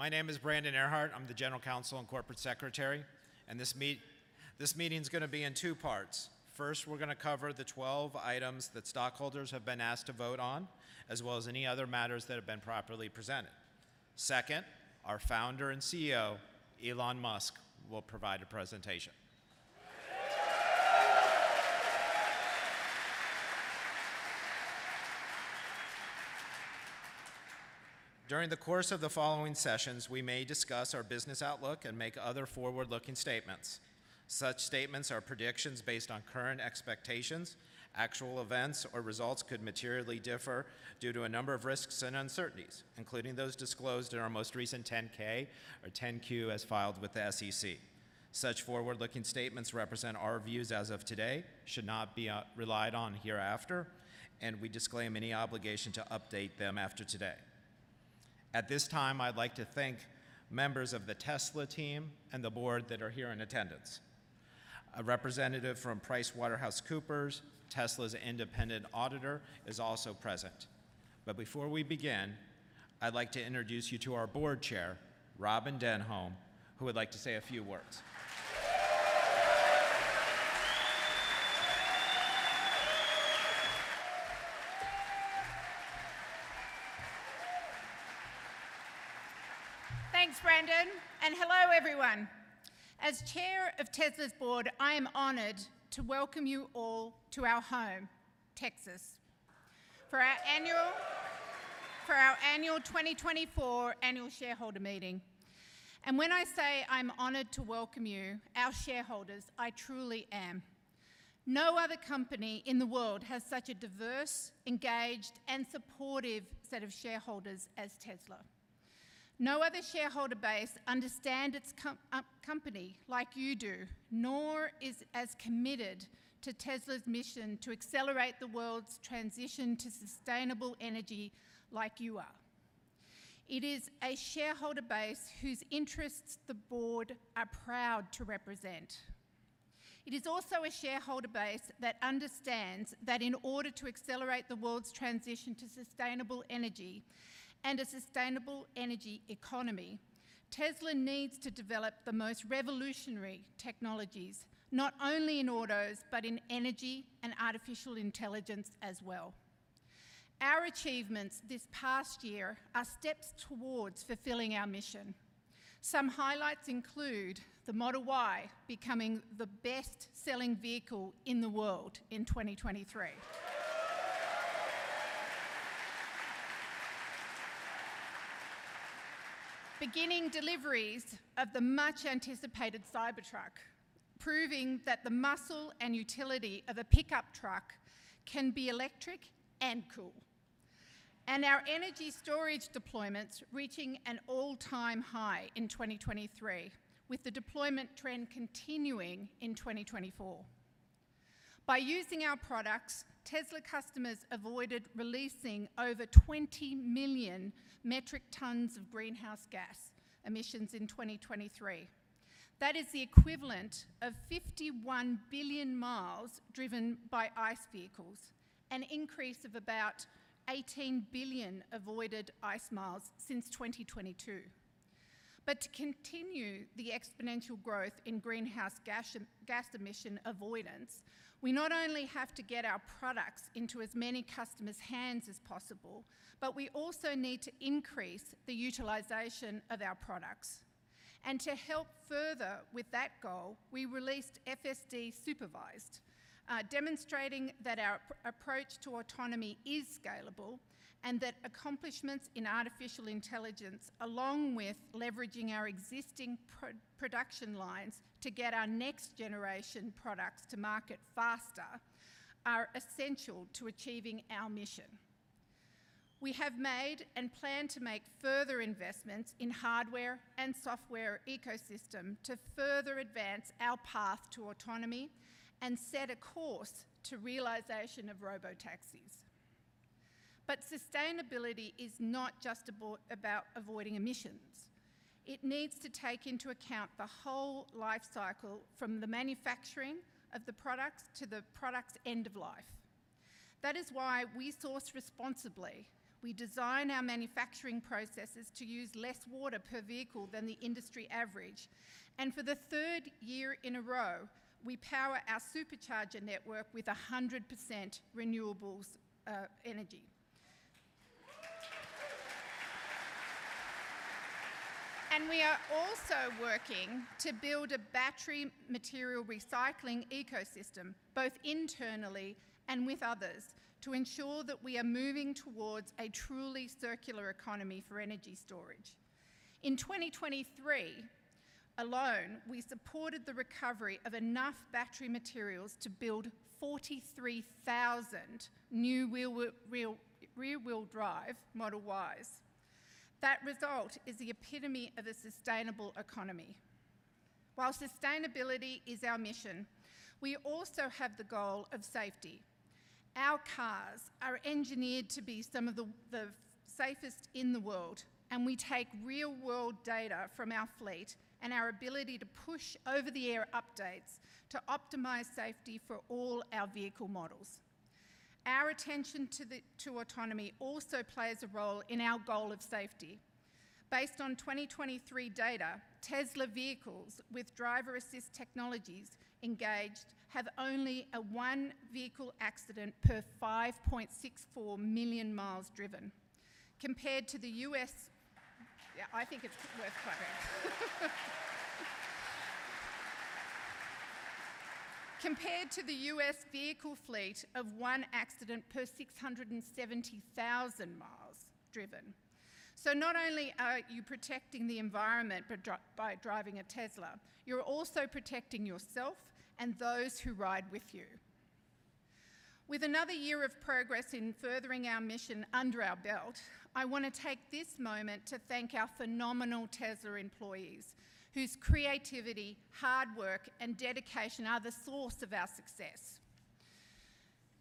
My name is Brandon Ehrhart. I'm the General Counsel and Corporate Secretary. This meeting's going to be in two parts. First, we're going to cover the 12 items that stockholders have been asked to vote on, as well as any other matters that have been properly presented. Second, our founder and CEO, Elon Musk, will provide a presentation. During the course of the following sessions, we may discuss our business outlook and make other forward-looking statements. Such statements are predictions based on current expectations. Actual events or results could materially differ due to a number of risks and uncertainties, including those disclosed in our most recent 10-K or 10-Q as filed with the SEC. Such forward-looking statements represent our views as of today, should not be relied on hereafter, and we disclaim any obligation to update them after today. At this time, I'd like to thank members of the Tesla team and the board that are here in attendance. A representative from PricewaterhouseCoopers, Tesla's independent auditor, is also present. But before we begin, I'd like to introduce you to our board chair, Robyn Denholm, who would like to say a few words. Thanks, Brandon. Hello, everyone. As Chair of Tesla's Board, I am honored to welcome you all to our home, Texas, for our annual 2024 annual shareholder meeting. When I say I'm honored to welcome you, our shareholders, I truly am. No other company in the world has such a diverse, engaged, and supportive set of shareholders as Tesla. No other shareholder base understands its company like you do, nor is it as committed to Tesla's mission to accelerate the world's transition to sustainable energy like you are. It is a shareholder base whose interests the Board is proud to represent. It is also a shareholder base that understands that in order to accelerate the world's transition to sustainable energy and a sustainable energy economy, Tesla needs to develop the most revolutionary technologies, not only in autos, but in energy and artificial intelligence as well. Our achievements this past year are steps towards fulfilling our mission. Some highlights include the Model Y becoming the best-selling vehicle in the world in 2023, beginning deliveries of the much-anticipated Cybertruck, proving that the muscle and utility of a pickup truck can be electric and cool, and our energy storage deployments reaching an all-time high in 2023, with the deployment trend continuing in 2024. By using our products, Tesla customers avoided releasing over 20 million metric tons of greenhouse gas emissions in 2023. That is the equivalent of 51 billion miles driven by ICE vehicles, an increase of about 18 billion avoided ICE miles since 2022. But to continue the exponential growth in greenhouse gas emission avoidance, we not only have to get our products into as many customers' hands as possible, but we also need to increase the utilization of our products. To help further with that goal, we released FSD Supervised, demonstrating that our approach to autonomy is scalable and that accomplishments in artificial intelligence, along with leveraging our existing production lines to get our next-generation products to market faster, are essential to achieving our mission. We have made and plan to make further investments in the hardware and software ecosystem to further advance our path to autonomy and set a course to the realization of robotaxis. But sustainability is not just about avoiding emissions. It needs to take into account the whole life cycle, from the manufacturing of the products to the product's end of life. That is why we source responsibly. We design our manufacturing processes to use less water per vehicle than the industry average. For the third year in a row, we power our Supercharger network with 100% renewable energy. We are also working to build a battery material recycling ecosystem, both internally and with others, to ensure that we are moving towards a truly circular economy for energy storage. In 2023 alone, we supported the recovery of enough battery materials to build 43,000 new rear-wheel drive Model Ys. That result is the epitome of a sustainable economy. While sustainability is our mission, we also have the goal of safety. Our cars are engineered to be some of the safest in the world, and we take real-world data from our fleet and our ability to push over-the-air updates to optimize safety for all our vehicle models. Our attention to autonomy also plays a role in our goal of safety. Based on 2023 data, Tesla vehicles with driver-assist technologies engaged have only one vehicle accident per 5.64 million miles driven, compared to the U.S., yeah, I think it's worth quoting, compared to the U.S. vehicle fleet of one accident per 670,000 miles driven. So not only are you protecting the environment by driving a Tesla, you're also protecting yourself and those who ride with you. With another year of progress in furthering our mission under our belt, I want to take this moment to thank our phenomenal Tesla employees, whose creativity, hard work, and dedication are the source of our success.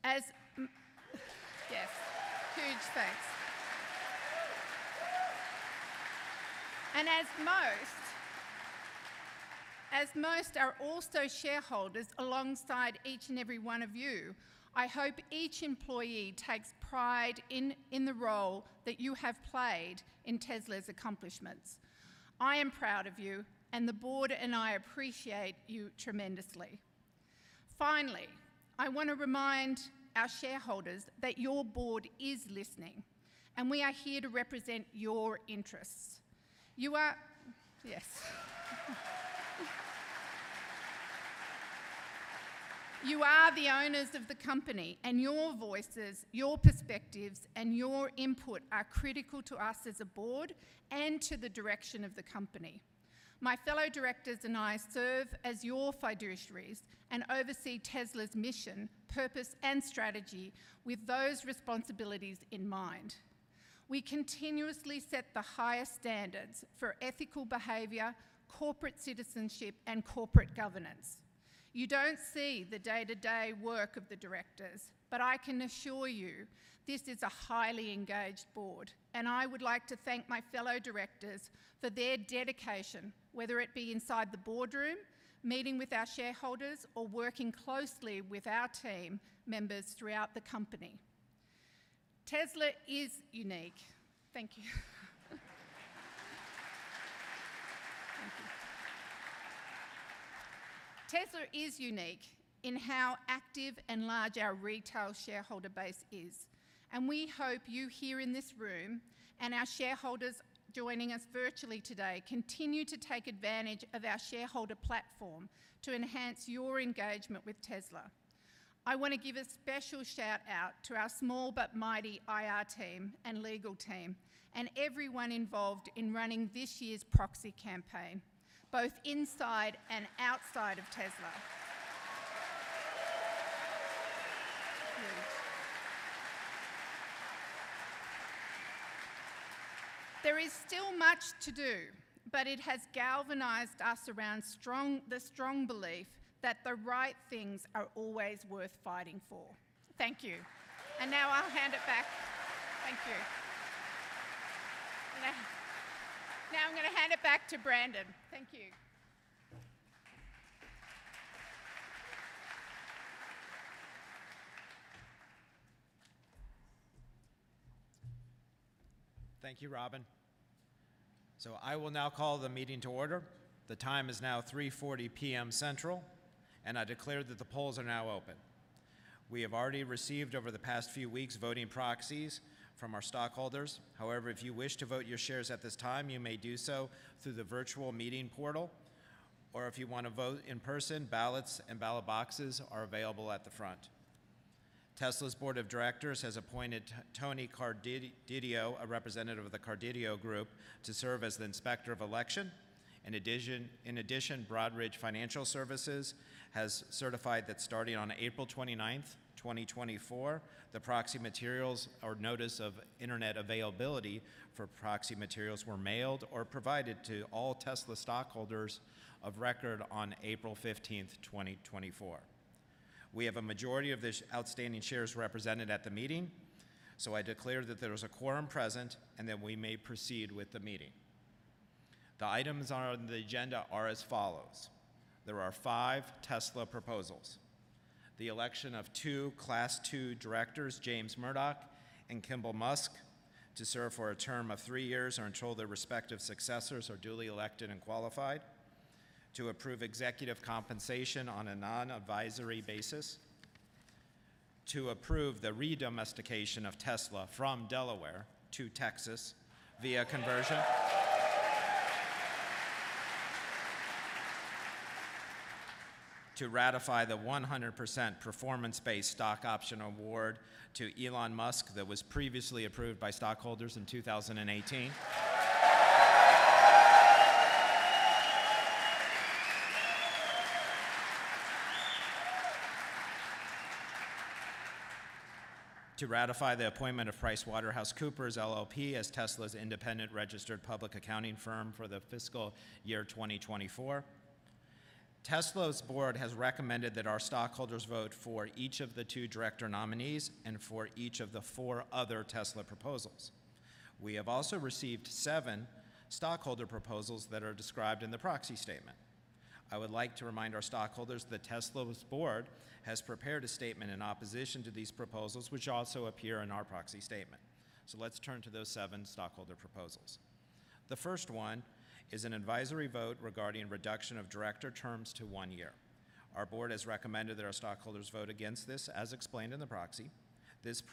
As, yes, huge thanks. As most are also shareholders alongside each and every one of you, I hope each employee takes pride in the role that you have played in Tesla's accomplishments. I am proud of you, and the board and I appreciate you tremendously. Finally, I want to remind our shareholders that your board is listening, and we are here to represent your interests. You are, yes. You are the owners of the company, and your voices, your perspectives, and your input are critical to us as a board and to the direction of the company. My fellow directors and I serve as your fiduciaries and oversee Tesla's mission, purpose, and strategy with those responsibilities in mind. We continuously set the highest standards for ethical behavior, corporate citizenship, and corporate governance. You don't see the day-to-day work of the directors, but I can assure you this is a highly engaged board. I would like to thank my fellow directors for their dedication, whether it be inside the boardroom, meeting with our shareholders, or working closely with our team members throughout the company. Tesla is unique. Thank you. Thank you. Tesla is unique in how active and large our retail shareholder base is. We hope you here in this room and our shareholders joining us virtually today continue to take advantage of our shareholder platform to enhance your engagement with Tesla. I want to give a special shout-out to our small but mighty IR team and legal team, and everyone involved in running this year's proxy campaign, both inside and outside of Tesla. There is still much to do, but it has galvanized us around the strong belief that the right things are always worth fighting for. Thank you. Now I'll hand it back. Thank you. Now I'm going to hand it back to Brandon. Thank you. Thank you, Robyn. I will now call the meeting to order. The time is now 3:40 P.M. Central, and I declare that the polls are now open. We have already received over the past few weeks voting proxies from our stockholders. However, if you wish to vote your shares at this time, you may do so through the virtual meeting portal or if you want to vote in person, ballots and ballot boxes are available at the front. Tesla's board of directors has appointed Tony Carideo, a representative of the Carideo Group, to serve as the inspector of election. In addition, Broadridge Financial Services has certified that starting on April 29, 2024, the proxy materials or notice of internet availability for proxy materials were mailed or provided to all Tesla stockholders of record on April 15, 2024. We have a majority of these outstanding shares represented at the meeting, so I declare that there is a quorum present, and that we may proceed with the meeting. The items on the agenda are as follows. There are five Tesla proposals: the election of two Class II directors, James Murdoch and Kimbal Musk, to serve for a term of three years or until their respective successors are duly elected and qualified. To approve executive compensation on a non-advisory basis. To approve the redomestication of Tesla from Delaware to Texas via conversion. To ratify the 100% performance-based stock option award to Elon Musk that was previously approved by stockholders in 2018. To ratify the appointment of PricewaterhouseCoopers LLP as Tesla's independent registered public accounting firm for the fiscal year 2024. Tesla's board has recommended that our stockholders vote for each of the two director nominees and for each of the four other Tesla proposals. We have also received seven stockholder proposals that are described in the proxy statement. I would like to remind our stockholders that Tesla's board has prepared astatement in opposition to these proposals, which also appear in our proxy statement. Let's turn to those seven stockholder proposals. The first one is an advisory vote regarding reduction of director terms to one year. Our board has recommended that our stockholders vote against this, as explained in the proxy. This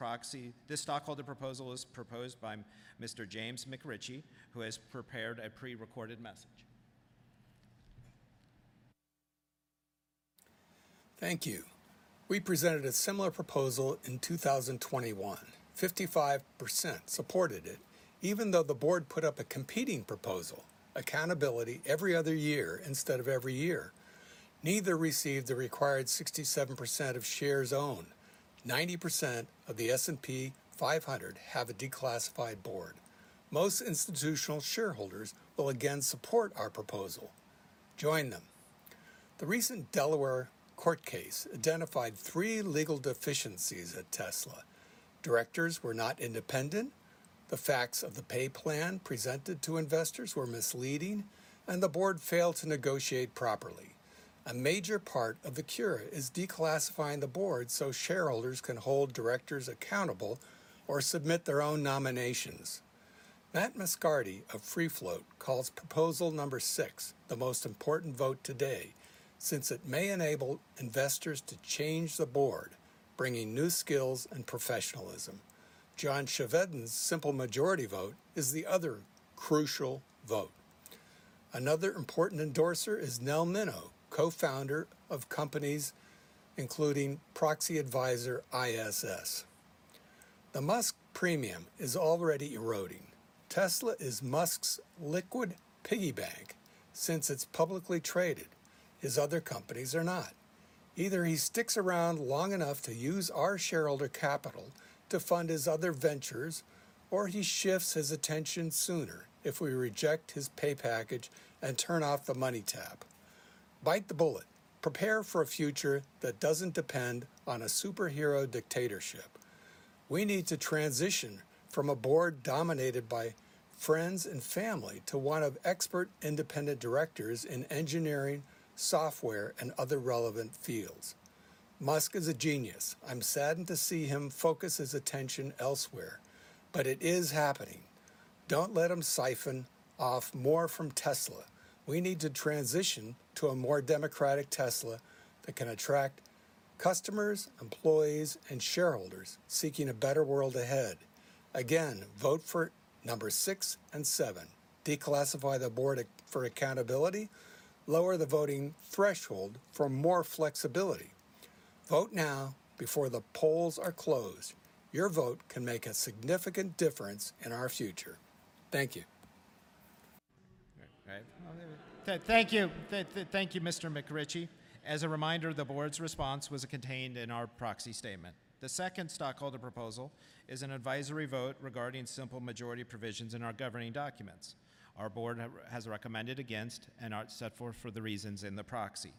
stockholder proposal is proposed by Mr. James McRitchie, who has prepared a pre-recorded message. Thank you. We presented a similar proposal in 2021. 55% supported it, even though the board put up a competing proposal, accountability every other year instead of every year. Neither received the required 67% of shares owned. 90% of the S&P 500 have a declassified board. Most institutional shareholders will again support our proposal. Join them. The recent Delaware court case identified three legal deficiencies at Tesla. Directors were not independent, the facts of the pay plan presented to investors were misleading, and the board failed to negotiate properly. A major part of the cure is declassifying the board so shareholders can hold directors accountable or submit their own nominations. Matt Moscardi of Free Float calls proposal number six the most important vote today, since it may enable investors to change the board, bringing new skills and professionalism. John Chevedden's simple majority vote is the other crucial vote. Another important endorser is Nell Minow, co-founder of companies including Proxy Advisor ISS. The Musk premium is already eroding. Tesla is Musk's liquid piggy bank since it's publicly traded. His other companies are not. Either he sticks around long enough to use our shareholder capital to fund his other ventures, or he shifts his attention sooner if we reject his pay package and turn off the money tap. Bite the bullet. Prepare for a future that doesn't depend on a superhero dictatorship. We need to transition from a board dominated by friends and family to one of expert independent directors in engineering, software, and other relevant fields. Musk is a genius. I'm saddened to see him focus his attention elsewhere, but it is happening. Don't let him siphon off more from Tesla. We need to transition to a more democratic Tesla that can attract customers, employees, and shareholders seeking a better world ahead. Again, vote for number six and seven. Declassify the board for accountability. Lower the voting threshold for more flexibility. Vote now before the polls are closed. Your vote can make a significant difference in our future. Thank you. Thank you. Thank you, Mr. McRitchie. As a reminder, the board's response was contained in our proxy statement. The second stockholder proposal is an advisory vote regarding simple majority provisions in our governing documents. Our board has recommended against and set forth for the reasons in the proxy.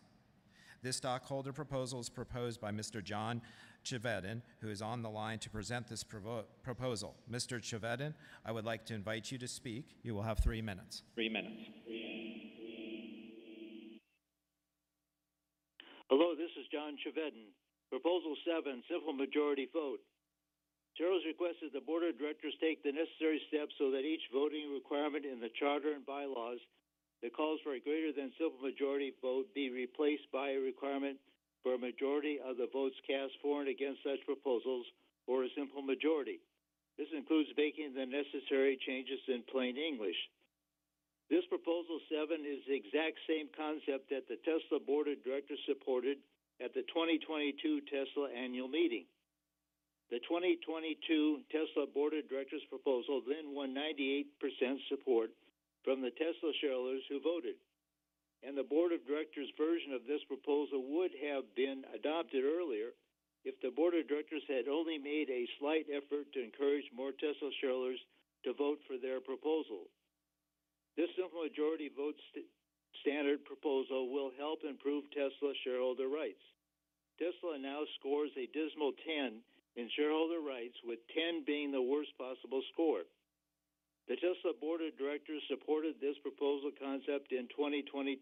This stockholder proposal is proposed by Mr. John Chevedden, who is on the line to present this proposal. Mr. Chevedden, I would like to invite you to speak. You will have three minutes. Hello, this is John Chevedden. Proposal seven, simple majority vote. Tesla's request that the board of directors take the necessary steps so that each voting requirement in the charter and bylaws that calls for a greater than simple majority vote be replaced by a requirement for a majority of the votes cast for and against such proposals or a simple majority. This includes making the necessary changes in plain English. This proposal seven is the exact same concept that the Tesla board of directors supported at the 2022 Tesla annual meeting. The 2022 Tesla board of directors proposal then won 98% support from the Tesla shareholders who voted. The board of directors version of this proposal would have been adopted earlier if the board of directors had only made a slight effort to encourage more Tesla shareholders to vote for their proposal. This simple majority vote standard proposal will help improve Tesla shareholder rights. Tesla now scores a dismal 10 in shareholder rights, with 10 being the worst possible score. The Tesla board of directors supported this proposal concept in 2022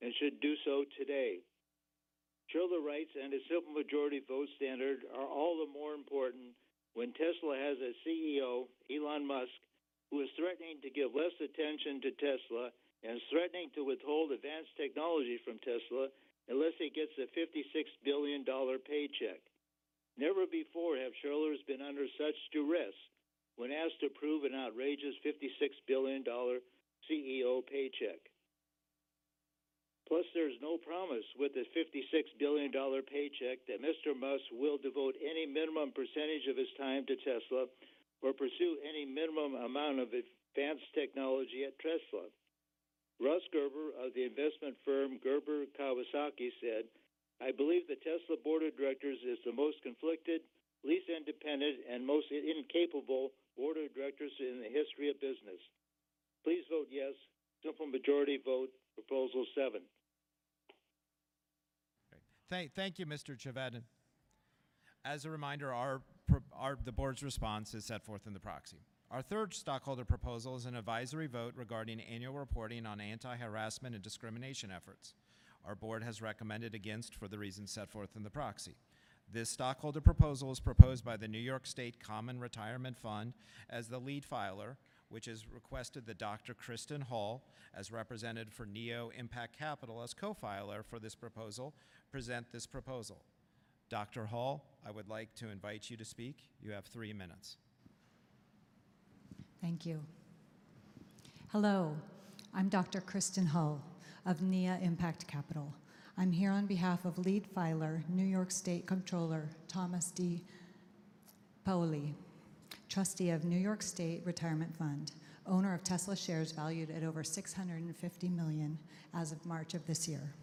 and should do so today. Shareholder rights and a simple majority vote standard are all the more important when Tesla has a CEO, Elon Musk, who is threatening to give less attention to Tesla and threatening to withhold advanced technology from Tesla unless he gets a $56 billion paycheck. Never before have shareholders been under such duress when asked to approve an outrageous $56 billion CEO paycheck. Plus, there is no promise with a $56 billion paycheck that Mr. Musk will devote any minimum percentage of his time to Tesla or pursue any minimum amount of advanced technology at Tesla. Ross Gerber of the investment firm Gerber Kawasaki said, "I believe the Tesla board of directors is the most conflicted, least independent, and most incapable board of directors in the history of business. Please vote yes, simple majority vote Proposal seven. Thank you, Mr. Chevedden. As a reminder, the board's response is set forth in the proxy. Our third stockholder proposal is an advisory vote regarding annual reporting on anti-harassment and discrimination efforts. Our board has recommended against for the reasons set forth in the proxy. This stockholder proposal is proposed by the New York State Common Retirement Fund as the lead filer, which has requested that Dr. Kristin Hull, as represented for Nia Impact Capital as co-filer for this proposal, present this proposal. Dr. Hull, I would like to invite you to speak. You have three minutes. Thank you. Hello. I'm Dr. Kristin Hull of Nia Impact Capital. I'm here on behalf of lead filer, New York State Comptroller Thomas DiNapoli, trustee of New York State Retirement Fund, owner of Tesla shares valued at over $650 million as of March of this year.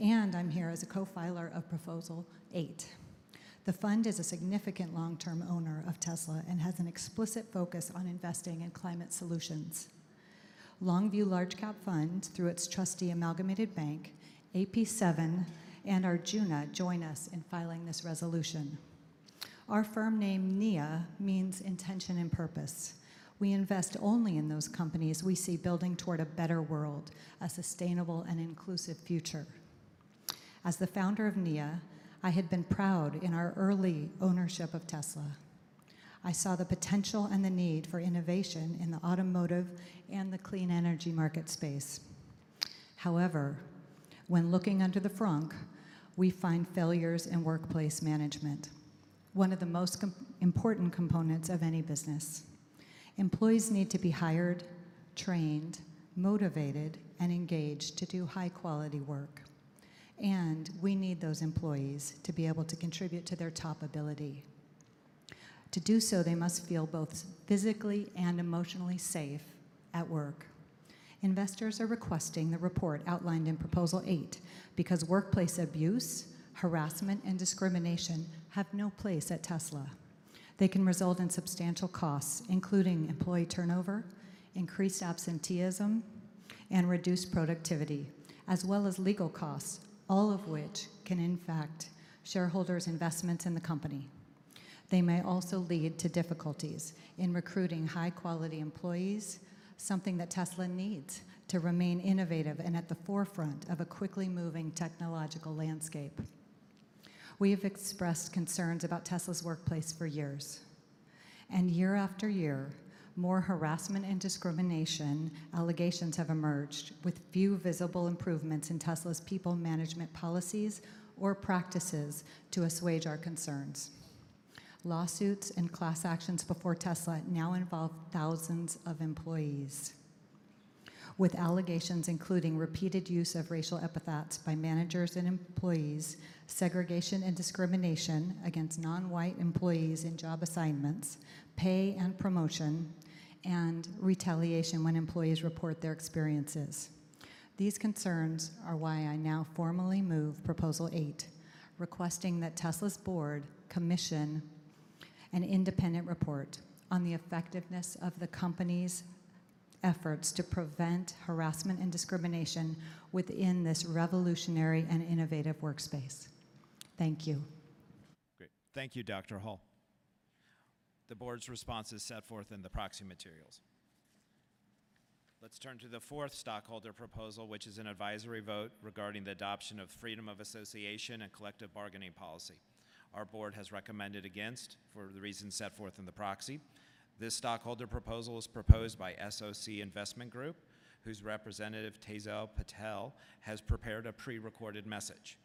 I'm here as a co-filer of Proposal eight. The fund is a significant long-term owner of Tesla and has an explicit focus on investing in climate solutions. Longview Large Cap Fund, through its trustee Amalgamated Bank, AP7, and Arjuna join us in filing this resolution. Our firm name Nia means intention and purpose. We invest only in those companies we see building toward a better world, a sustainable and inclusive future. As the founder of Nia, I had been proud in our early ownership of Tesla. I saw the potential and the need for innovation in the automotive and the clean energy market space. However, when looking under the frunk, we find failures in workplace management, one of the most important components of any business. Employees need to be hired, trained, motivated, and engaged to do high-quality work. We need those employees to be able to contribute to their top ability. To do so, they must feel both physically and emotionally safe at work. Investors are requesting the report outlined in Proposal eight because workplace abuse, harassment, and discrimination have no place at Tesla. They can result in substantial costs, including employee turnover, increased absenteeism, and reduced productivity, as well as legal costs, all of which can, in fact, shareholders' investments in the company. They may also lead to difficulties in recruiting high-quality employees, something that Tesla needs to remain innovative and at the forefront of a quickly moving technological landscape. We have expressed concerns about Tesla's workplace for years. Year-after-year, more harassment and discrimination allegations have emerged with few visible improvements in Tesla's people management policies or practices to assuage our concerns. Lawsuits and class actions before Tesla now involve thousands of employees, with allegations including repeated use of racial epithets by managers and employees, segregation and discrimination against non-white employees in job assignments, pay and promotion, and retaliation when employees report their experiences. These concerns are why I now formally move Proposal eight, requesting that Tesla's board commission an independent report on the effectiveness of the company's efforts to prevent harassment and discrimination within this revolutionary and innovative workspace. Thank you. Great. Thank you, Dr. Hull. The board's response is set forth in the proxy materials. Let's turn to the fourth stockholder proposal, which is an advisory vote regarding the adoption of freedom of association and collective bargaining policy. Our board has recommended against for the reasons set forth in the proxy. This stockholder proposal is proposed by SOC Investment Group, whose representative Tejal Patel has prepared a pre-recorded message.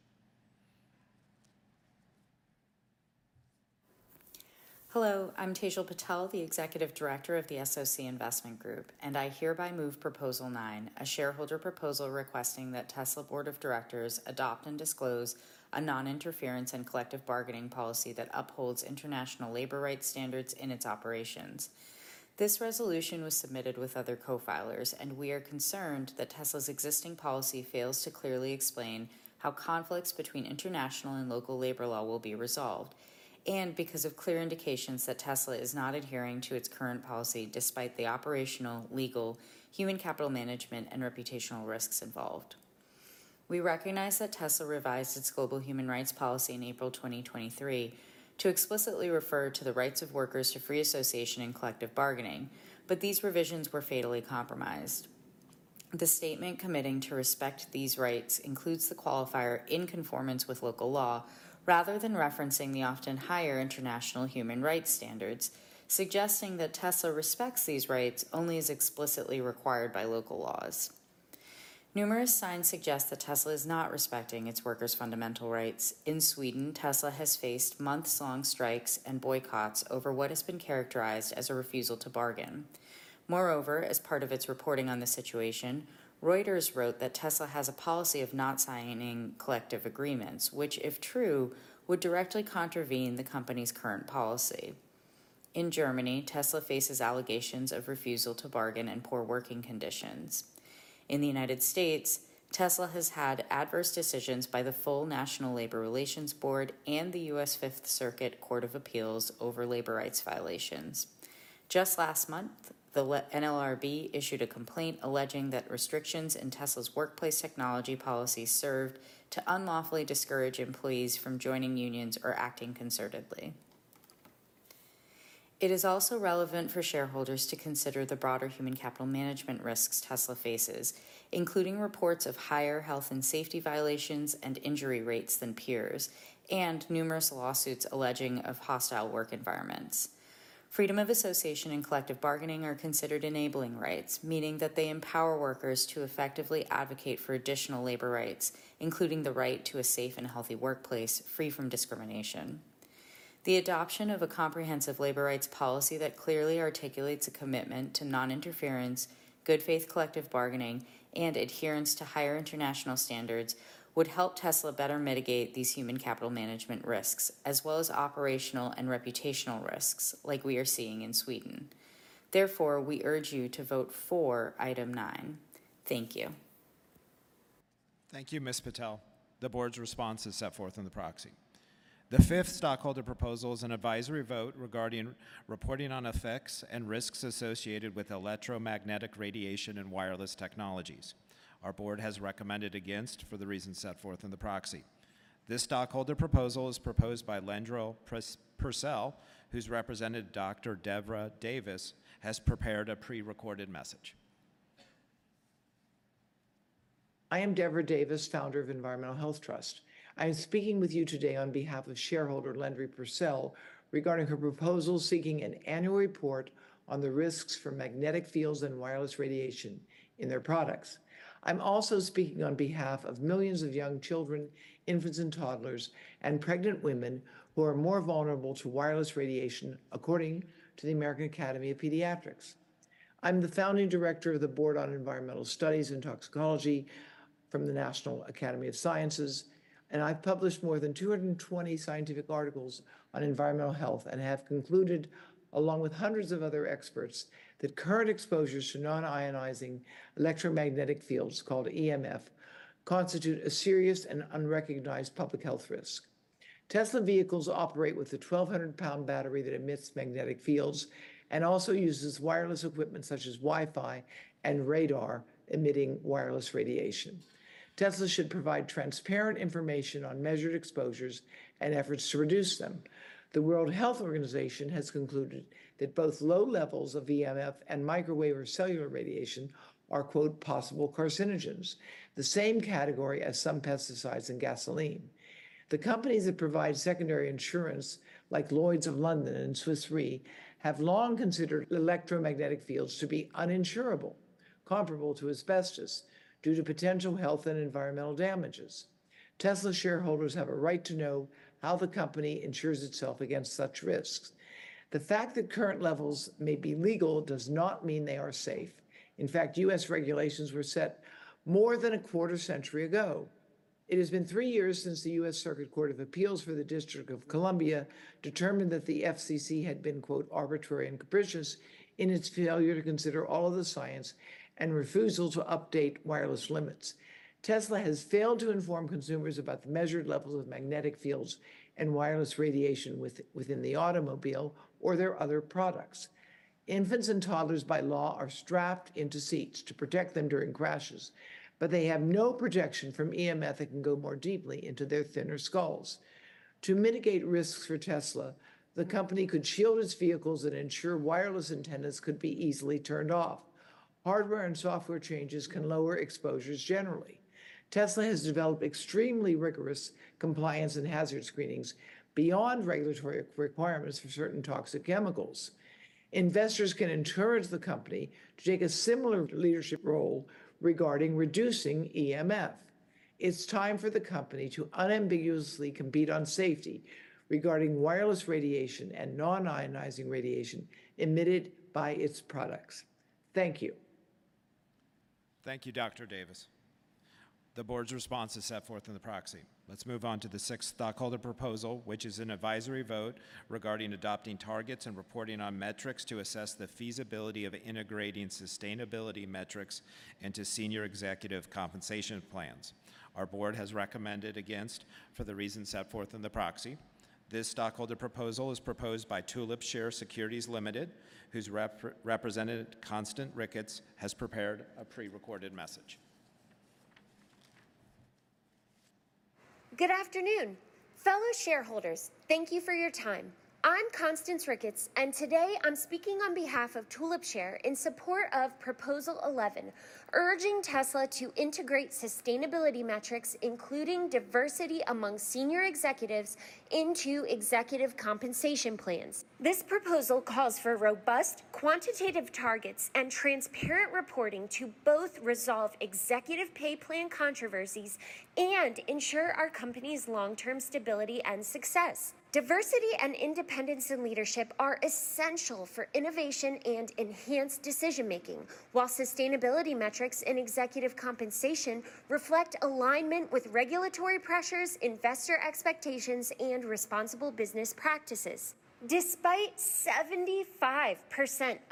Hello. I'm Tejal Patel, the executive director of the SOC Investment Group, and I hereby move Proposal nine, a shareholder proposal requesting that Tesla Board of Directors adopt and disclose a non-interference and collective bargaining policy that upholds international labor rights standards in its operations. This resolution was submitted with other co-filers, and we are concerned that Tesla's existing policy fails to clearly explain how conflicts between international and local labor law will be resolved and because of clear indications that Tesla is not adhering to its current policy despite the operational, legal, human capital management, and reputational risks involved. We recognize that Tesla revised its global human rights policy in April 2023 to explicitly refer to the rights of workers to free association and collective bargaining, but these revisions were fatally compromised. The statement committing to respect these rights includes the qualifier in conformance with local law rather than referencing the often higher international human rights standards, suggesting that Tesla respects these rights only as explicitly required by local laws. Numerous signs suggest that Tesla is not respecting its workers' fundamental rights. In Sweden, Tesla has faced months-long strikes and boycotts over what has been characterized as a refusal to bargain. Moreover, as part of its reporting on the situation, Reuters wrote that Tesla has a policy of not signing collective agreements, which, if true, would directly contravene the company's current policy. In Germany, Tesla faces allegations of refusal to bargain and poor working conditions. In the United States, Tesla has had adverse decisions by the full National Labor Relations Board and the U.S. Fifth Circuit Court of Appeals over labor rights violations. Just last month, the NLRB issued a complaint alleging that restrictions in Tesla's workplace technology policy served to unlawfully discourage employees from joining unions or acting concertedly. It is also relevant for shareholders to consider the broader human capital management risks Tesla faces, including reports of higher health and safety violations and injury rates than peers and numerous lawsuits alleging of hostile work environments. Freedom of association and collective bargaining are considered enabling rights, meaning that they empower workers to effectively advocate for additional labor rights, including the right to a safe and healthy workplace free from discrimination. The adoption of a comprehensive labor rights policy that clearly articulates a commitment to non-interference, good faith collective bargaining, and adherence to higher international standards would help Tesla better mitigate these human capital management risks as well as operational and reputational risks like we are seeing in Sweden. Therefore, we urge you to vote for item nine. Thank you. Thank you, Ms. Patel. The board's response is set forth in the proxy. The fifth stockholder proposal is an advisory vote regarding reporting on effects and risks associated with electromagnetic radiation and wireless technologies. Our board has recommended against for the reasons set forth in the proxy. This stockholder proposal is proposed by Lendri Purcell, whose representative Dr. Devra Davis has prepared a pre-recorded message. I am Devra Davis, founder of Environmental Health Trust. I am speaking with you today on behalf of shareholder Lendri Purcell regarding her proposal seeking an annual report on the risks for magnetic fields and wireless radiation in their products. I'm also speaking on behalf of millions of young children, infants and toddlers, and pregnant women who are more vulnerable to wireless radiation according to the American Academy of Pediatrics. I'm the founding director of the Board on Environmental Studies and Toxicology from the National Academy of Sciences, and I've published more than 220 scientific articles on environmental health and have concluded, along with hundreds of other experts, that current exposures to non-ionizing electromagnetic fields called EMF constitute a serious and unrecognized public health risk. Tesla vehicles operate with a 1,200-pound battery that emits magnetic fields and also uses wireless equipment such as Wi-Fi and radar emitting wireless radiation. Tesla should provide transparent information on measured exposures and efforts to reduce them. The World Health Organization has concluded that both low levels of EMF and microwave or cellular radiation are, quote, "possible carcinogens," the same category as some pesticides and gasoline. The companies that provide secondary insurance, like Lloyd's of London and Swiss Re, have long considered electromagnetic fields to be uninsurable, comparable to asbestos, due to potential health and environmental damages. Tesla shareholders have a right to know how the company insures itself against such risks. The fact that current levels may be legal does not mean they are safe. In fact, U.S. regulations were set more than a quarter century ago. It has been three years since the U.S. Circuit Court of Appeals for the District of Columbia determined that the FCC had been, quote, "arbitrary and capricious" in its failure to consider all of the science and refusal to update wireless limits. Tesla has failed to inform consumers about the measured levels of magnetic fields and wireless radiation within the automobile or their other products. Infants and toddlers by law are strapped into seats to protect them during crashes, but they have no protection from EMF that can go more deeply into their thinner skulls. To mitigate risks for Tesla, the company could shield its vehicles and ensure wireless antennas could be easily turned off. Hardware and software changes can lower exposures generally. Tesla has developed extremely rigorous compliance and hazard screenings beyond regulatory requirements for certain toxic chemicals. Investors can encourage the company to take a similar leadership role regarding reducing EMF. It's time for the company to unambiguously compete on safety regarding wireless radiation and non-ionizing radiation emitted by its products. Thank you. Thank you, Dr. Davis. The board's response is set forth in the proxy. Let's move on to the sixth Stockholder Proposal, which is an advisory vote regarding adopting targets and reporting on metrics to assess the feasibility of integrating sustainability metrics into senior executive compensation plans. Our board has recommended against for the reasons set forth in the proxy. This Stockholder Proposal is proposed by Tulipshare Securities Limited, whose representative Constance Ricketts has prepared a pre-recorded message. Good afternoon. Fellow shareholders, thank you for your time. I'm Constance Ricketts, and today I'm speaking on behalf of Tulipshare in support of Proposal 11, urging Tesla to integrate sustainability metrics, including diversity among senior executives, into executive compensation plans. This proposal calls for robust quantitative targets and transparent reporting to both resolve executive pay plan controversies and ensure our company's long-term stability and success. Diversity and independence in leadership are essential for innovation and enhanced decision-making, while sustainability metrics in executive compensation reflect alignment with regulatory pressures, investor expectations, and responsible business practices. Despite 75%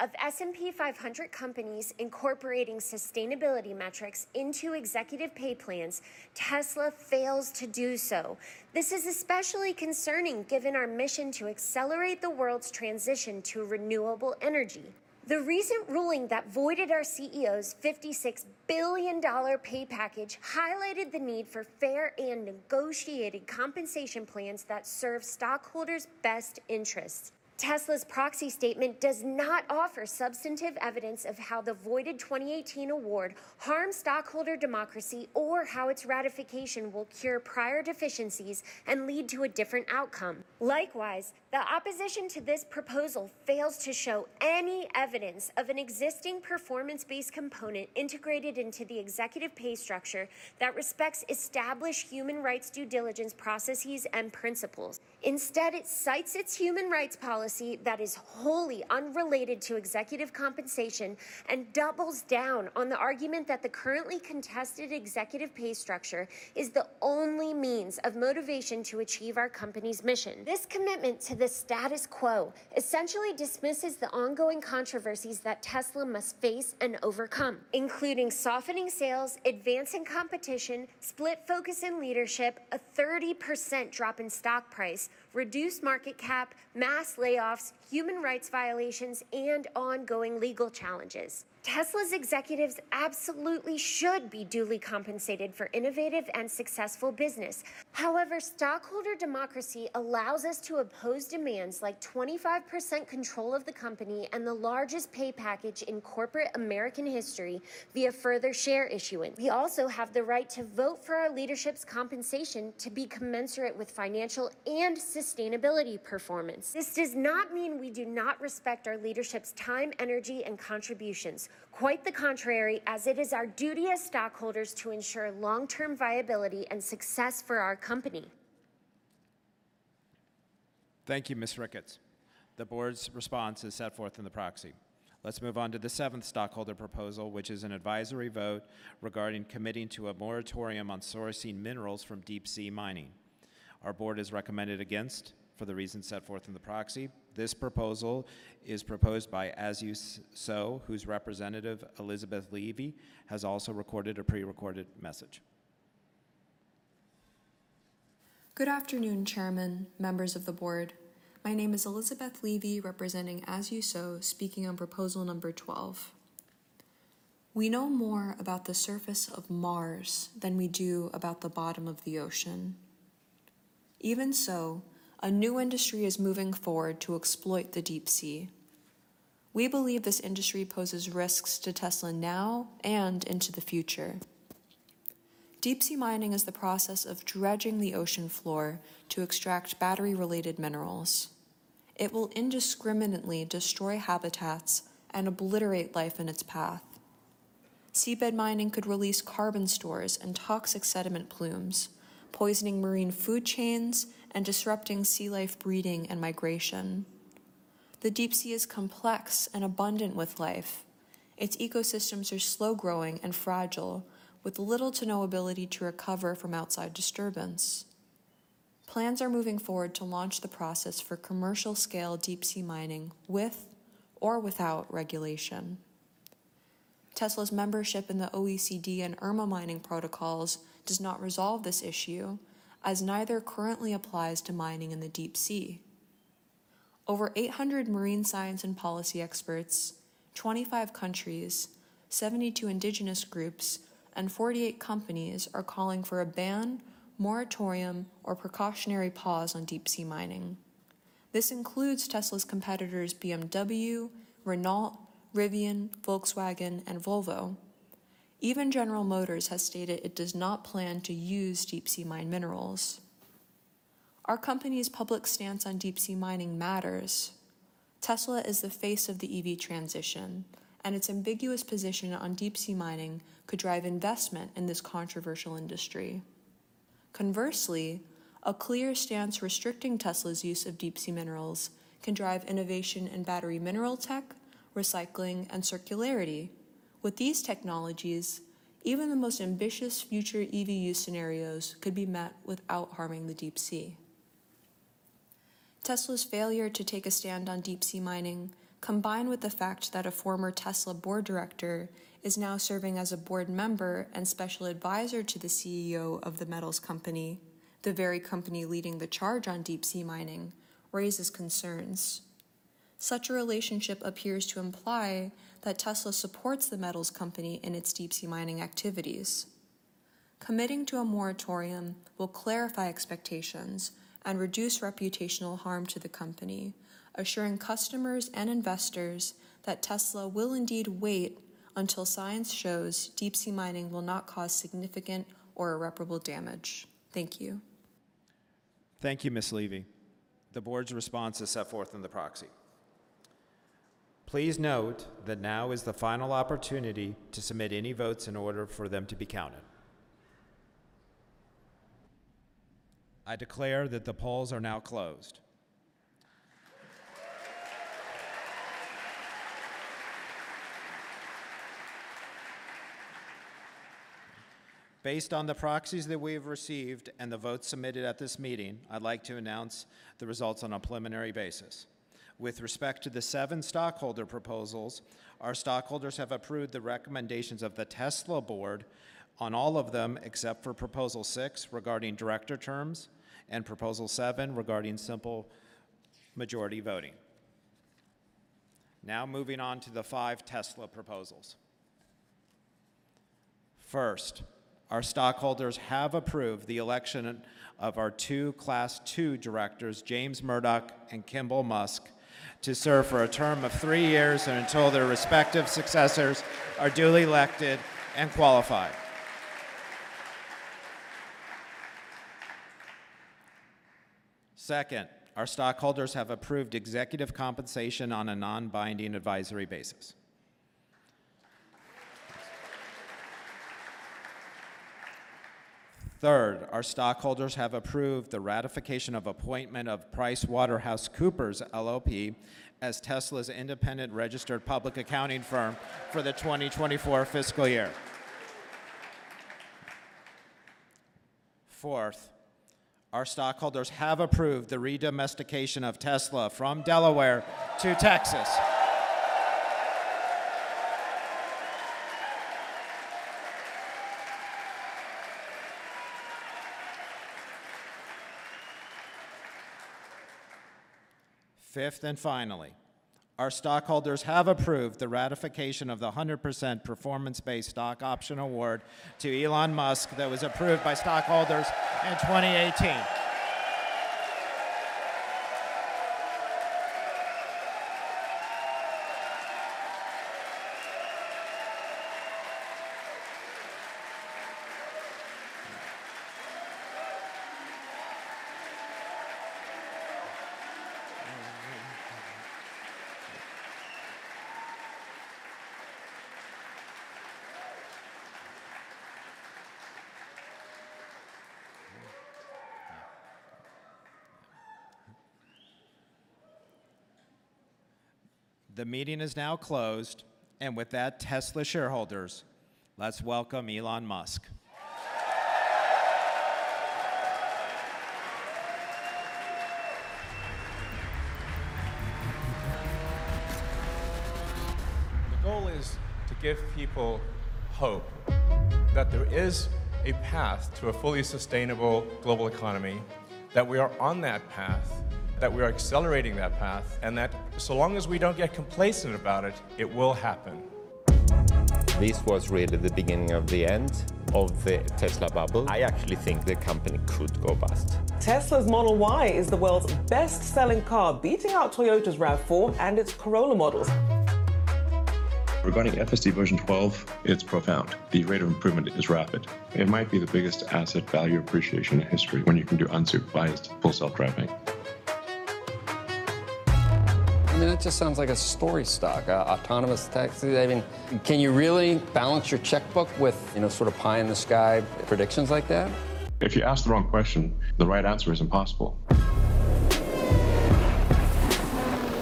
of S&P 500 companies incorporating sustainability metrics into executive pay plans, Tesla fails to do so. This is especially concerning given our mission to accelerate the world's transition to renewable energy. The recent ruling that voided our CEO's $56 billion pay package highlighted the need for fair and negotiated compensation plans that serve stockholders' best interests. Tesla's proxy statement does not offer substantive evidence of how the voided 2018 award harms stockholder democracy or how its ratification will cure prior deficiencies and lead to a different outcome. Likewise, the opposition to this proposal fails to show any evidence of an existing performance-based component integrated into the executive pay structure that respects established human rights due diligence processes and principles. Instead, it cites its human rights policy that is wholly unrelated to executive compensation and doubles down on the argument that the currently contested executive pay structure is the only means of motivation to achieve our company's mission. This commitment to the status quo essentially dismisses the ongoing controversies that Tesla must face and overcome, including softening sales, advancing competition, split focus in leadership, a 30% drop in stock price, reduced market cap, mass layoffs, human rights violations, and ongoing legal challenges. Tesla's executives absolutely should be duly compensated for innovative and successful business. However, stockholder democracy allows us to oppose demands like 25% control of the company and the largest pay package in corporate American history via further share issuance. We also have the right to vote for our leadership's compensation to be commensurate with financial and sustainability performance. This does not mean we do not respect our leadership's time, energy, and contributions. Quite the contrary, as it is our duty as stockholders to ensure long-term viability and success for our company. Thank you, Ms. Ricketts. The board's response is set forth in the proxy. Let's move on to the seventh Stockholder Proposal, which is an advisory vote regarding committing to a moratorium on sourcing minerals from deep-sea mining. Our board has recommended against for the reasons set forth in the proxy. This proposal is proposed by As You Sow, whose representative Elizabeth Levy has also recorded a pre-recorded message. Good afternoon, Chairman, members of the board. My name is Elizabeth Levy, representing As You Sow, speaking on Proposal number 12. We know more about the surface of Mars than we do about the bottom of the ocean. Even so, a new industry is moving forward to exploit the deep sea. We believe this industry poses risks to Tesla now and into the future. Deep-sea mining is the process of dredging the ocean floor to extract battery-related minerals. It will indiscriminately destroy habitats and obliterate life in its path. Seabed mining could release carbon stores and toxic sediment plumes, poisoning marine food chains and disrupting sea life breeding and migration. The deep sea is complex and abundant with life. Its ecosystems are slow-growing and fragile, with little to no ability to recover from outside disturbance. Plans are moving forward to launch the process for commercial-scale deep-sea mining with or without regulation. Tesla's membership in the OECD and IRMA mining protocols does not resolve this issue, as neither currently applies to mining in the deep sea. Over 800 marine science and policy experts, 25 countries, 72 indigenous groups, and 48 companies are calling for a ban, moratorium, or precautionary pause on deep-sea mining. This includes Tesla's competitors BMW, Renault, Rivian, Volkswagen, and Volvo. Even General Motors has stated it does not plan to use deep-sea mine minerals. Our company's public stance on deep-sea mining matters. Tesla is the face of the EV transition, and its ambiguous position on deep-sea mining could drive investment in this controversial industry. Conversely, a clear stance restricting Tesla's use of deep-sea minerals can drive innovation in battery mineral tech, recycling, and circularity. With these technologies, even the most ambitious future EV use scenarios could be met without harming the deep sea. Tesla's failure to take a stand on deep-sea mining, combined with the fact that a former Tesla board director is now serving as a board member and special advisor to the CEO of The Metals Company, the very company leading the charge on deep-sea mining, raises concerns. Such a relationship appears to imply that Tesla supports The Metals Company in its deep-sea mining activities. Committing to a moratorium will clarify expectations and reduce reputational harm to the company, assuring customers and investors that Tesla will indeed wait until science shows deep-sea mining will not cause significant or irreparable damage. Thank you. Thank you, Ms. Levy. The board's response is set forth in the proxy. Please note that now is the final opportunity to submit any votes in order for them to be counted. I declare that the polls are now closed. Based on the proxies that we have received and the votes submitted at this meeting, I'd like to announce the results on a preliminary basis. With respect to the seven stockholder proposals, our stockholders have approved the recommendations of the Tesla board on all of them except for Proposal six regarding director terms and Proposal seven regarding simple majority voting. Now moving on to the five Tesla proposals. First, our stockholders have approved the election of our two Class II directors, James Murdoch and Kimbal Musk, to serve for a term of three years until their respective successors are duly elected and qualified. Second, our stockholders have approved executive compensation on a non-binding advisory basis. Third, our stockholders have approved the ratification of appointment of PricewaterhouseCoopers LLP as Tesla's independent registered public accounting firm for the 2024 fiscal year. Fourth, our stockholders have approved the redomestication of Tesla from Delaware to Texas. Fifth and finally, our stockholders have approved the ratification of the 100% performance-based stock option award to Elon Musk that was approved by stockholders in 2018. The meeting is now closed. With that, Tesla shareholders, let's welcome Elon Musk. The goal is to give people hope that there is a path to a fully sustainable global economy, that we are on that path, that we are accelerating that path, and that so long as we don't get complacent about it, it will happen. This was really the beginning of the end of the Tesla bubble. I actually think the company could go bust. Tesla's Model Y is the world's best-selling car, beating out Toyota's RAV4 and its Corolla models. Regarding FSD version 12, it's profound. The rate of improvement is rapid. It might be the biggest asset value appreciation in history when you can do unsupervised Full Self-Driving. I mean, that just sounds like a story stock, autonomous taxi. I mean, can you really balance your checkbook with, you know, sort of pie in the sky predictions like that? If you ask the wrong question, the right answer is impossible.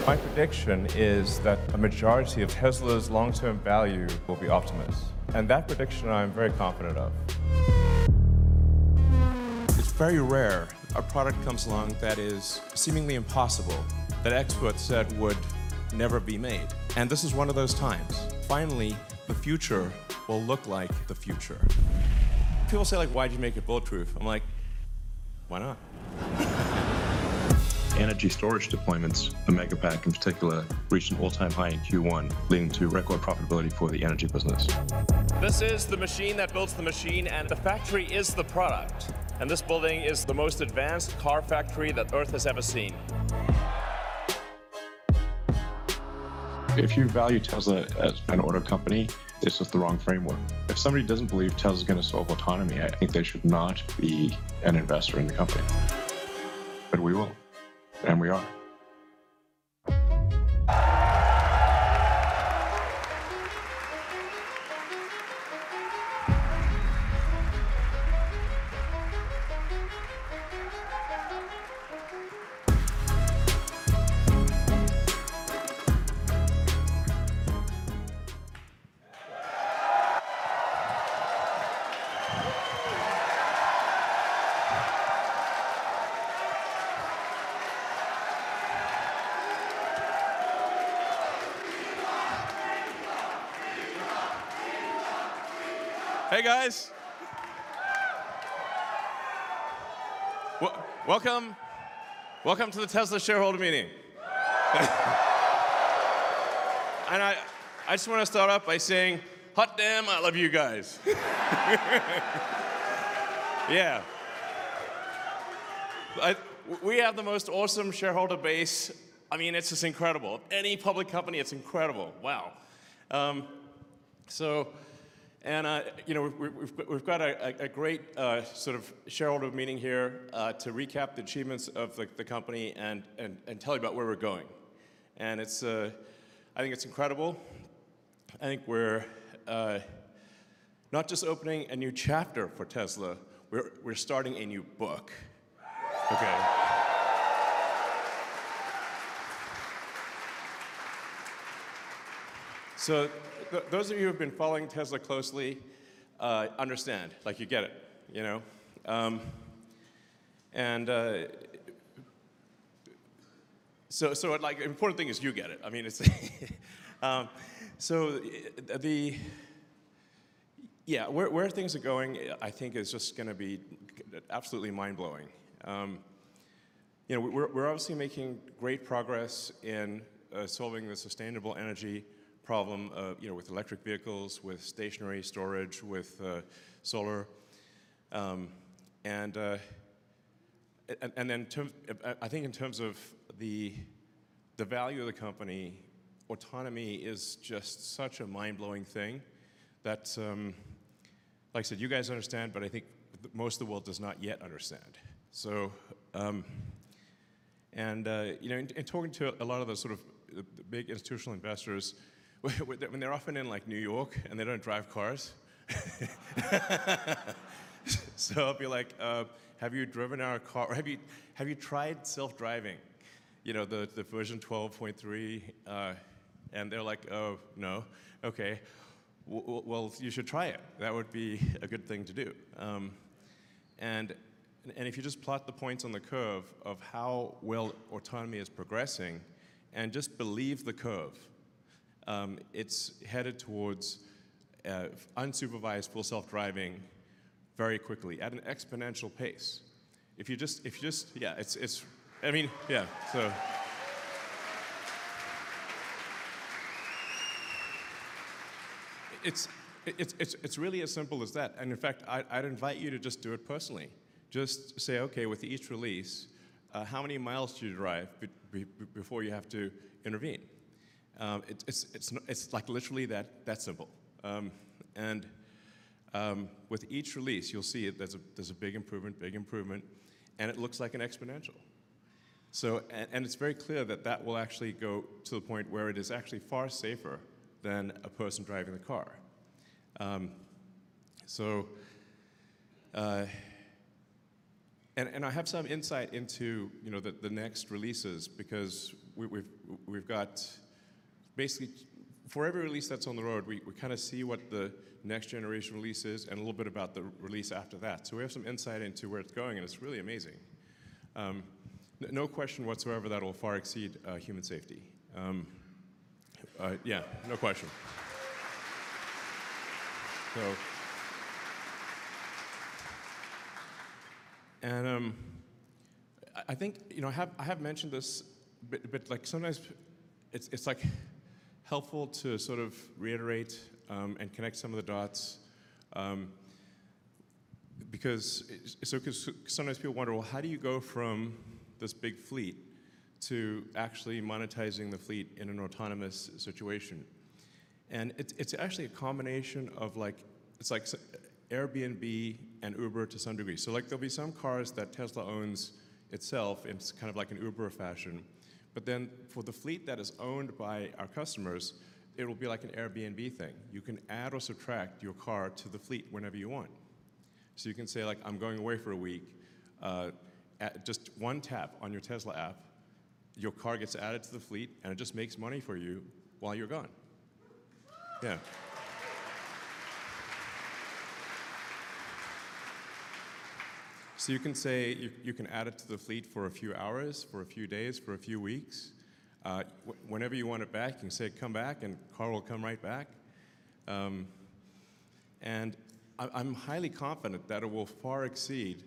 My prediction is that a majority of Tesla's long-term value will be Optimus and that prediction, I'm very confident of. It's very rare a product comes along that is seemingly impossible that experts said would never be made and this is one of those times. Finally, the future will look like the future. People say, like, "Why did you make it bulletproof?" I'm like, "Why not?" Energy storage deployments, a Megapack in particular, reached an all-time high in Q1, leading to record profitability for the energy business. This is the machine that builds the machine, and the factory is the product. This building is the most advanced car factory that Earth has ever seen. If you value Tesla as an auto company, it's just the wrong framework. If somebody doesn't believe Tesla is going to solve autonomy, I think they should not be an investor in the company. But we will, and we are. Hey, guys. Welcome. Welcome to the Tesla shareholder meeting. I just want to start off by saying, "Hot damn, I love you guys." Yeah. We have the most awesome shareholder base. I mean, it's just incredible. Any public company, it's incredible. Wow. So, and, you know, we've got a great sort of shareholder meeting here to recap the achievements of the company and tell you about where we're going and it's, I think it's incredible. I think we're not just opening a new chapter for Tesla. We're starting a new book. Okay. So those of you who have been following Tesla closely understand, like, you get it, you know? The important thing is you get it. I mean, it's so the, yeah, where things are going, I think, is just going to be absolutely mind-blowing. You know, we're obviously making great progress in solving the sustainable energy problem, you know, with electric vehicles, with stationary storage, with solar. Then in terms of, I think in terms of the value of the company, autonomy is just such a mind-blowing thing that, like I said, you guys understand, but I think most of the world does not yet understand. You know, in talking to a lot of the sort of big institutional investors, when they're often in like New York and they don't drive cars, so I'll be like, "Have you driven our car or have you tried self-driving, you know, the version 12.3?" They're like, "Oh, no." "Okay. Well, you should try it. That would be a good thing to do." If you just plot the points on the curve of how well autonomy is progressing and just believe the curve, it's headed towards unsupervised Full Self-Driving very quickly at an exponential pace. Yeah, it's, I mean, so. It's really as simple as that and in fact, I'd invite you to just do it personally. Just say, "Okay, with each release, how many miles do you drive before you have to intervene?" It's like literally that simple. With each release, you'll see there's a big improvement, big improvement, and it looks like an exponential. So, and it's very clear that that will actually go to the point where it is actually far safer than a person driving the car. I have some insight into, you know, the next releases because we've got basically for every release that's on the road, we kind of see what the next generation release is and a little bit about the release after that. So we have some insight into where it's going, and it's really amazing. No question whatsoever that it will far exceed human safety. Yeah, no question. So, and I think, you know, I have mentioned this, but like sometimes it's like helpful to sort of reiterate and connect some of the dots because sometimes people wonder, "Well, how do you go from this big fleet to actually monetizing the fleet in an autonomous situation?" It's actually a combination of like, it's like Airbnb and Uber to some degree. So like there'll be some cars that Tesla owns itself in kind of like an Uber fashion, but then for the fleet that is owned by our customers, it will be like an Airbnb thing. You can add or subtract your car to the fleet whenever you want. So you can say like, "I'm going away for a week." Just one tap on your Tesla app, your car gets added to the fleet and it just makes money for you while you're gone. Yeah. So you can say, you can add it to the fleet for a few hours, for a few days, for a few weeks. Whenever you want it back, you can say, "Come back and car will come right back." I'm highly confident that it will far exceed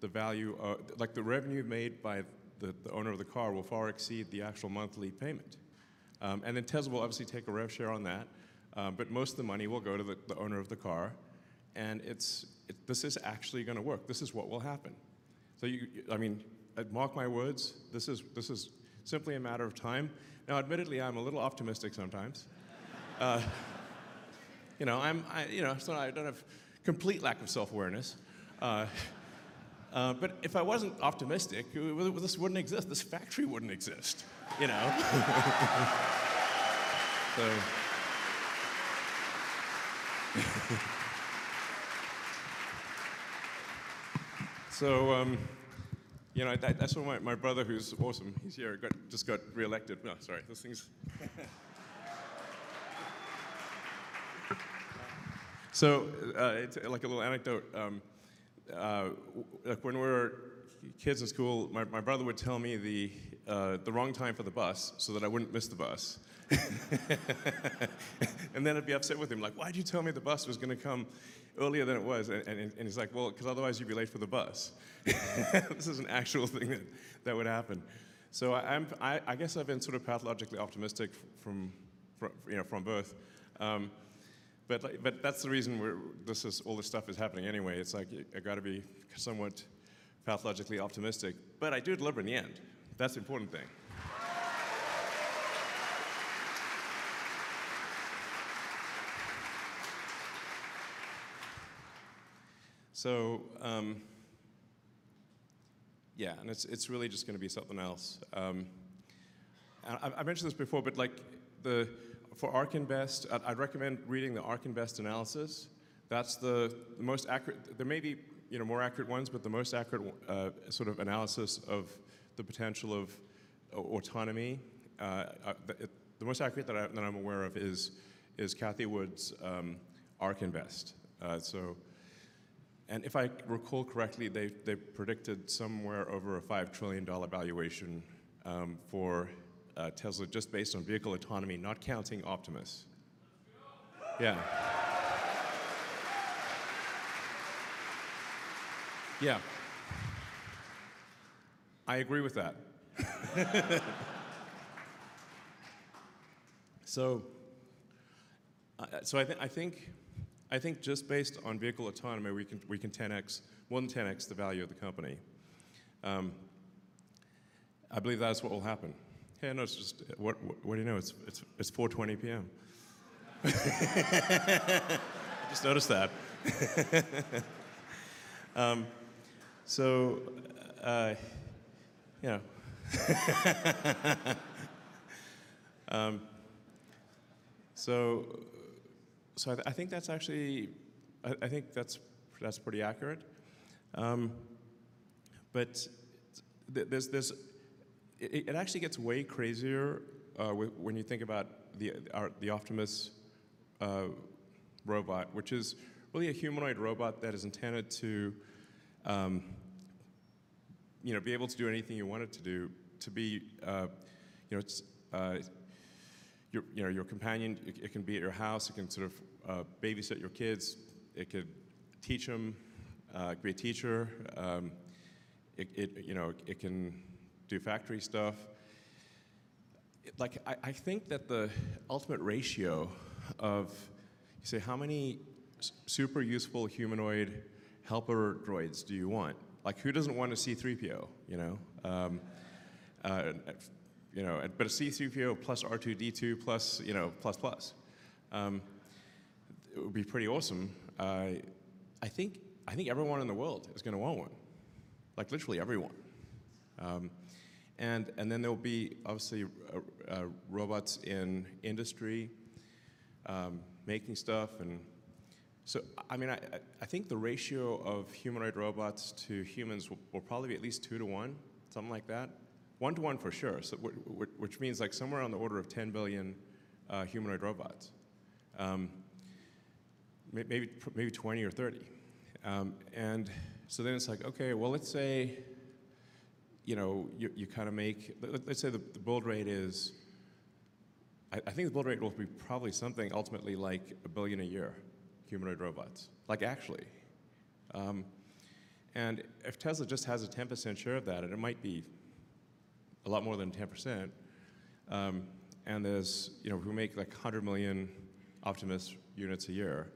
the value, like the revenue made by the owner of the car will far exceed the actual monthly payment. Then Tesla will obviously take a rev share on that, but most of the money will go to the owner of the car. This is actually going to work. This is what will happen. I mean, mark my words. This is simply a matter of time. Now, admittedly, I'm a little optimistic sometimes. You know, I'm you know, so I don't have complete lack of self-awareness. But if I wasn't optimistic, this wouldn't exist. This factory wouldn't exist, you know? You know, that's why my brother, who's awesome, he's here, just got re-elected. No, sorry. Those things. So like a little anecdote, like when we were kids in school, my brother would tell me the wrong time for the bus so that I wouldn't miss the bus. Then I'd be upset with him, like, "Why did you tell me the bus was going to come earlier than it was?" He's like, "Well, because otherwise you'd be late for the bus." This is an actual thing that would happen. So I guess I've been sort of pathologically optimistic from birth. But that's the reason this is all this stuff is happening anyway. It's like I got to be somewhat pathologically optimistic. But I do deliver in the end. That's the important thing. So, yeah, and it's really just going to be something else. I mentioned this before, but like for ARK Invest, I'd recommend reading the ARK Invest analysis. That's the most accurate. There may be, you know, more accurate ones, but the most accurate sort of analysis of the potential of autonomy, the most accurate that I'm aware of is Cathie Wood's ARK Invest. So, and if I recall correctly, they predicted somewhere over a $5 trillion valuation for Tesla just based on vehicle autonomy, not counting Optimus. Yeah. Yeah. I agree with that. So, so I think just based on vehicle autonomy, we can 10x, 110x the value of the company. I believe that's what will happen. Hey, I noticed just, what do you know? It's 4:20 P.M. I just noticed that. So, you know. So I think that's actually, I think that's pretty accurate. But it actually gets way crazier when you think about the Optimus robot, which is really a humanoid robot that is intended to, you know, be able to do anything you want it to do, to be, you know, your companion. It can be at your house. It can sort of babysit your kids. It could teach them, be a teacher. It, you know, it can do factory stuff. Like I think that the ultimate ratio of, you say, how many super useful humanoid helper droids do you want? Like who doesn't want a C-3PO, you know? You know, but a C-3PO+ R2-D2+, you know, plus plus. It would be pretty awesome. I think everyone in the world is going to want one. Like literally everyone. Then there will be obviously robots in industry making stuff. So, I mean, I think the ratio of humanoid robots to humans will probably be at least 2-1, something like that. 1-1 for sure. So which means like somewhere on the order of 10 billion humanoid robots. Maybe 20 or 30 and so then it's like, okay, well let's say, you know, you kind of make, let's say the build rate is, I think the build rate will be probably something ultimately like 1 billion a year, humanoid robots. Like actually. If Tesla just has a 10% share of that, and it might be a lot more than 10% and there's, you know, who make like 100 million Optimus units a year.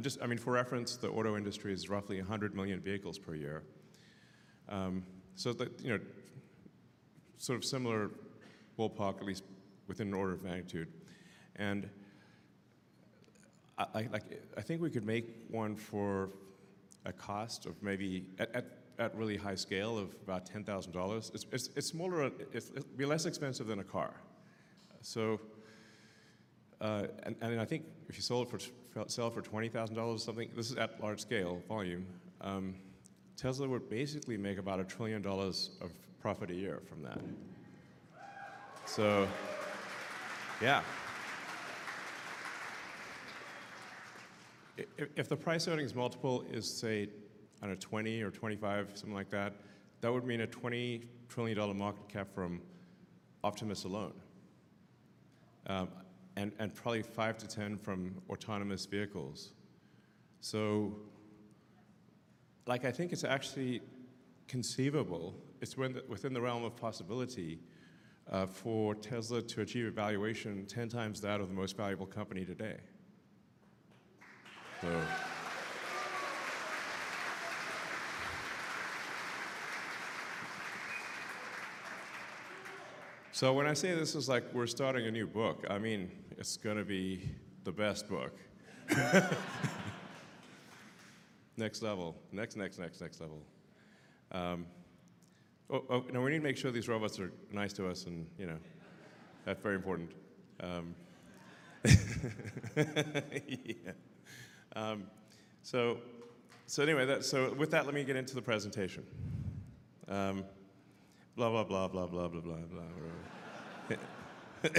Just, I mean, for reference, the auto industry is roughly 100 million vehicles per year. So that, you know, sort of similar ballpark, at least within an order of magnitude. I think we could make one for a cost of maybe at really high scale of about $10,000. It's smaller, it'll be less expensive than a car. So, and I think if you sell it for $20,000 or something, this is at large scale volume, Tesla would basically make about $1 trillion of profit a year from that. So, yeah. If the price earnings multiple is say on a 20 or 25, something like that, that would mean a $20 trillion market cap from Optimus alone and probably 5-10 from autonomous vehicles. So like I think it's actually conceivable. It's within the realm of possibility for Tesla to achieve a valuation 10x that of the most valuable company today. So when I say this is like we're starting a new book, I mean, it's going to be the best book. Next level. Next, next, next, next level. Oh, no, we need to make sure these robots are nice to us and, you know, that's very important. So anyway, so with that, let me get into the presentation. Blah, blah, blah, blah, blah, blah, blah, blah, bla blah.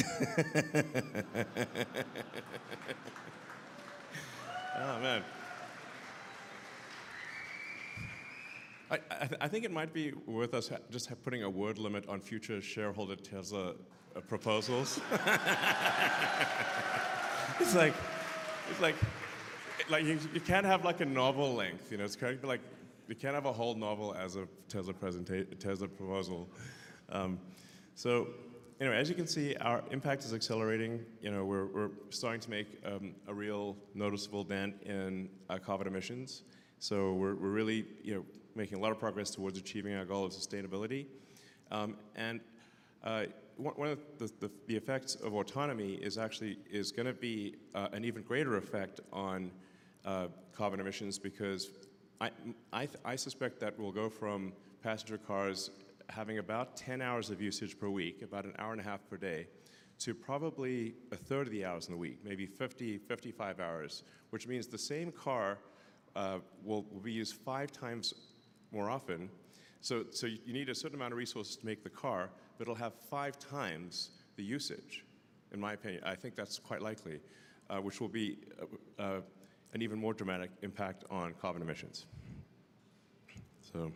Oh man. I think it might be worth us just putting a word limit on future shareholder Tesla proposals. It's like, it's like you can't have like a novel length, you know, it's kind of like you can't have a whole novel as a Tesla proposal. So anyway, as you can see, our impact is accelerating. You know, we're starting to make a real noticeable dent in carbon emissions. So we're really, you know, making a lot of progress towards achieving our goal of sustainability. One of the effects of autonomy is actually going to be an even greater effect on carbon emissions because I suspect that we'll go from passenger cars having about 10 hours of usage per week, about an hour and a half per day, to probably 1/3 of the hours in the week, maybe 50, 55 hours, which means the same car will be used 5x more often. So you need a certain amount of resources to make the car, but it'll have 5x the usage, in my opinion. I think that's quite likely, which will be an even more dramatic impact on carbon emissions. So,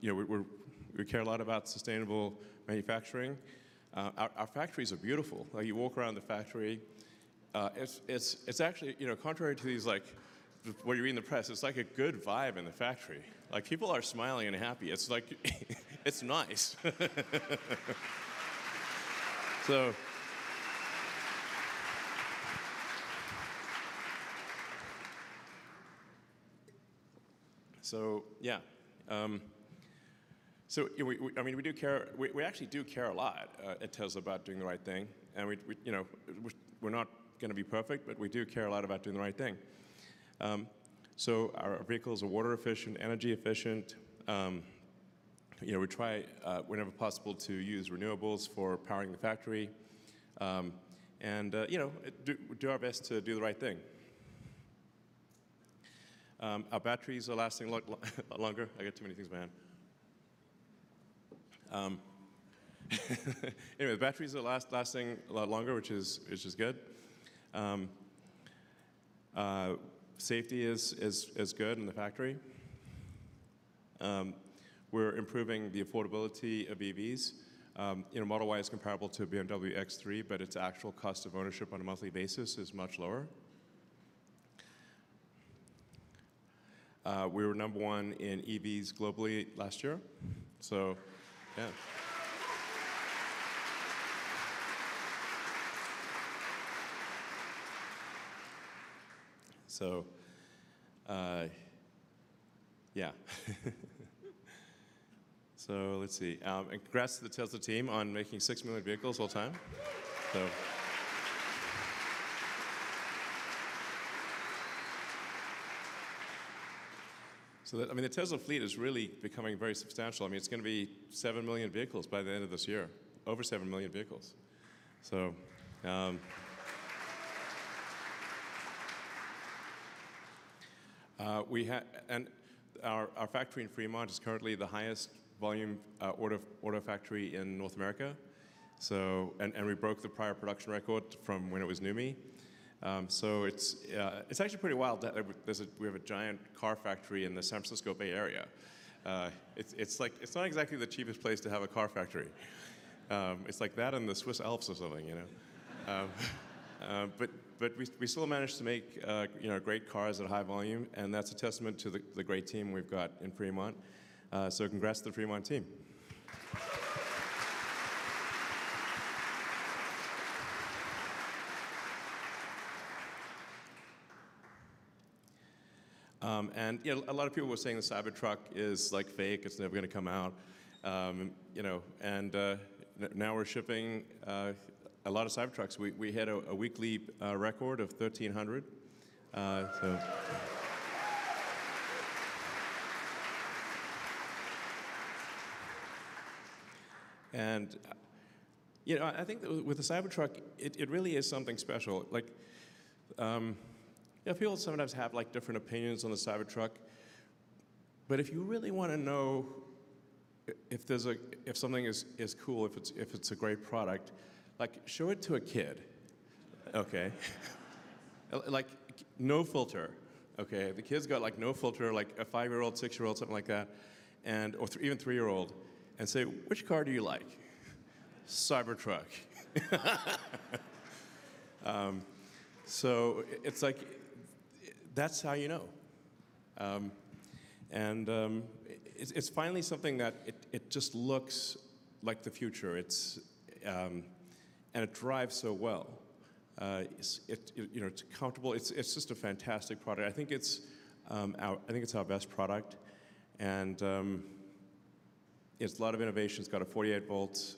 you know, we care a lot about sustainable manufacturing. Our factories are beautiful. Like you walk around the factory, it's actually, you know, contrary to these like what you read in the press, it's like a good vibe in the factory. Like people are smiling and happy. It's like, it's nice. So yeah. So I mean, we do care, we actually do care a lot at Tesla about doing the right thing and we, you know, we're not going to be perfect, but we do care a lot about doing the right thing. So our vehicles are water efficient, energy efficient. You know, we try whenever possible to use renewables for powering the factory and, you know, do our best to do the right thing. Our batteries are lasting a lot longer. I got too many things in my hand. Anyway, the batteries are lasting a lot longer, which is good. Safety is good in the factory. We're improving the affordability of EVs. You know, Model Y is comparable to BMW X3, but its actual cost of ownership on a monthly basis is much lower. We were number one in EVs globally last year. So yeah. So yeah. So let's see. Congrats to the Tesla team on making six million vehicles all time. So I mean, the Tesla fleet is really becoming very substantial. I mean, it's going to be seven million vehicles by the end of this year. Over seven million vehicles. Our factory in Fremont is currently the highest volume auto factory in North America, and we broke the prior production record from when it was NUMMI. So it's actually pretty wild that we have a giant car factory in the San Francisco Bay Area. It's like, it's not exactly the cheapest place to have a car factory. It's like that in the Swiss Alps or something, you know? But we still managed to make, you know, great cars at a high volume. That's a testament to the great team we've got in Fremont. So congrats to the Fremont team. You know, a lot of people were saying the Cybertruck is like fake. It's never going to come out. You know, and now we're shipping a lot of Cybertrucks. We hit a weekly record of 1,300. So, and you know, I think with the Cybertruck, it really is something special. Like people sometimes have like different opinions on the Cybertruck. But if you really want to know if something is cool, if it's a great product, like show it to a kid. Okay. Like no filter. Okay. The kids got like no filter, like a five-year-old, six-year-old, something like that, and or even three-year-old, and say, "Which car do you like?" Cybertruck. So it's like, that's how you know. It's finally something that it just looks like the future. It's, and it drives so well. You know, it's comfortable. It's just a fantastic product. I think it's, I think it's our best product and it's a lot of innovation. It's got a 48-volt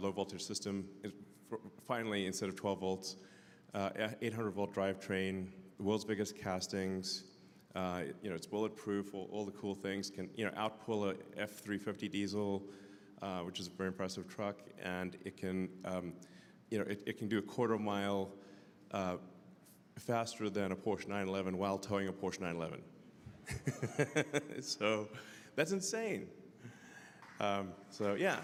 low voltage system. Finally, instead of 12 volts, 800-volt drivetrain, the world's biggest castings. You know, it's bulletproof. All the cool things can, you know, outpull an F-350 diesel, which is a very impressive truck. It can, you know, it can do a quarter mile faster than a Porsche 911 while towing a Porsche 911. So that's insane. So yeah.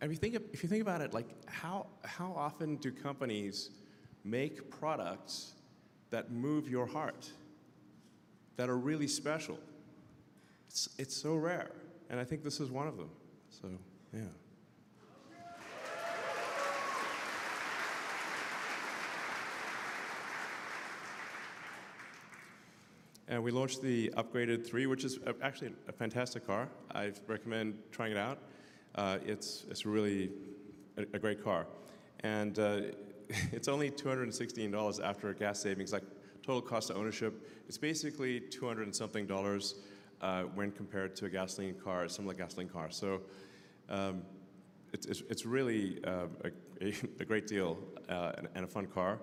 If you think about it, like how often do companies make products that move your heart, that are really special? It's so rare. I think this is one of them. So yeah. We launched the upgraded 3, which is actually a fantastic car. I recommend trying it out. It's really a great car. It's only $216 after gas savings. Like total cost of ownership, it's basically $200-something when compared to a gasoline car, a similar gasoline car. So it's really a great deal and a fun car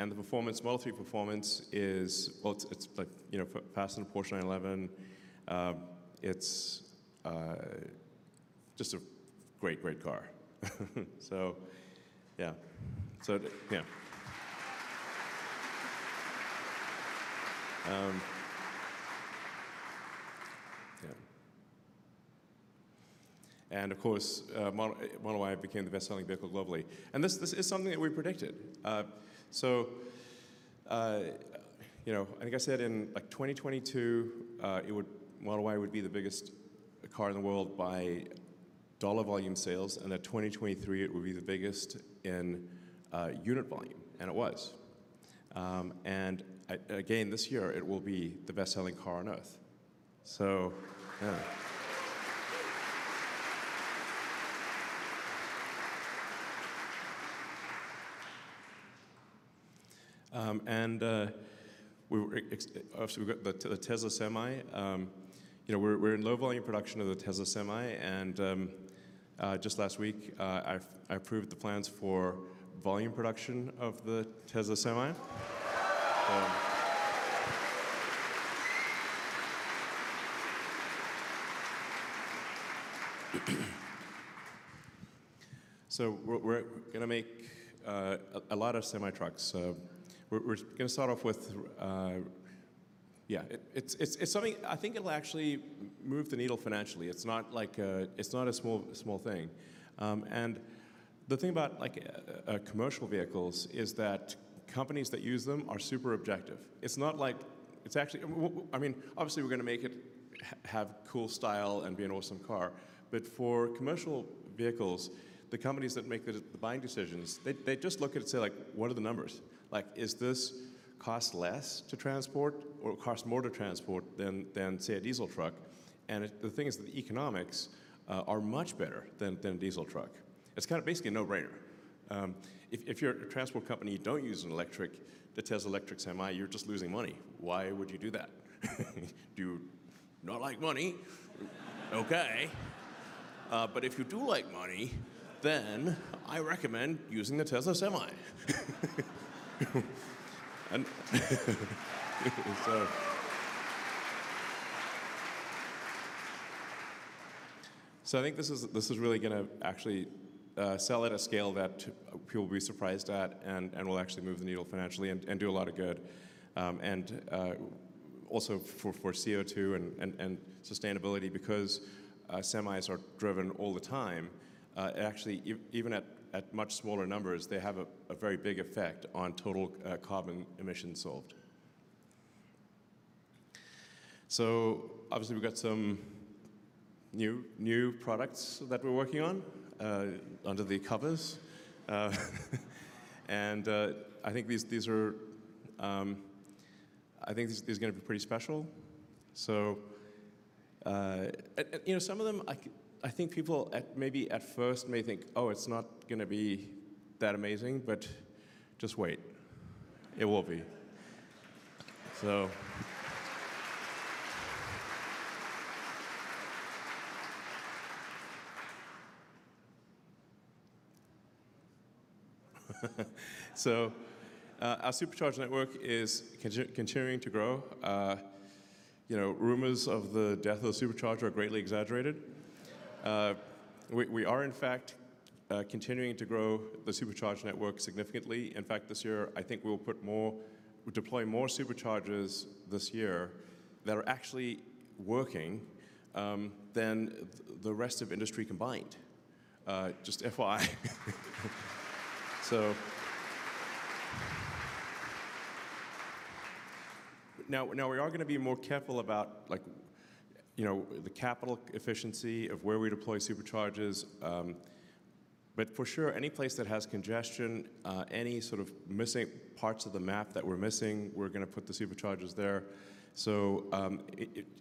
and the performance, Model 3 Performance is, well, it's like, you know, faster than a Porsche 911. It's just a great, great car. So yeah. So yeah. Yeah. Of course, Model Y became the best-selling vehicle globally, and this is something that we predicted. So you know, I think I said in like 2022, it would, Model Y would be the biggest car in the world by dollar volume sales. Then 2023, it would be the biggest in unit volume, and it was. Again, this year, it will be the best-selling car on earth. So yeah. We were, obviously, we got the Tesla Semi. You know, we're in low volume production of the Tesla Semi. Just last week, I approved the plans for volume production of the Tesla Semi. We're going to make a lot of semi trucks. We're going to start off with, yeah, it's something I think it'll actually move the needle financially. It's not like a, it's not a small thing. The thing about like commercial vehicles is that companies that use them are super objective. It's not like, it's actually, I mean, obviously we're going to make it have cool style and be an awesome car, but for commercial vehicles, the companies that make the buying decisions, they just look at it and say like, what are the numbers? Like, is this cost less to transport or cost more to transport than, say, a diesel truck? The thing is that the economics are much better than a diesel truck. It's kind of basically a no-brainer. If you're a transport company, you don't use an electric Tesla Electric Semi, you're just losing money. Why would you do that? Do you not like money? Okay. But if you do like money, then I recommend using the Tesla Semi. So I think this is really going to actually sell at a scale that people will be surprised at and will actually move the needle financially and do a lot of good. Also for CO2 and sustainability, because semis are driven all the time, actually even at much smaller numbers, they have a very big effect on total carbon emissions solved. So obviously we've got some new products that we're working on under the covers. I think these are, I think these are going to be pretty special. So you know, some of them, I think people maybe at first may think, "Oh, it's not going to be that amazing," but just wait. It will be. So our Supercharger network is continuing to grow. You know, rumors of the death of the Supercharger are greatly exaggerated. We are in fact continuing to grow the Supercharger network significantly. In fact, this year, I think we will put more, deploy more Superchargers this year that are actually working than the rest of industry combined. Just FYI. So now we are going to be more careful about like, you know, the capital efficiency of where we deploy Superchargers. But for sure, any place that has congestion, any sort of missing parts of the map that we're missing, we're going to put the Superchargers there. So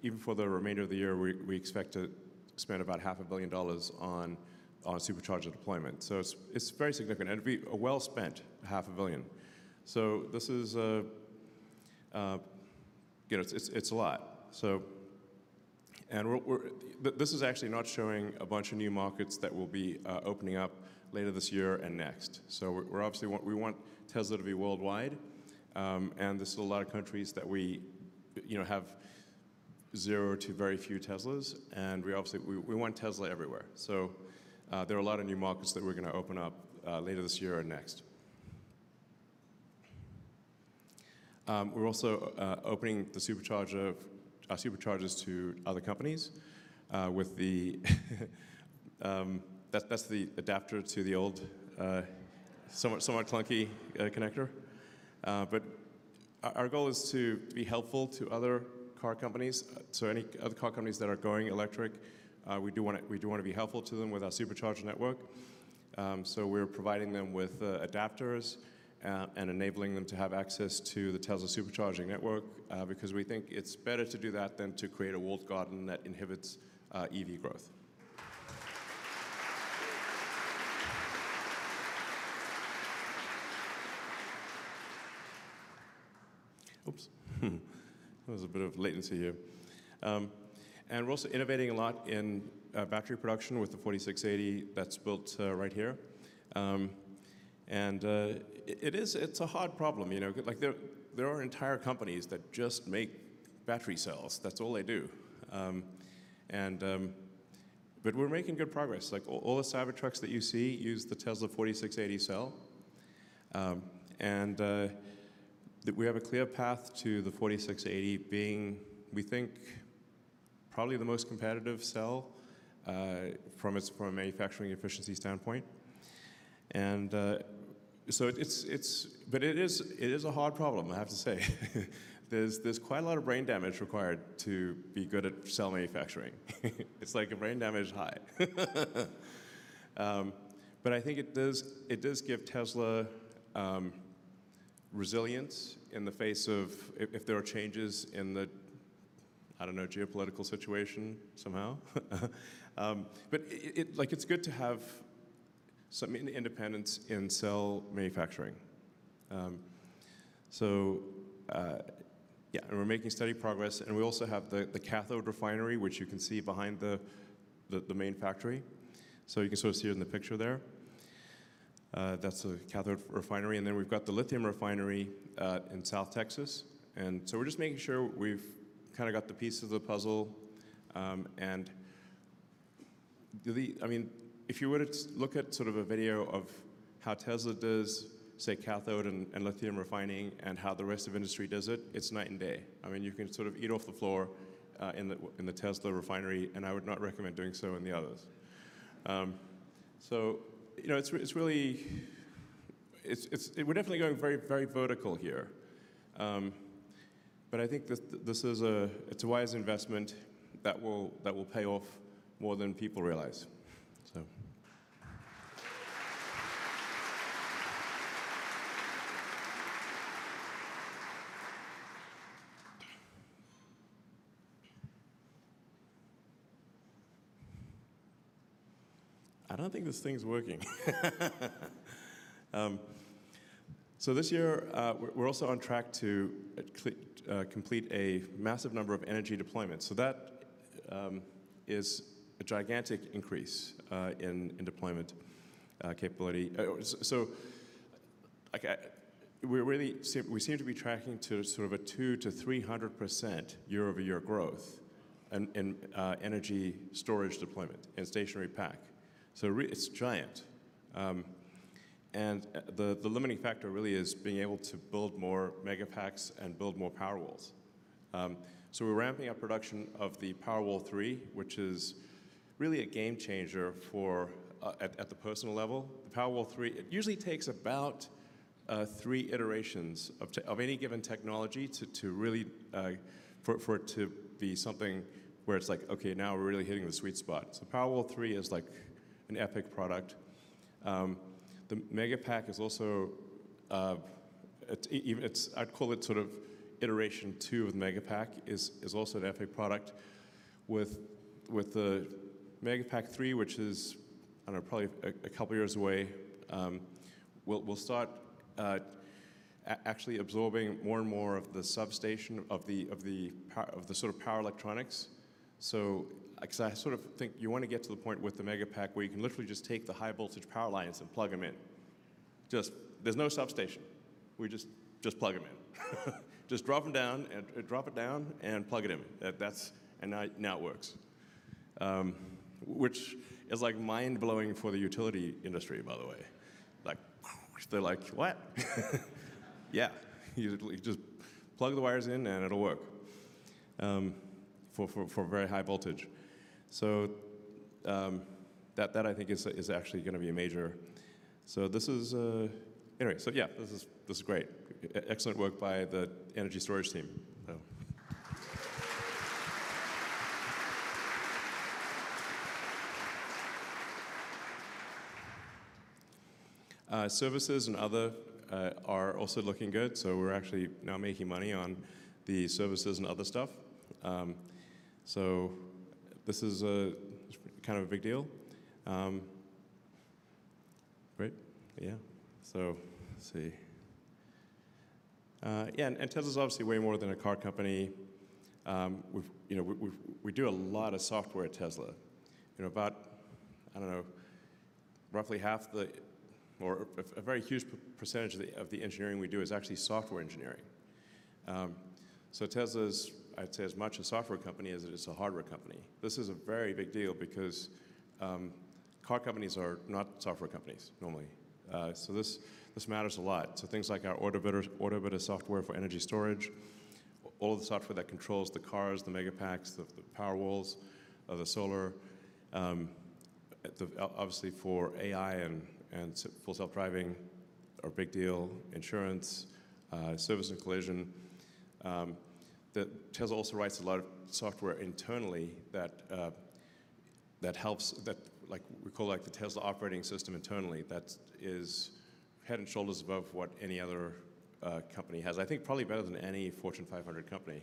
even for the remainder of the year, we expect to spend about $500 million on Supercharger deployment. So it's very significant and it'll be a well-spent $500 million. So this is, you know, it's a lot. So, and this is actually not showing a bunch of new markets that will be opening up later this year and next. So we're obviously, we want Tesla to be worldwide and there's still a lot of countries that we, you know, have zero to very few Teslas and we obviously, we want Tesla everywhere. So there are a lot of new markets that we're going to open up later this year and next. We're also opening the Superchargers to other companies with the, that's the adapter to the old, somewhat clunky connector. But our goal is to be helpful to other car companies. So any other car companies that are going electric, we do want to be helpful to them with our Supercharger network. So we're providing them with adapters and enabling them to have access to the Tesla Supercharging network because we think it's better to do that than to create a walled garden that inhibits EV growth. Oops. There was a bit of latency here. We're also innovating a lot in battery production with the 4680 that's built right here and it is, it's a hard problem. You know, like there are entire companies that just make battery cells. That's all they do, but we're making good progress. Like all the Cybertrucks that you see use the Tesla 4680 cell. We have a clear path to the 4680 being, we think, probably the most competitive cell from a manufacturing efficiency standpoint. But it is a hard problem, I have to say. There's quite a lot of brain damage required to be good at cell manufacturing. It's like a brain damage high. But I think it does give Tesla resilience in the face of if there are changes in the, I don't know, geopolitical situation somehow. But like it's good to have some independence in cell manufacturing. So yeah, and we're making steady progress and we also have the cathode refinery, which you can see behind the main factory. So you can sort of see it in the picture there. That's the cathode refinery and then we've got the lithium refinery in South Texas. So we're just making sure we've kind of got the pieces of the puzzle. I mean, if you were to look at sort of a video of how Tesla does, say, cathode and lithium refining and how the rest of industry does it, it's night and day. I mean, you can sort of eat off the floor in the Tesla refinery. I would not recommend doing so in the others. You know, it's really, it's definitely going very, very vertical here. But I think this is a, it's a wise investment that will pay off more than people realize. So, I don't think this thing's working. This year, we're also on track to complete a massive number of energy deployments. That is a gigantic increase in deployment capability. We're really, we seem to be tracking to sort of a 200%-300% year-over-year growth in energy storage deployment and stationary pack. It's giant. The limiting factor really is being able to build more Megapacks and build more Powerwalls. So we're ramping up production of the Powerwall 3, which is really a game changer for at the personal level. The Powerwall 3, it usually takes about three iterations of any given technology to really, for it to be something where it's like, okay, now we're really hitting the sweet spot. So Powerwall 3 is like an epic product. The Megapack is also, it's, I'd call it sort of iteration two of the Megapack is also an epic product with the Megapack 3, which is probably a couple of years away. We'll start actually absorbing more and more of the substation of the sort of power electronics. So I sort of think you want to get to the point with the Megapack where you can literally just take the high voltage power lines and plug them in. Just, there's no substation. We just plug them in. Just drop them down and drop it down and plug it in, and now it works. Which is like mind-blowing for the utility industry, by the way. Like, they're like, what? Yeah. You just plug the wires in and it'll work for very high voltage. So that I think is actually going to be a major. So this is, anyway, so yeah, this is great. Excellent work by the energy storage team. Services and other are also looking good. So we're actually now making money on the services and other stuff. So this is kind of a big deal. Great. Yeah. So let's see. Yeah. Tesla is obviously way more than a car company. You know, we do a lot of software at Tesla. You know, about, I don't know, roughly half the, or a very huge percentage of the engineering we do is actually software engineering. So Tesla's, I'd say as much a software company as it is a hardware company. This is a very big deal because car companies are not software companies normally. So this matters a lot. So things like our automated software for energy storage, all of the software that controls the cars, the Megapacks, the Powerwalls, the solar, obviously for AI and Full Self-Driving are a big deal, insurance, service and collision. Tesla also writes a lot of software internally that helps, that like we call like the Tesla operating system internally that is head and shoulders above what any other company has. I think probably better than any Fortune 500 company.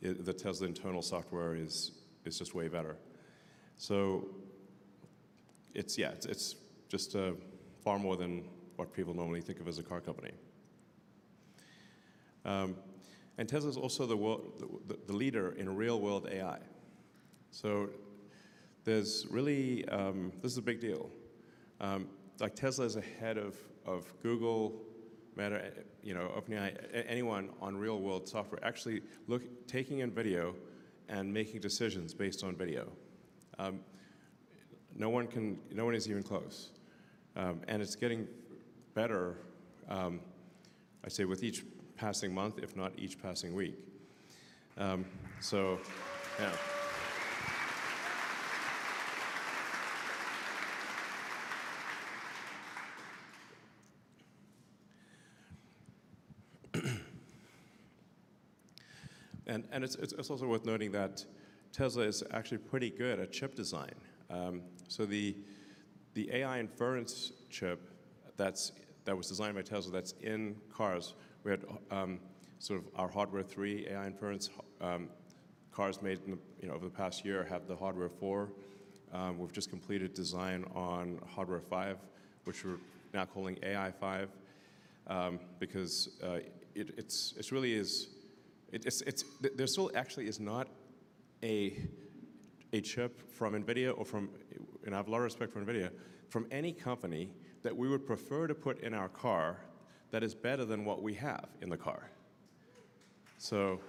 The Tesla internal software is just way better. So it's, yeah, it's just far more than what people normally think of as a car company. Tesla is also the leader in real-world AI. So there's really, this is a big deal. Like Tesla is ahead of Google, Meta, you know, OpenAI, anyone on real-world software actually look, taking in video and making decisions based on video. No one can, no one is even close and it's getting better, I say with each passing month, if not each passing week. So yeah. It's also worth noting that Tesla is actually pretty good at chip design. So the AI inference chip that was designed by Tesla that's in cars, we had sort of our Hardware 3 AI inference cars made in the, you know, over the past year have the Hardware 4. We've just completed design on Hardware 5, which we're now calling AI 5 because it really is, there still actually is not a chip from NVIDIA or from, and I have a lot of respect for NVIDIA, from any company that we would prefer to put in our car that is better than what we have in the car. So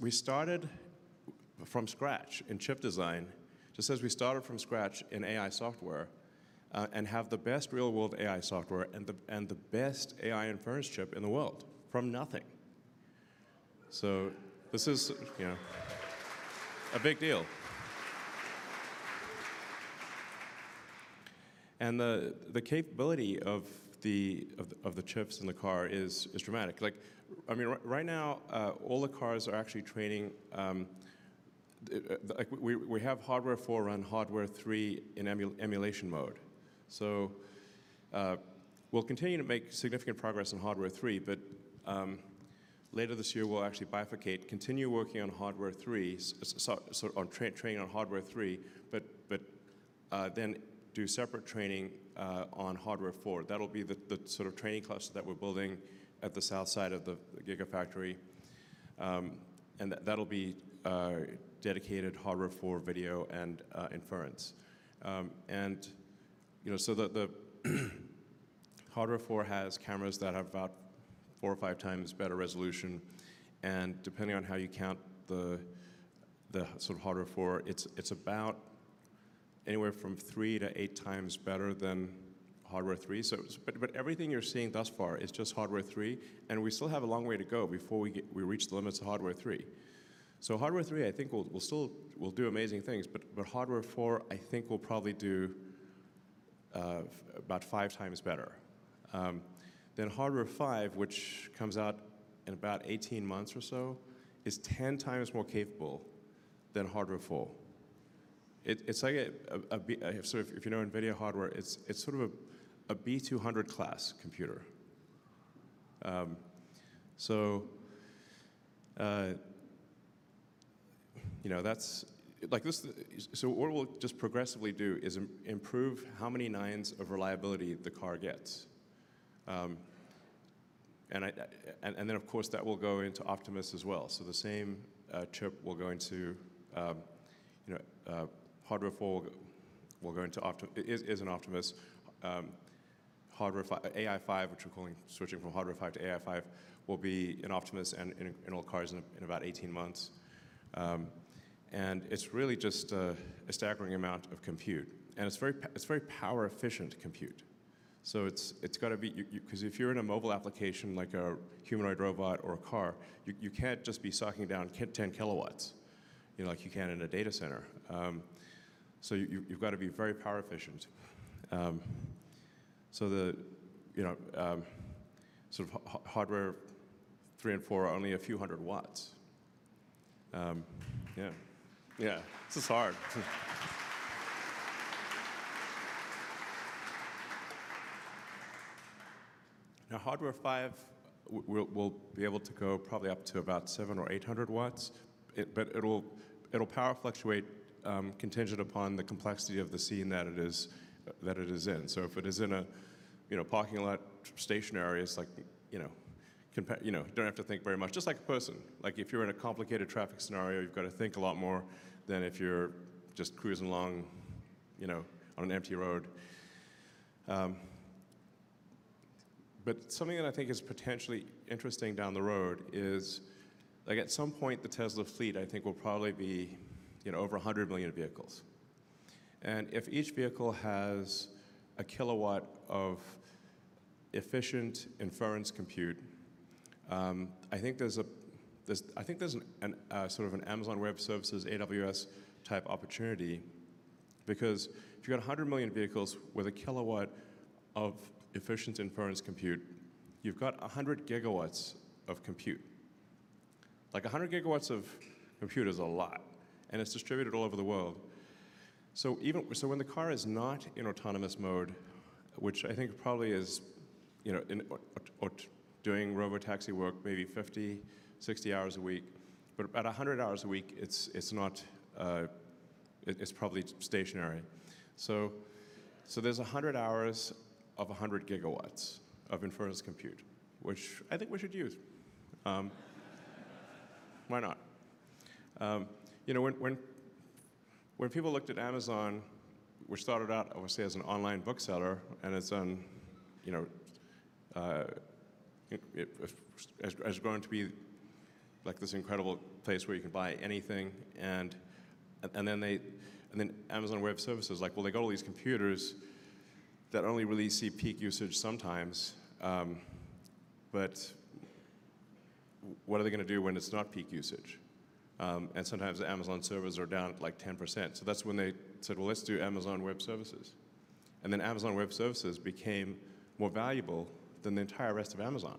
we started from scratch in chip design, just as we started from scratch in AI software and have the best real-world AI software and the best AI inference chip in the world from nothing. So this is, you know, a big deal. The capability of the chips in the car is dramatic. Like, I mean, right now all the cars are actually training, like we have Hardware 4 run Hardware 3 in emulation mode. So we'll continue to make significant progress in Hardware 3, but later this year we'll actually bifurcate, continue working on Hardware 3, sort of on training on Hardware 3, but then do separate training on Hardware 4. That'll be the sort of training cluster that we're building at the south side of the Gigafactory. That'll be dedicated Hardware 4 video and inference. You know, so the Hardware 4 has cameras that have about 4x or 5x better resolution and depending on how you count the sort of Hardware 4, it's about anywhere from 3x to 8x better than Hardware 3. So everything you're seeing thus far is just Hardware 3 and we still have a long way to go before we reach the limits of Hardware 3. So Hardware 3, I think we'll still, we'll do amazing things. But Hardware 4, I think we'll probably do about 5x better. Then Hardware 5, which comes out in about 18 months or so, is 10x more capable than Hardware 4. It's like a, so if you know NVIDIA hardware, it's sort of a B200 class computer. So, you know, that's like this, so what we'll just progressively do is improve how many nines of reliability the car gets. Then of course that will go into Optimus as well. So the same chip will go into, you know, Hardware 4 will go into Optimus, is an Optimus. Hardware AI 5, which we're calling switching from Hardware 5 to AI 5, will be in Optimus and in all cars in about 18 months. It's really just a staggering amount of compute. It's very power efficient compute. It's got to be, because if you're in a mobile application like a humanoid robot or a car, you can't just be socking down 10 kW, you know, like you can in a data center. You've got to be very power efficient. The, you know, sort of Hardware 3 and 4 are only a few hundred watts. Yeah. Yeah. This is hard. No Hardware 5 will be able to go probably up to about 700 W or 800 W but it'll power fluctuate contingent upon the complexity of the scene that it is in. So if it is in a, you know, parking lot station area, it's like, you know, you know, don't have to think very much, just like a person. Like if you're in a complicated traffic scenario, you've got to think a lot more than if you're just cruising along, you know, on an empty road. But something that I think is potentially interesting down the road is like at some point the Tesla fleet, I think will probably be, you know, over 100 million vehicles. If each vehicle has 1 kW of efficient inference compute, I think there's a, I think there's a sort of an Amazon Web Services, AWS type opportunity because if you've got 100 million vehicles with 1 kW of efficient inference compute, you've got 100 GW of compute. Like 100 GW of compute is a lot. It's distributed all over the world. So even so when the car is not in autonomous mode, which I think probably is, you know, doing robotaxi work maybe 50, 60 hours a week, but at 100 hours a week, it's not, it's probably stationary. So there's 100 hours of 100 GW of inference compute, which I think we should use. Why not? You know, when people looked at Amazon, which started out, I would say as an online bookseller and as an, you know, as going to be like this incredible place where you can buy anything. Then they, and then Amazon Web Services, like will they go to these computers that only really see peak usage sometimes? But what are they going to do when it's not peak usage? Sometimes Amazon servers are down at like 10%. So that's when they said, well, let's do Amazon Web Services. Then Amazon Web Services became more valuable than the entire rest of Amazon.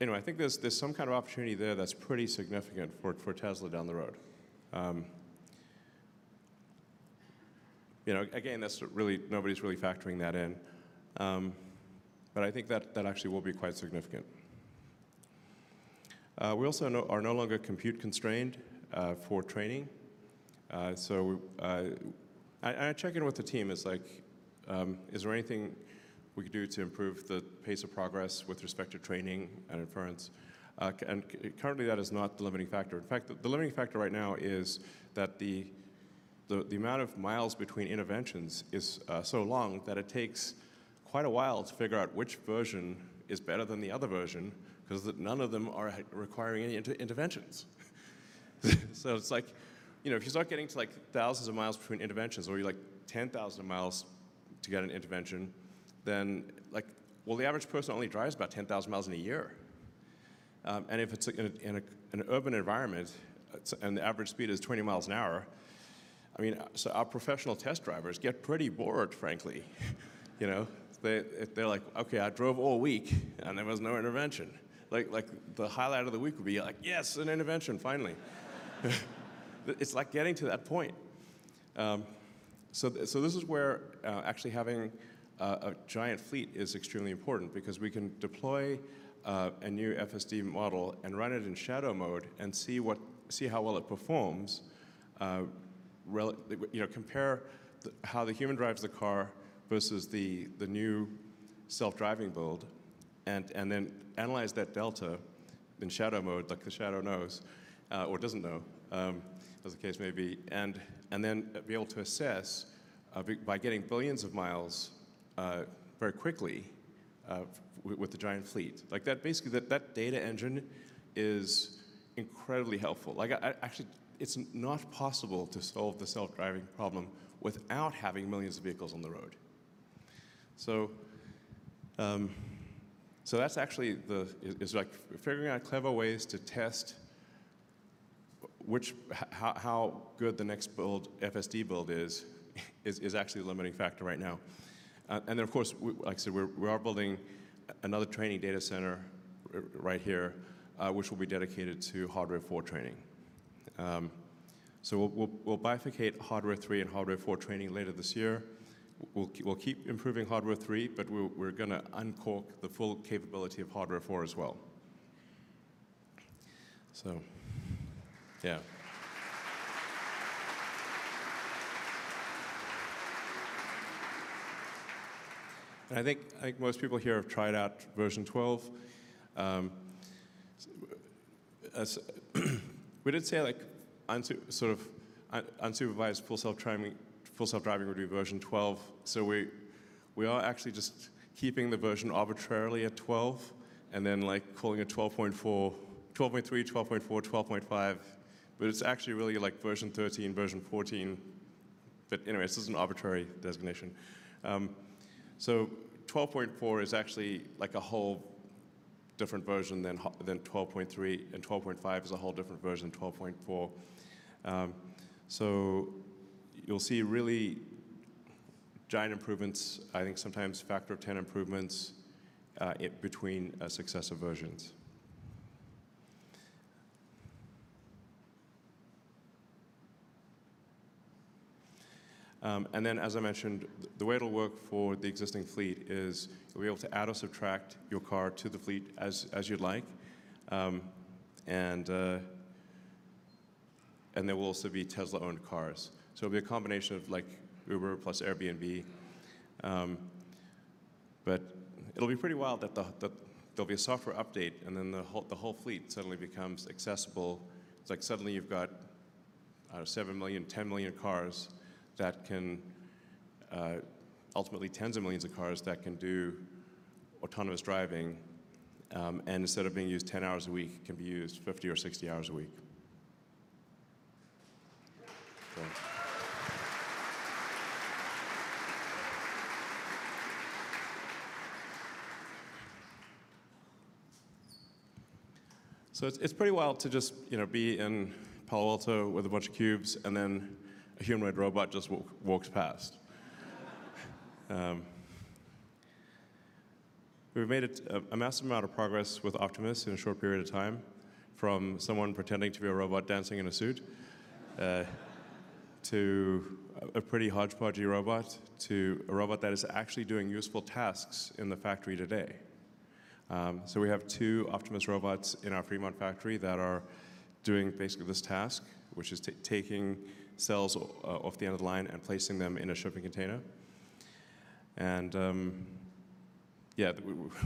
Anyway, I think there's some kind of opportunity there that's pretty significant for Tesla down the road. You know, again, that's really, nobody's really factoring that in. But I think that actually will be quite significant. We also are no longer compute constrained for training. So I check in with the team, it's like, is there anything we could do to improve the pace of progress with respect to training and inference? Currently that is not the limiting factor. In fact, the limiting factor right now is that the amount of miles between interventions is so long that it takes quite a while to figure out which version is better than the other version because none of them are requiring any interventions. So it's like, you know, if you start getting to like thousands of miles between interventions or you're like 10,000 mi to get an intervention, then like, well, the average person only drives about 10,000 mi in a year and if it's in an urban environment and the average speed is 20 mi an hour, I mean, so our professional test drivers get pretty bored, frankly. You know, they're like, "Okay, I drove all week and there was no intervention." Like the highlight of the week would be like, "Yes, an intervention, finally." It's like getting to that point. So this is where actually having a giant fleet is extremely important because we can deploy a new FSD model and run it in shadow mode and see how well it performs, you know, compare how the human drives the car versus the new self-driving build and then analyze that delta in shadow mode, like the shadow knows or doesn't know, as the case may be. Then be able to assess by getting billions of miles very quickly with the giant fleet. Like that basically that data engine is incredibly helpful. Like actually it's not possible to solve the self-driving problem without having millions of vehicles on the road. So that's actually the, it's like figuring out clever ways to test which, how good the next build, FSD build is, is actually the limiting factor right now. Then of course, like I said, we are building another training data center right here, which will be dedicated to Hardware 4 training. So we'll bifurcate Hardware 3 and Hardware 4 training later this year. We'll keep improving Hardware 3, but we're going to uncork the full capability of Hardware 4 as well. So yeah. I think most people here have tried out version 12. We did say like sort of Unsupervised Full Self-Driving, Full Self-Driving would be version 12. So we are actually just keeping the version arbitrarily at 12 and then like calling it 12.4, 12.3, 12.4, 12.5. But it's actually really like version 13, version 14. But anyway, this is an arbitrary designation. So 12.4 is actually like a whole different version than 12.3 and 12.5 is a whole different version than 12.4. So you'll see really giant improvements, I think sometimes factor of 10 improvements between successive versions. Then as I mentioned, the way it'll work for the existing fleet is you'll be able to add or subtract your car to the fleet as you'd like and there will also be Tesla-owned cars. So it'll be a combination of like Uber plus Airbnb. But it'll be pretty wild that there'll be a software update and then the whole fleet suddenly becomes accessible. It's like suddenly you've got 7 million, 10 million cars that can, ultimately tens of millions of cars that can do autonomous driving and instead of being used 10 hours a week, it can be used 50 or 60 hours a week. So it's pretty wild to just, you know, be in Palo Alto with a bunch of cubes and then a humanoid robot just walks past. We've made a massive amount of progress with Optimus in a short period of time from someone pretending to be a robot dancing in a suit to a pretty hodgepodgey robot to a robot that is actually doing useful tasks in the factory today. So we have 2 Optimus robots in our Fremont factory that are doing basically this task, which is taking cells off the end of the line and placing them in a shipping container. Yeah,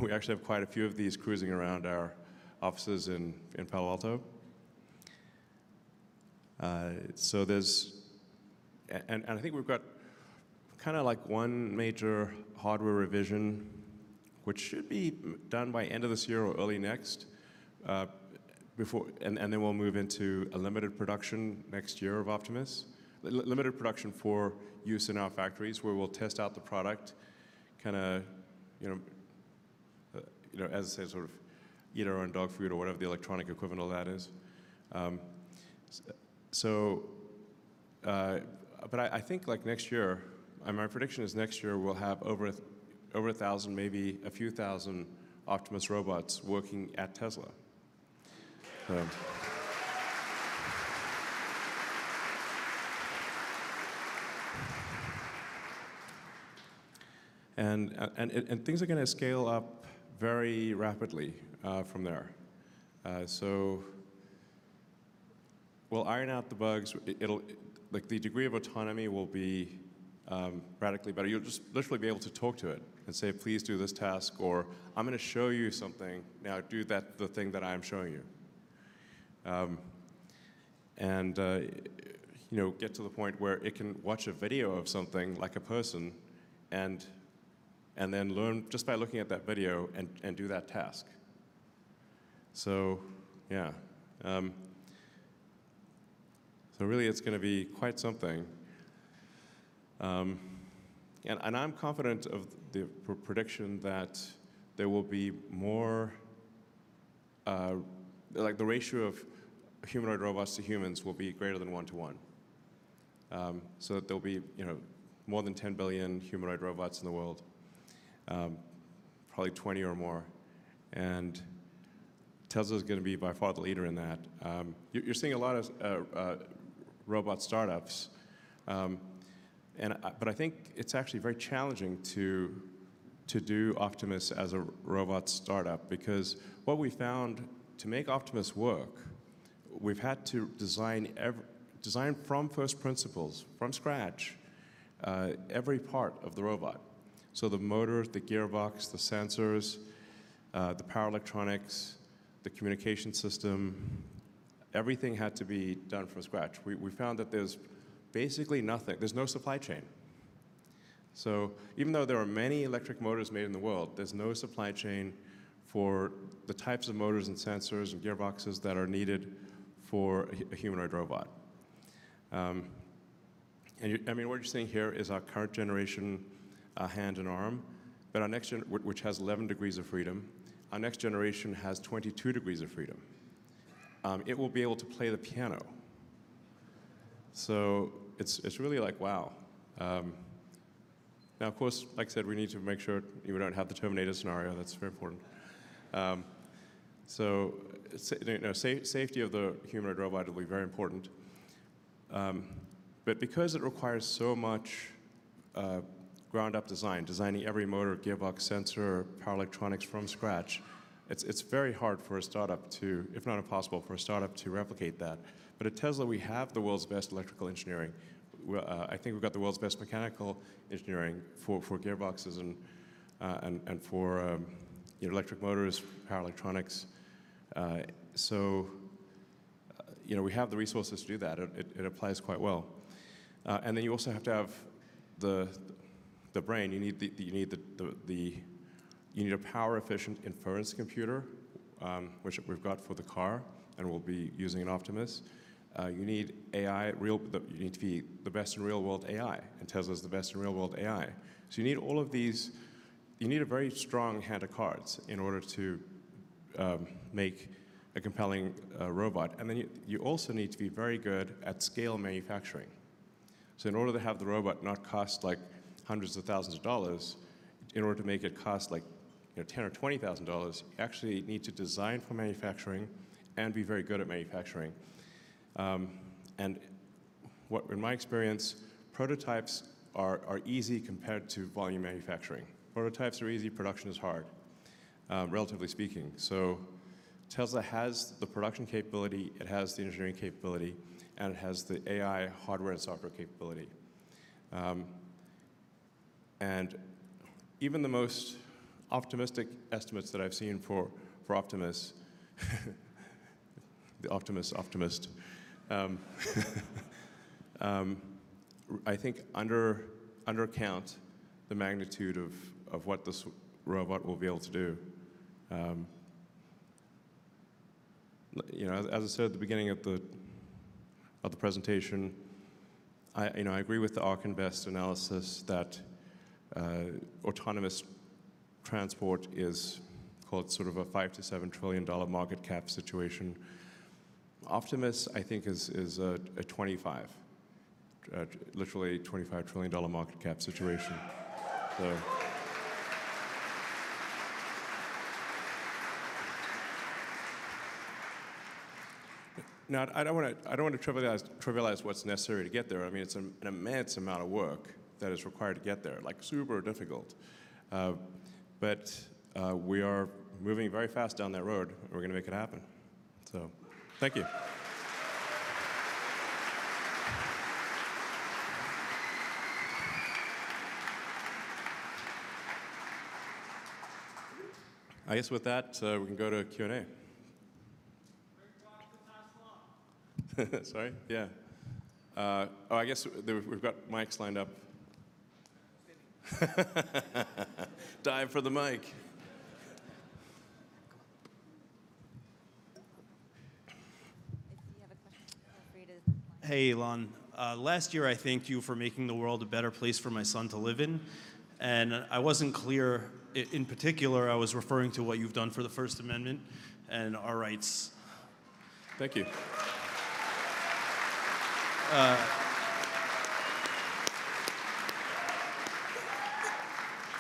we actually have quite a few of these cruising around our offices in Palo Alto. So there's, and I think we've got kind of like one major hardware revision, which should be done by the end of this year or early next before, and then we'll move into a limited production next year of Optimus. Limited production for use in our factories where we'll test out the product kind of, you know, as I say, sort of eat our own dog food or whatever the electronic equivalent of that is, but I think like next year, my prediction is next year we'll have over 1,000, maybe a few thousand Optimus robots working at Tesla. Things are going to scale up very rapidly from there. So we'll iron out the bugs. It'll like the degree of autonomy will be radically better. You'll just literally be able to talk to it and say, please do this task or I'm going to show you something. Now do that, the thing that I'm showing you. You know, get to the point where it can watch a video of something like a person and then learn just by looking at that video and do that task. So yeah. So really it's going to be quite something. I'm confident of the prediction that there will be more, like the ratio of humanoid robots to humans will be greater than 1-1. So that there'll be, you know, more than 10 billion humanoid robots in the world, probably 20 or more. Tesla is going to be by far the leader in that. You're seeing a lot of robot startups, but I think it's actually very challenging to do Optimus as a robot startup because what we found to make Optimus work, we've had to design every design from first principles, from scratch, every part of the robot. So the motors, the gearbox, the sensors, the power electronics, the communication system, everything had to be done from scratch. We found that there's basically nothing. There's no supply chain. So even though there are many electric motors made in the world, there's no supply chain for the types of motors and sensors and gearboxes that are needed for a humanoid robot. I mean, what you're seeing here is our current generation hand and arm, but our next generation, which has 11 degrees of freedom, our next generation has 22 degrees of freedom. It will be able to play the piano. So it's really like, wow. Now of course, like I said, we need to make sure we don't have the Terminator scenario. That's very important. So safety of the humanoid robot will be very important. But because it requires so much ground-up design, designing every motor, gearbox, sensor, power electronics from scratch, it's very hard for a startup to, if not impossible for a startup to replicate that. But at Tesla, we have the world's best electrical engineering. I think we've got the world's best mechanical engineering for gearboxes and for electric motors, power electronics. So you know, we have the resources to do that. It applies quite well. Then you also have to have the brain. You need a power-efficient inference computer, which we've got for the car and we'll be using in Optimus. You need AI, you need to be the best in real-world AI, and Tesla is the best in real-world AI. So you need all of these, you need a very strong hand of cards in order to make a compelling robot. Then you also need to be very good at scale manufacturing. So in order to have the robot not cost like hundreds of thousands of dollars, in order to make it cost like $10,000 or $20,000, you actually need to design for manufacturing and be very good at manufacturing and what in my experience, prototypes are easy compared to volume manufacturing. Prototypes are easy, production is hard, relatively speaking. So Tesla has the production capability, it has the engineering capability, and it has the AI hardware and software capability. Even the most optimistic estimates that I've seen for Optimus, the Optimus, I think undercount the magnitude of what this robot will be able to do. You know, as I said at the beginning of the presentation, you know, I agree with the Ark Invest analysis that autonomous transport is called sort of a $5-$7 trillion market cap situation. Optimus, I think, is a $25, literally $25 trillion market cap situation. Now I don't want to trivialize what's necessary to get there. I mean, it's an immense amount of work that is required to get there, like super difficult. But we are moving very fast down that road. We're going to make it happen. So thank you. I guess with that, we can go to Q&A. Sorry. Yeah. Oh, I guess we've got mics lined up. Time for the mic. If you have a question, feel free to. Hey, Elon. Last year, I thanked you for making the world a better place for my son to live in and I wasn't clear in particular, I was referring to what you've done for the First Amendment and our rights. Thank you.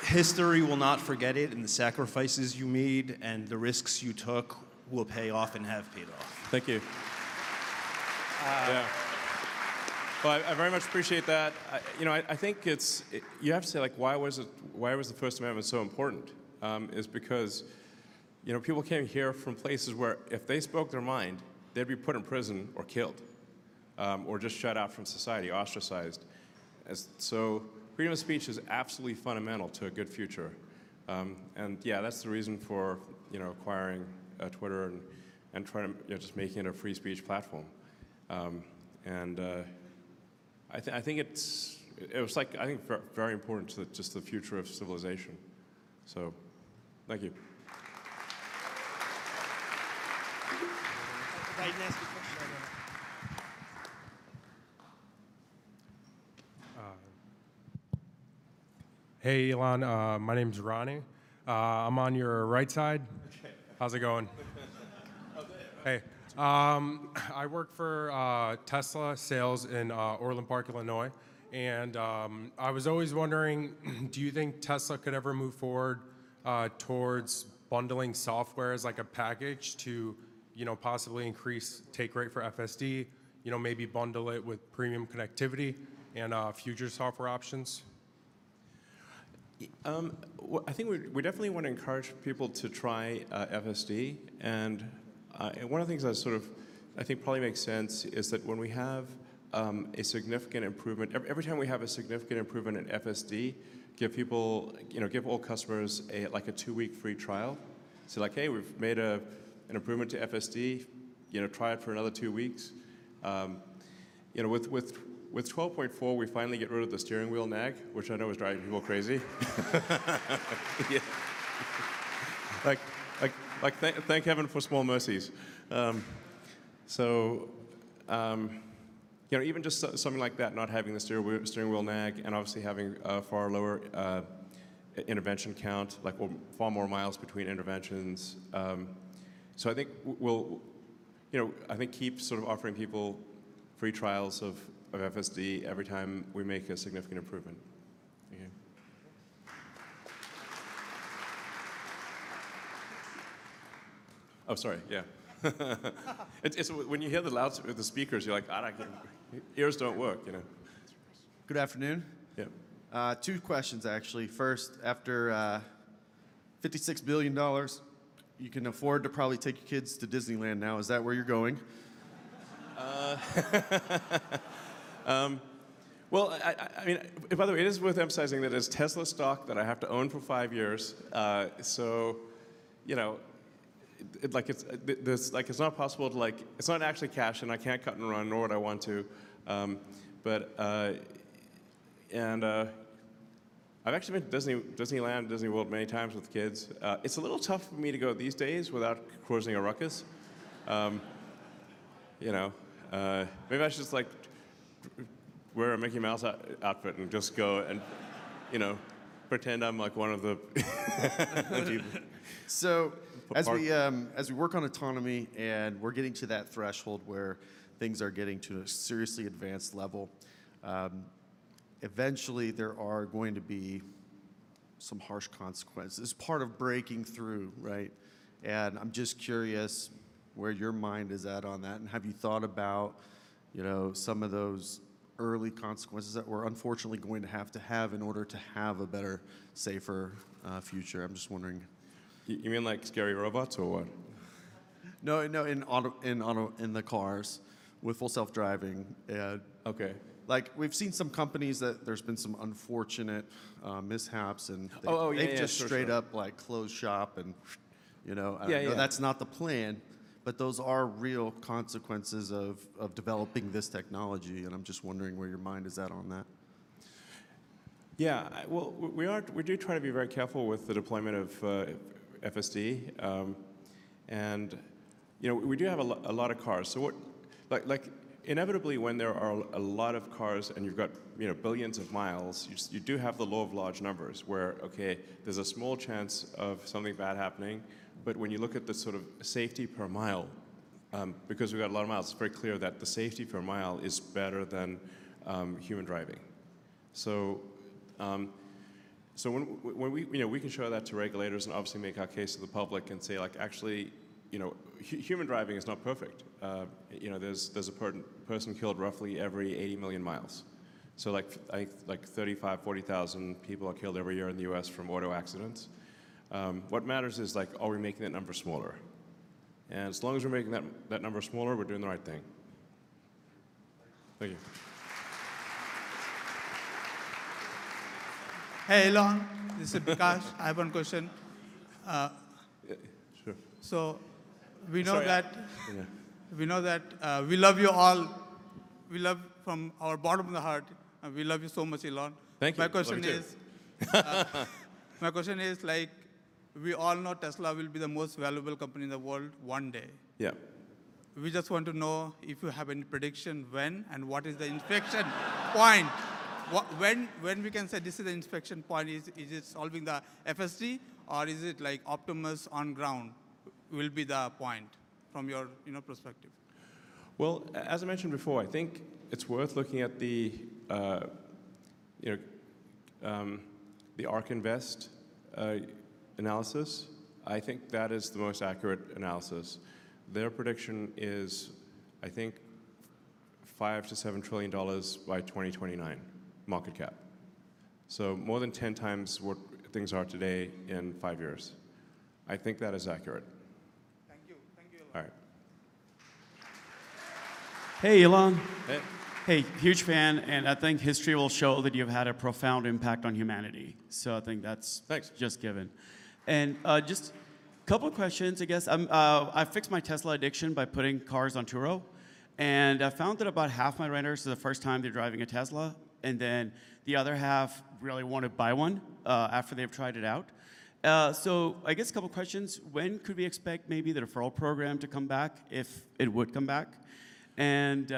History will not forget it and the sacrifices you made and the risks you took will pay off and have paid off. Thank you. Yeah. Well, I very much appreciate that. You know, I think it's, you have to say like, why was the First Amendment so important? It's because, you know, people came here from places where if they spoke their mind, they'd be put in prison or killed or just shut out from society, ostracized. So freedom of speech is absolutely fundamental to a good future, and yeah, that's the reason for, you know, acquiring Twitter and trying to, you know, just making it a free speech platform. I think it's, it was like, I think very important to just the future of civilization. So thank you. Hey, Elon, my name's Ronnie. I'm on your right side. How's it going? Hey. I work for Tesla Sales in Orland Park, Illinois. I was always wondering, do you think Tesla could ever move forward towards bundling software as like a package to, you know, possibly increase take rate for FSD, you know, maybe bundle it with premium connectivity and future software options? I think we definitely want to encourage people to try FSD. One of the things that sort of, I think probably makes sense is that when we have a significant improvement, every time we have a significant improvement in FSD, give people, you know, give all customers like a two-week free trial. So like, hey, we've made an improvement to FSD, you know, try it for another two weeks. You know, with 12.4, we finally get rid of the steering wheel nag, which I know is driving people crazy. Like, thank heaven for small mercies. So, you know, even just something like that, not having the steering wheel nag and obviously having a far lower intervention count, like far more miles between interventions. So I think we'll, you know, I think keep sort of offering people free trials of FSD every time we make a significant improvement. Oh, sorry. Yeah. It's when you hear the loudspeakers, you're like, ears don't work, you know. Good afternoon. Two questions, actually. First, after $56 billion, you can afford to probably take your kids to Disneyland now. Is that where you're going? Well, I mean, by the way, it is worth emphasizing that it's Tesla stock that I have to own for five years. So, you know, like it's not possible to like, it's not actually cash and I can't cut and run nor would I want to. I've actually been to Disneyland, Disney World many times with kids. It's a little tough for me to go these days without causing a ruckus. You know, maybe I should just like wear a Mickey Mouse outfit and just go and, you know, pretend I'm like one of them. So, as we work on autonomy and we're getting to that threshold where things are getting to a seriously advanced level, eventually there are going to be some harsh consequences as part of breaking through, right? I'm just curious where your mind is at on that and have you thought about, you know, some of those early consequences that we're unfortunately going to have to have in order to have a better, safer future? I'm just wondering. You mean like scary robots or what? No, no, in the cars with Full Self-Driving. Okay. Like we've seen some companies that there's been some unfortunate mishaps and they've just straight up like closed shop and, you know, that's not the plan, but those are real consequences of developing this technology. I'm just wondering where your mind is at on that. Yeah. Well, we do try to be very careful with the deployment of FSD. You know, we do have a lot of cars. So what, like inevitably when there are a lot of cars and you've got, you know, billions of miles, you do have the law of large numbers where, okay, there's a small chance of something bad happening. But when you look at the sort of safety per mile, because we've got a lot of miles, it's very clear that the safety per mile is better than human driving. So, so when we, you know, we can show that to regulators and obviously make our case to the public and say like, actually, you know, human driving is not perfect. You know, there's a person killed roughly every 80 million miles. So like 35,000, 40,000 people are killed every year in the U.S. from auto accidents. What matters is like, are we making that number smaller? As long as we're making that number smaller, we're doing the right thing. Thank you. Hey, Elon, this is Bikash. I have one question. Sure. So we know that, we know that we love you all. We love from our bottom of the heart. We love you so much, Elon. Thank you. My question is, my question is like, we all know Tesla will be the most valuable company in the world one day. We just want to know if you have any prediction when and what is the inflection point? When we can say this is the inflection point, is it solving the FSD or is it like Optimus on ground will be the point from your, you know, perspective? Well, as I mentioned before, I think it's worth looking at the, you know, the Ark Invest analysis. I think that is the most accurate analysis. Their prediction is, I think, $5-$7 trillion by 2029 market cap. So more than 10x what things are today in five years. I think that is accurate. Thank you. Thank you, Elon. All right. Hey, Elon. Hey. Hey, huge fan and I think history will show that you've had a profound impact on humanity. So I think that's just given. Just a couple of questions, I guess. I fixed my Tesla addiction by putting cars on Turo and I found that about half my renters are the first time they're driving a Tesla. Then the other half really want to buy one after they've tried it out. So I guess a couple of questions. When could we expect maybe the referral program to come back if it would come back and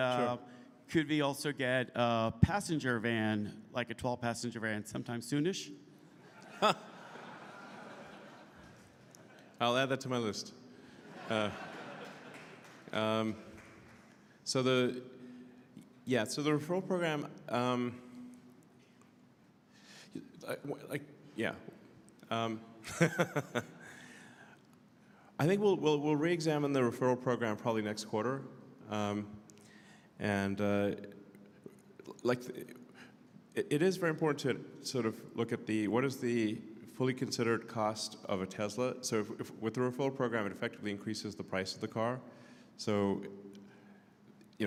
could we also get a passenger van, like a 12-passenger van, sometime soonish? I'll add that to my list. So, yeah, the referral program, like, yeah. I think we'll re-examine the referral program probably next quarter and like it is very important to sort of look at the, what is the fully considered cost of a Tesla? So with the referral program, it effectively increases the price of the car. So, you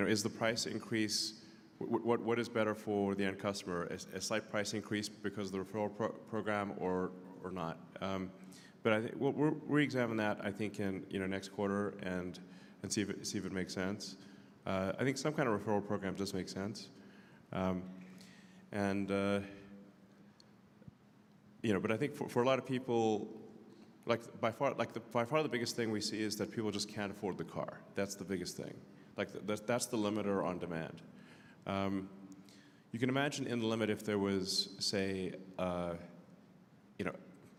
know, is the price increase, what is better for the end customer? A slight price increase because of the referral program or not? But I think we'll re-examine that, I think, in, you know, next quarter and see if it makes sense. I think some kind of referral program does make sense. You know, but I think for a lot of people, like by far, like by far the biggest thing we see is that people just can't afford the car. That's the biggest thing. Like that's the limiter on demand. You can imagine in the limit if there was, say, you know,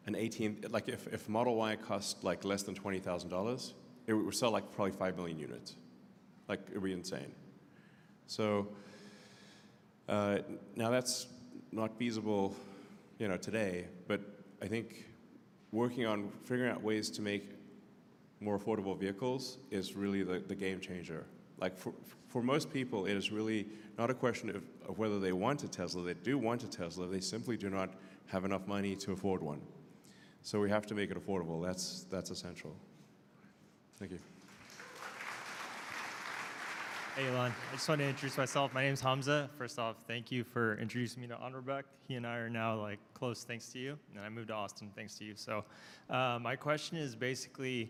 an 18, like if Model Y cost like less than $20,000, it would sell like probably 5 million units. Like it would be insane. So now that's not feasible, you know, today, but I think working on figuring out ways to make more affordable vehicles is really the game changer. Like for most people, it is really not a question of whether they want a Tesla. They do want a Tesla. They simply do not have enough money to afford one. So we have to make it affordable. That's essential. Thank you. Hey, Elon. I just want to introduce myself. My name is Hamza. First off, thank you for introducing me to Anuarbek. He and I are now like close. Thanks to you. I moved to Austin. Thanks to you. So my question is basically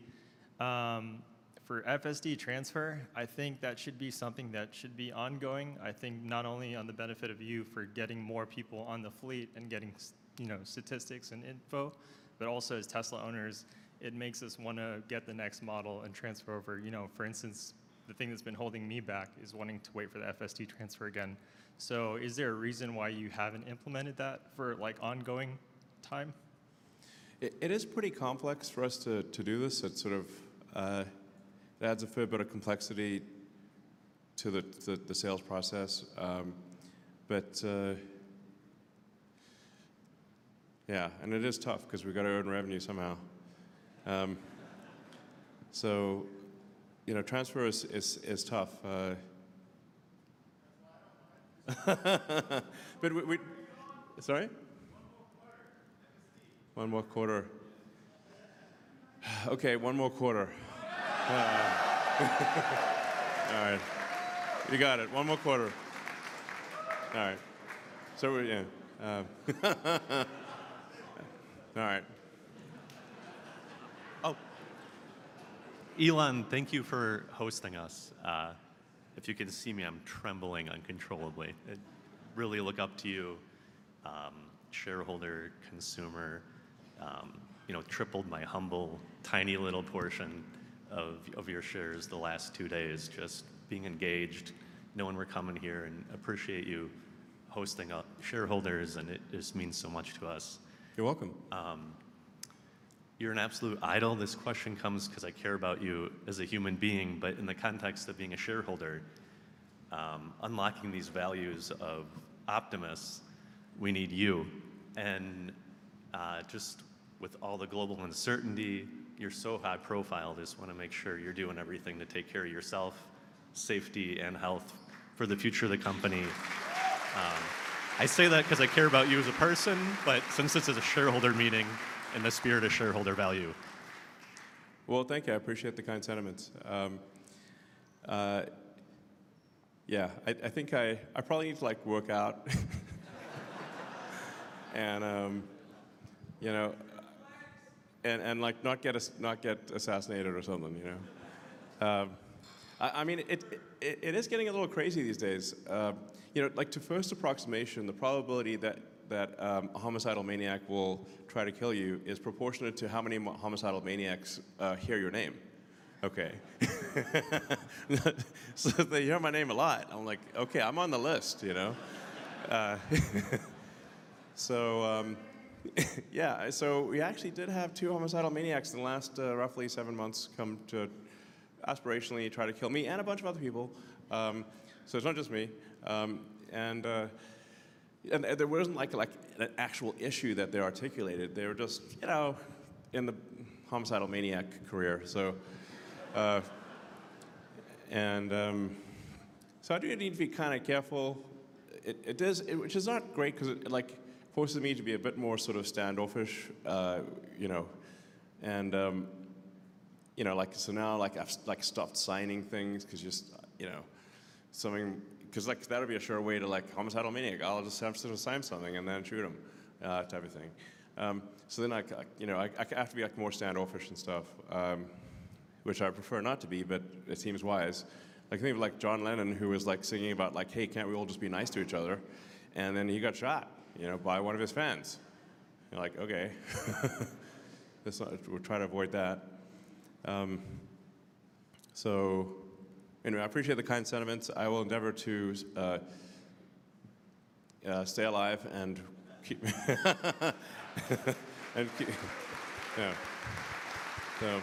for FSD transfer, I think that should be something that should be ongoing. I think not only on the benefit of you for getting more people on the fleet and getting, you know, statistics and info, but also as Tesla owners, it makes us want to get the next model and transfer over, you know, for instance, the thing that's been holding me back is wanting to wait for the FSD transfer again. So is there a reason why you haven't implemented that for like ongoing time? It is pretty complex for us to do this. It sort of adds a fair bit of complexity to the sales process. But yeah, and it is tough because we've got our own revenue somehow. So, you know, transfer is tough. But we, sorry? One more quarter. One more quarter. Okay, one more quarter. All right. You got it. One more quarter. All right. So yeah. All right. Elon, thank you for hosting us. If you can see me, I'm trembling uncontrollably. I really look up to you, shareholder, consumer, you know, tripled my humble tiny little portion of your shares the last two days, just being engaged. Knowing we're coming here and appreciate you hosting our shareholders, and it just means so much to us. You're welcome. You're an absolute idol. This question comes because I care about you as a human being, but in the context of being a shareholder, unlocking these values of Optimus, we need you and just with all the global uncertainty, you're so high profile. I just want to make sure you're doing everything to take care of yourself, safety, and health for the future of the company. I say that because I care about you as a person, but since this is a shareholder meeting and the spirit of shareholder value. Well, thank you. I appreciate the kind sentiments. Yeah, I think I probably need to like work out and, you know, and like not get assassinated or something, you know. I mean, it is getting a little crazy these days. You know, like to first approximation, the probability that a homicidal maniac will try to kill you is proportionate to how many homicidal maniacs hear your name. Okay. So they hear my name a lot. I'm like, okay, I'm on the list, you know. So yeah, so we actually did have two homicidal maniacs in the last roughly seven months come to aspirationally try to kill me and a bunch of other people. So it's not just me. There wasn't like an actual issue that they articulated. They were just, you know, in the homicidal maniac career. So, and so I do need to be kind of careful. Which is not great because it like forces me to be a bit more sort of standoffish, you know. You know, like so now like I've like stopped signing things because just, you know, something because like that would be a sure way to like homicidal maniac. I'll just have to sign something and then shoot them type of thing. So then like, you know, I have to be like more standoffish and stuff, which I prefer not to be, but it seems wise. Like I think of like John Lennon who was like singing about like, hey, can't we all just be nice to each other and then he got shot, you know, by one of his fans. You're like, okay. We'll try to avoid that. You know, I appreciate the kind sentiments. I will endeavor to stay alive and keep, you know, so.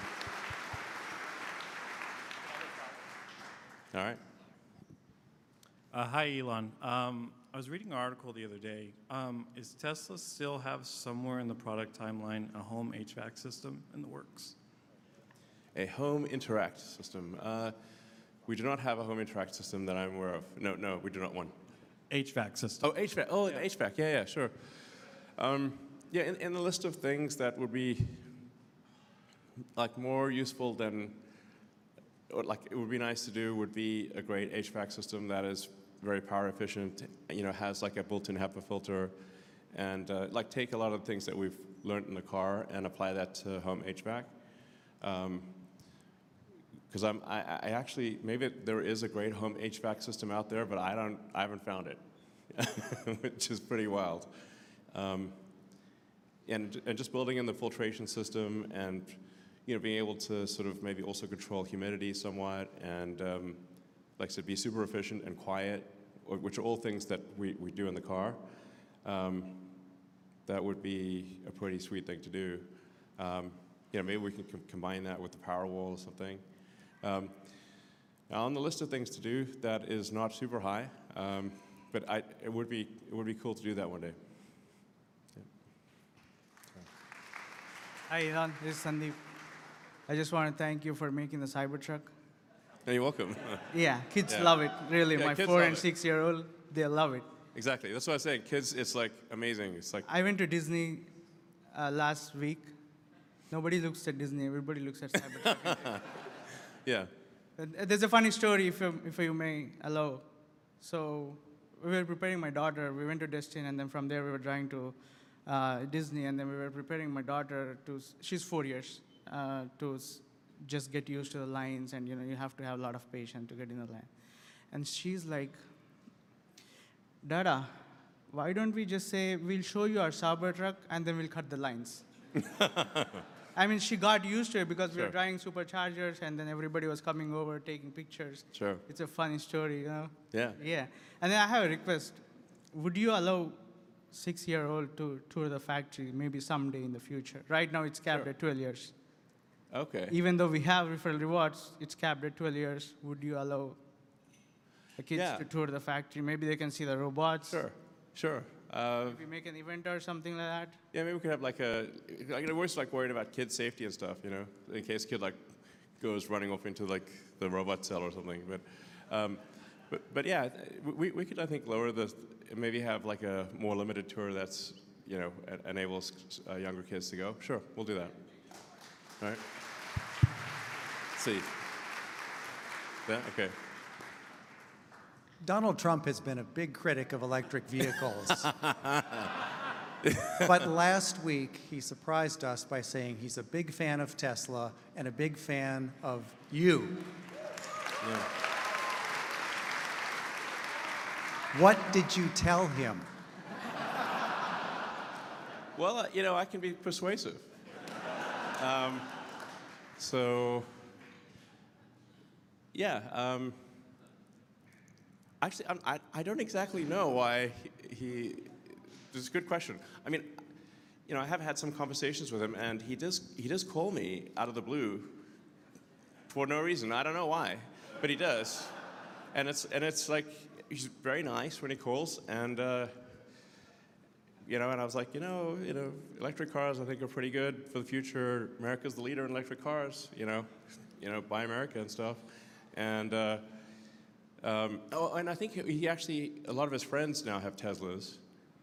All right. Hi, Elon. I was reading an article the other day. Is Tesla still have somewhere in the product timeline a home HVAC system in the works? A home interact system. We do not have a home interact system that I'm aware of. No, no, we do not one. HVAC system. Oh, HVAC. Oh, HVAC. Yeah, yeah, sure. Yeah, in the list of things that would be like more useful than or like it would be nice to do would be a great HVAC system that is very power efficient, you know, has like a built-in HEPA filter and like take a lot of the things that we've learned in the car and apply that to home HVAC because I actually, maybe there is a great home HVAC system out there, but I haven't found it, which is pretty wild. Just building in the filtration system and, you know, being able to sort of maybe also control humidity somewhat and like to be super efficient and quiet, which are all things that we do in the car. That would be a pretty sweet thing to do. You know, maybe we can combine that with the Powerwall or something. Now on the list of things to do, that is not super high, but it would be cool to do that one day. Hi, Elon. This is Sandeep. I just want to thank you for making the Cybertruck. You're welcome. Yeah, kids love it. Really, my 4- and 6-year-old, they love it. Exactly. That's what I was saying. Kids, it's like amazing. It's like. I went to Disney last week. Nobody looks at Disney. Everybody looks at Cybertruck. Yeah. There's a funny story, if you may allow. So we were preparing my daughter. We went to Disney and then from there we were driving to Disney. Then we were preparing my daughter to, she's 4 years, to just get used to the lines and you know, you have to have a lot of patience to get in the line. She's like, "Dada, why don't we just say we'll show you our Cybertruck and then we'll cut the lines?" I mean, she got used to it because we were driving Superchargers and then everybody was coming over taking pictures. It's a funny story, you know? Yeah. Yeah. Then I have a request. Would you allow 6-year-old to tour the factory maybe someday in the future? Right now it's capped at 12 years. Even though we have referral rewards, it's capped at 12 years. Yeah. Would you allow the kids to tour the factory? Maybe they can see the robots. Sure. Sure. We make an event or something like that. Yeah, maybe we could have like a, we're just like worried about kids' safety and stuff, you know, in case a kid like goes running off into like the robot cell or something. But yeah, we could I think lower the, maybe have like a more limited tour that's, you know, enables younger kids to go. Sure, we'll do that. All right. Let's see. Okay. Donald Trump has been a big critic of electric vehicles, but last week he surprised us by saying he's a big fan of Tesla and a big fan of you. What did you tell him? Well, you know, I can be persuasive. So yeah, actually I don't exactly know why he, this is a good question. I mean, you know, I have had some conversations with him and he does call me out of the blue for no reason. I don't know why, but he does and it's like, he's very nice when he calls. You know, and I was like, you know, you know, electric cars I think are pretty good for the future. America's the leader in electric cars, you know, you know, by America and stuff. I think he actually, a lot of his friends now have Teslas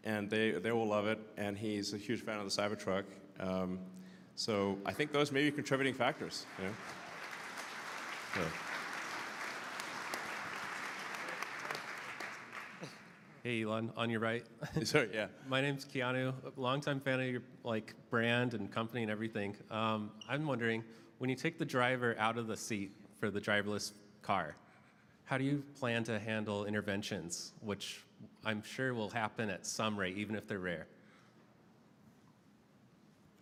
and they will love it and he's a huge fan of the Cybertruck. So I think those may be contributing factors, you know. Hey, Elon, on your right. Sorry, yeah. My name's Keanu, longtime fan of your like brand and company and everything. I'm wondering, when you take the driver out of the seat for the driverless car, how do you plan to handle interventions, which I'm sure will happen at some rate, even if they're rare?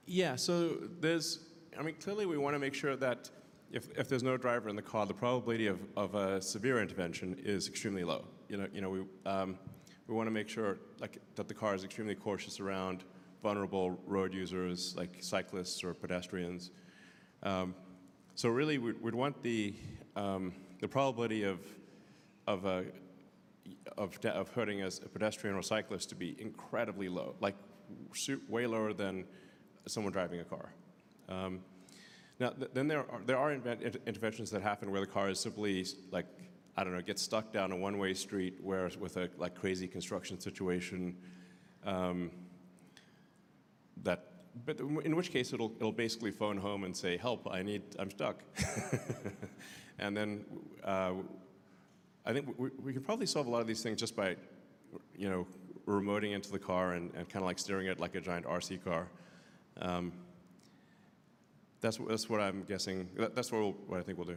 Yeah, so there's, I mean, clearly we want to make sure that if there's no driver in the car, the probability of a severe intervention is extremely low. You know, we want to make sure that the car is extremely cautious around vulnerable road users, like cyclists or pedestrians. So really we'd want the probability of hurting a pedestrian or cyclist to be incredibly low, like way lower than someone driving a car. Now then there are interventions that happen where the car is simply like, I don't know, gets stuck down a one-way street where with a like crazy construction situation. But in which case it'll basically phone home and say, "Help, I need, I'm stuck." Then I think we can probably solve a lot of these things just by, you know, remoting into the car and kind of like steering it like a giant RC car. That's what I'm guessing. That's what I think we'll do.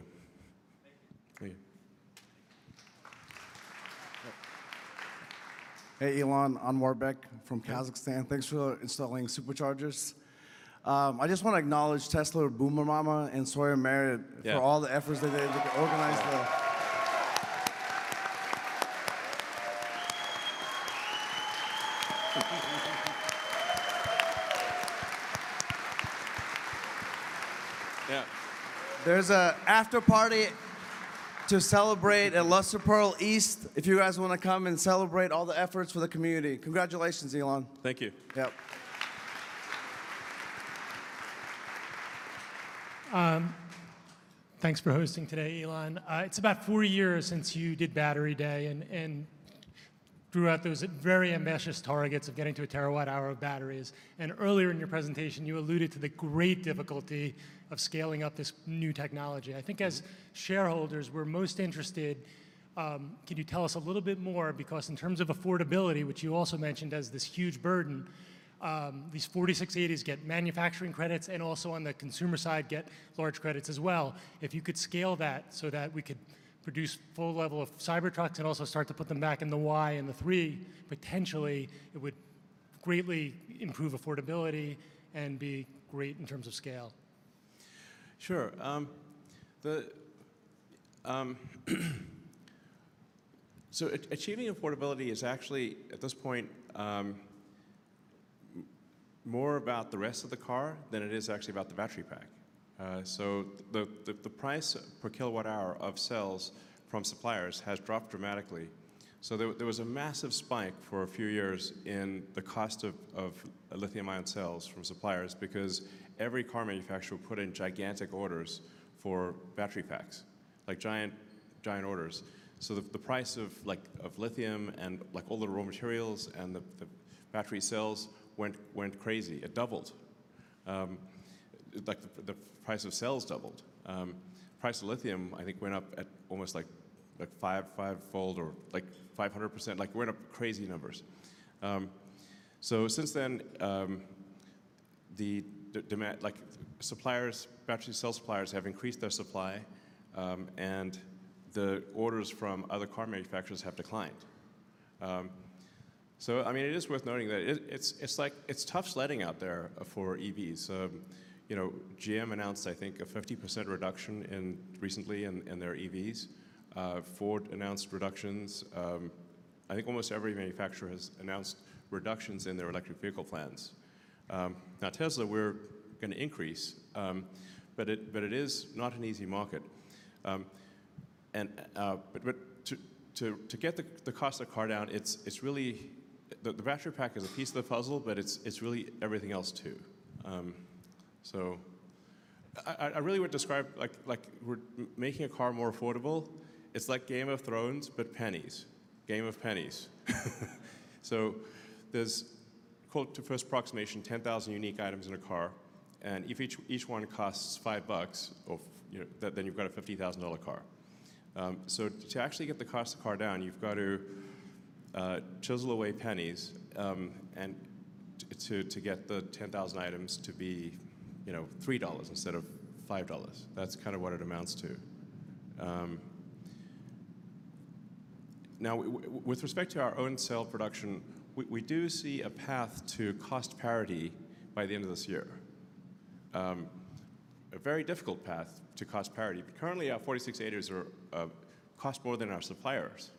Hey, Elon, Anuarbek from Kazakhstan. Thanks for installing Superchargers. I just want to acknowledge Tesla Boomer Mama and Sawyer Merritt for all the efforts that they did to organize the. Yeah. There's an afterparty to celebrate at Lustre Pearl East if you guys want to come and celebrate all the efforts for the community. Congratulations, Elon. Thank you. Yep. Thanks for hosting today, Elon. It's about four years since you did Battery Day and drew out those very ambitious targets of getting to 1 terawatt-hour of batteries. Earlier in your presentation, you alluded to the great difficulty of scaling up this new technology. I think as shareholders, we're most interested. Can you tell us a little bit more because in terms of affordability, which you also mentioned as this huge burden, these 4680s get manufacturing credits and also on the consumer side get large credits as well. If you could scale that so that we could produce full level of Cybertrucks and also start to put them back in the Y and the 3, potentially it would greatly improve affordability and be great in terms of scale. Sure. Achieving affordability is actually at this point more about the rest of the car than it is actually about the battery pack. The price per kilowatt hour of cells from suppliers has dropped dramatically. So there was a massive spike for a few years in the cost of lithium-ion cells from suppliers because every car manufacturer put in gigantic orders for battery packs, like giant orders. So the price of lithium and like all the raw materials and the battery cells went crazy. It doubled. Like the price of cells doubled. The price of lithium, I think, went up at almost like fivefold or like 500%. Like it went up crazy numbers. So since then, the demand, like suppliers, battery cell suppliers have increased their supply and the orders from other car manufacturers have declined. So I mean, it is worth noting that it's like it's tough sledding out there for EVs. So, you know, GM announced, I think, a 50% reduction recently in their EVs. Ford announced reductions. I think almost every manufacturer has announced reductions in their electric vehicle plans. Now, Tesla, we're going to increase, but it is not an easy market. But to get the cost of the car down, it's really, the battery pack is a piece of the puzzle, but it's really everything else too. So I really would describe like making a car more affordable. It's like Game of Thrones, but pennies. Game of pennies. So there's, quote to first approximation, 10,000 unique items in a car, and if each one costs $5, then you've got a $50,000 car. So to actually get the cost of the car down, you've got to chisel away pennies to get the 10,000 items to be, you know, $3 instead of $5. That's kind of what it amounts to. Now, with respect to our own cell production, we do see a path to cost parity by the end of this year. A very difficult path to cost parity. Currently, our 4680s cost more than our suppliers.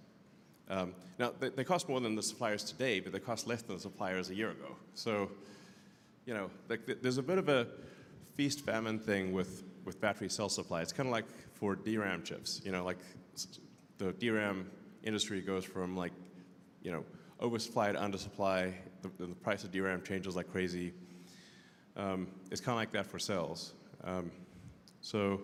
Now, they cost more than the suppliers today, but they cost less than the suppliers a year ago. So, you know, there's a bit of a feast famine thing with battery cell supplies. It's kind of like for DRAM chips, you know, like the DRAM industry goes from like, you know, oversupply to undersupply. The price of DRAM changes like crazy. It's kind of like that for cells. So,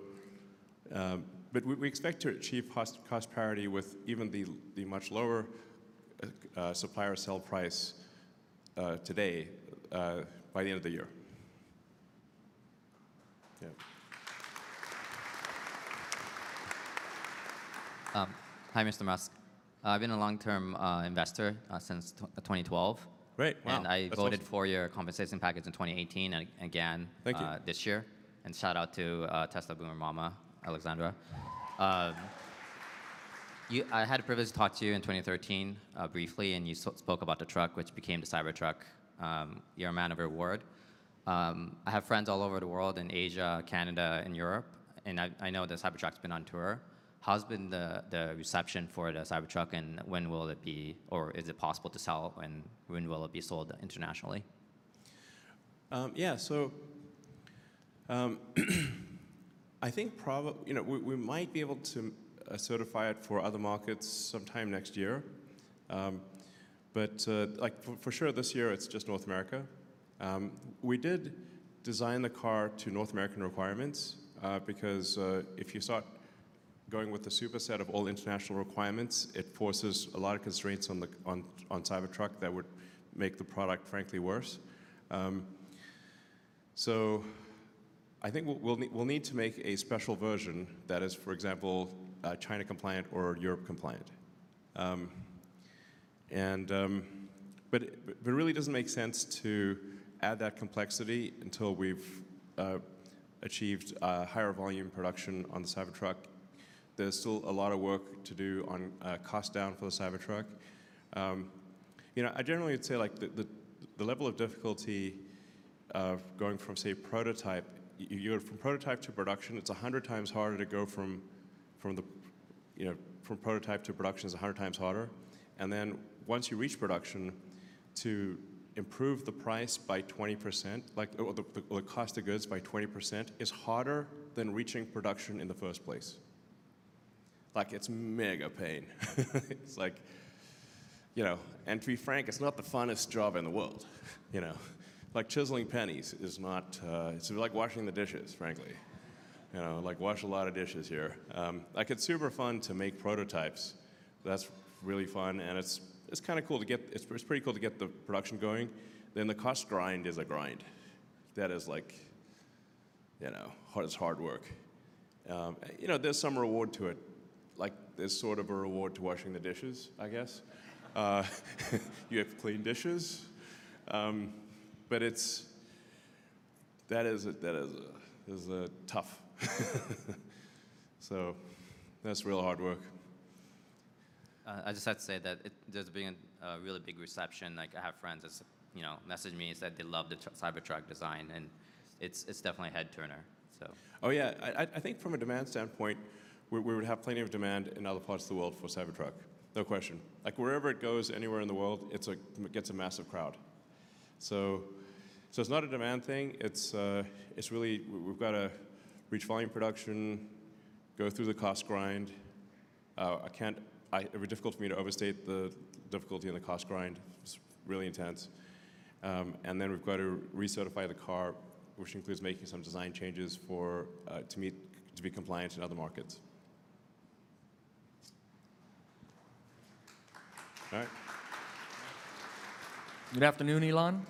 but we expect to achieve cost parity with even the much lower supplier cell price today by the end of the year. Yeah. Hi, Mr. Musk. I've been a long-term investor since 2012. Great. Wow. I voted for your compensation package in 2018 and again this year and shout out to Tesla Boomer Mama, Alexandra Merz. I had the privilege to talk to you in 2013 briefly, and you spoke about the truck, which became the Cybertruck. You're a man of your word. I have friends all over the world in Asia, Canada, and Europe and I know the Cybertruck's been on tour. How's been the reception for the Cybertruck, and when will it be, or is it possible to sell, and when will it be sold internationally? Yeah, so I think probably, you know, we might be able to certify it for other markets sometime next year. But like for sure this year, it's just North America. We did design the car to North American requirements because if you start going with the superset of all international requirements, it forces a lot of constraints on Cybertruck that would make the product, frankly, worse. So I think we'll need to make a special version that is, for example, China compliant or Europe compliant. But it really doesn't make sense to add that complexity until we've achieved a higher volume production on the Cybertruck. There's still a lot of work to do on cost down for the Cybertruck. You know, I generally would say like the level of difficulty of going from, say, prototype, you go from prototype to production, it's 100x harder to go from the, you know, from prototype to production is 100x harder and then once you reach production, to improve the price by 20%, like the cost of goods by 20% is harder than reaching production in the first place. Like it's mega pain. It's like, you know, and to be frank, it's not the funnest job in the world, you know. Like chiseling pennies is not. It's like washing the dishes, frankly. You know, like wash a lot of dishes here. Like it's super fun to make prototypes. That's really fun and it's kind of cool to get. It's pretty cool to get the production going. Then the cost grind is a grind. That is like, you know, it's hard work. You know, there's some reward to it. Like there's sort of a reward to washing the dishes, I guess. You have to clean dishes. But that is tough. So that's real hard work. I just have to say that there's been a really big reception. Like I have friends that, you know, message me and said they love the Cybertruck design and it's definitely a head turner. Oh yeah, I think from a demand standpoint, we would have plenty of demand in other parts of the world for Cybertruck. No question. Like wherever it goes, anywhere in the world, it gets a massive crowd. So it's not a demand thing. It's really, we've got to reach volume production, go through the cost grind. I can't, it would be difficult for me to overstate the difficulty in the cost grind. It's really intense. Then we've got to recertify the car, which includes making some design changes to be compliant in other markets. All right. Good afternoon, Elon.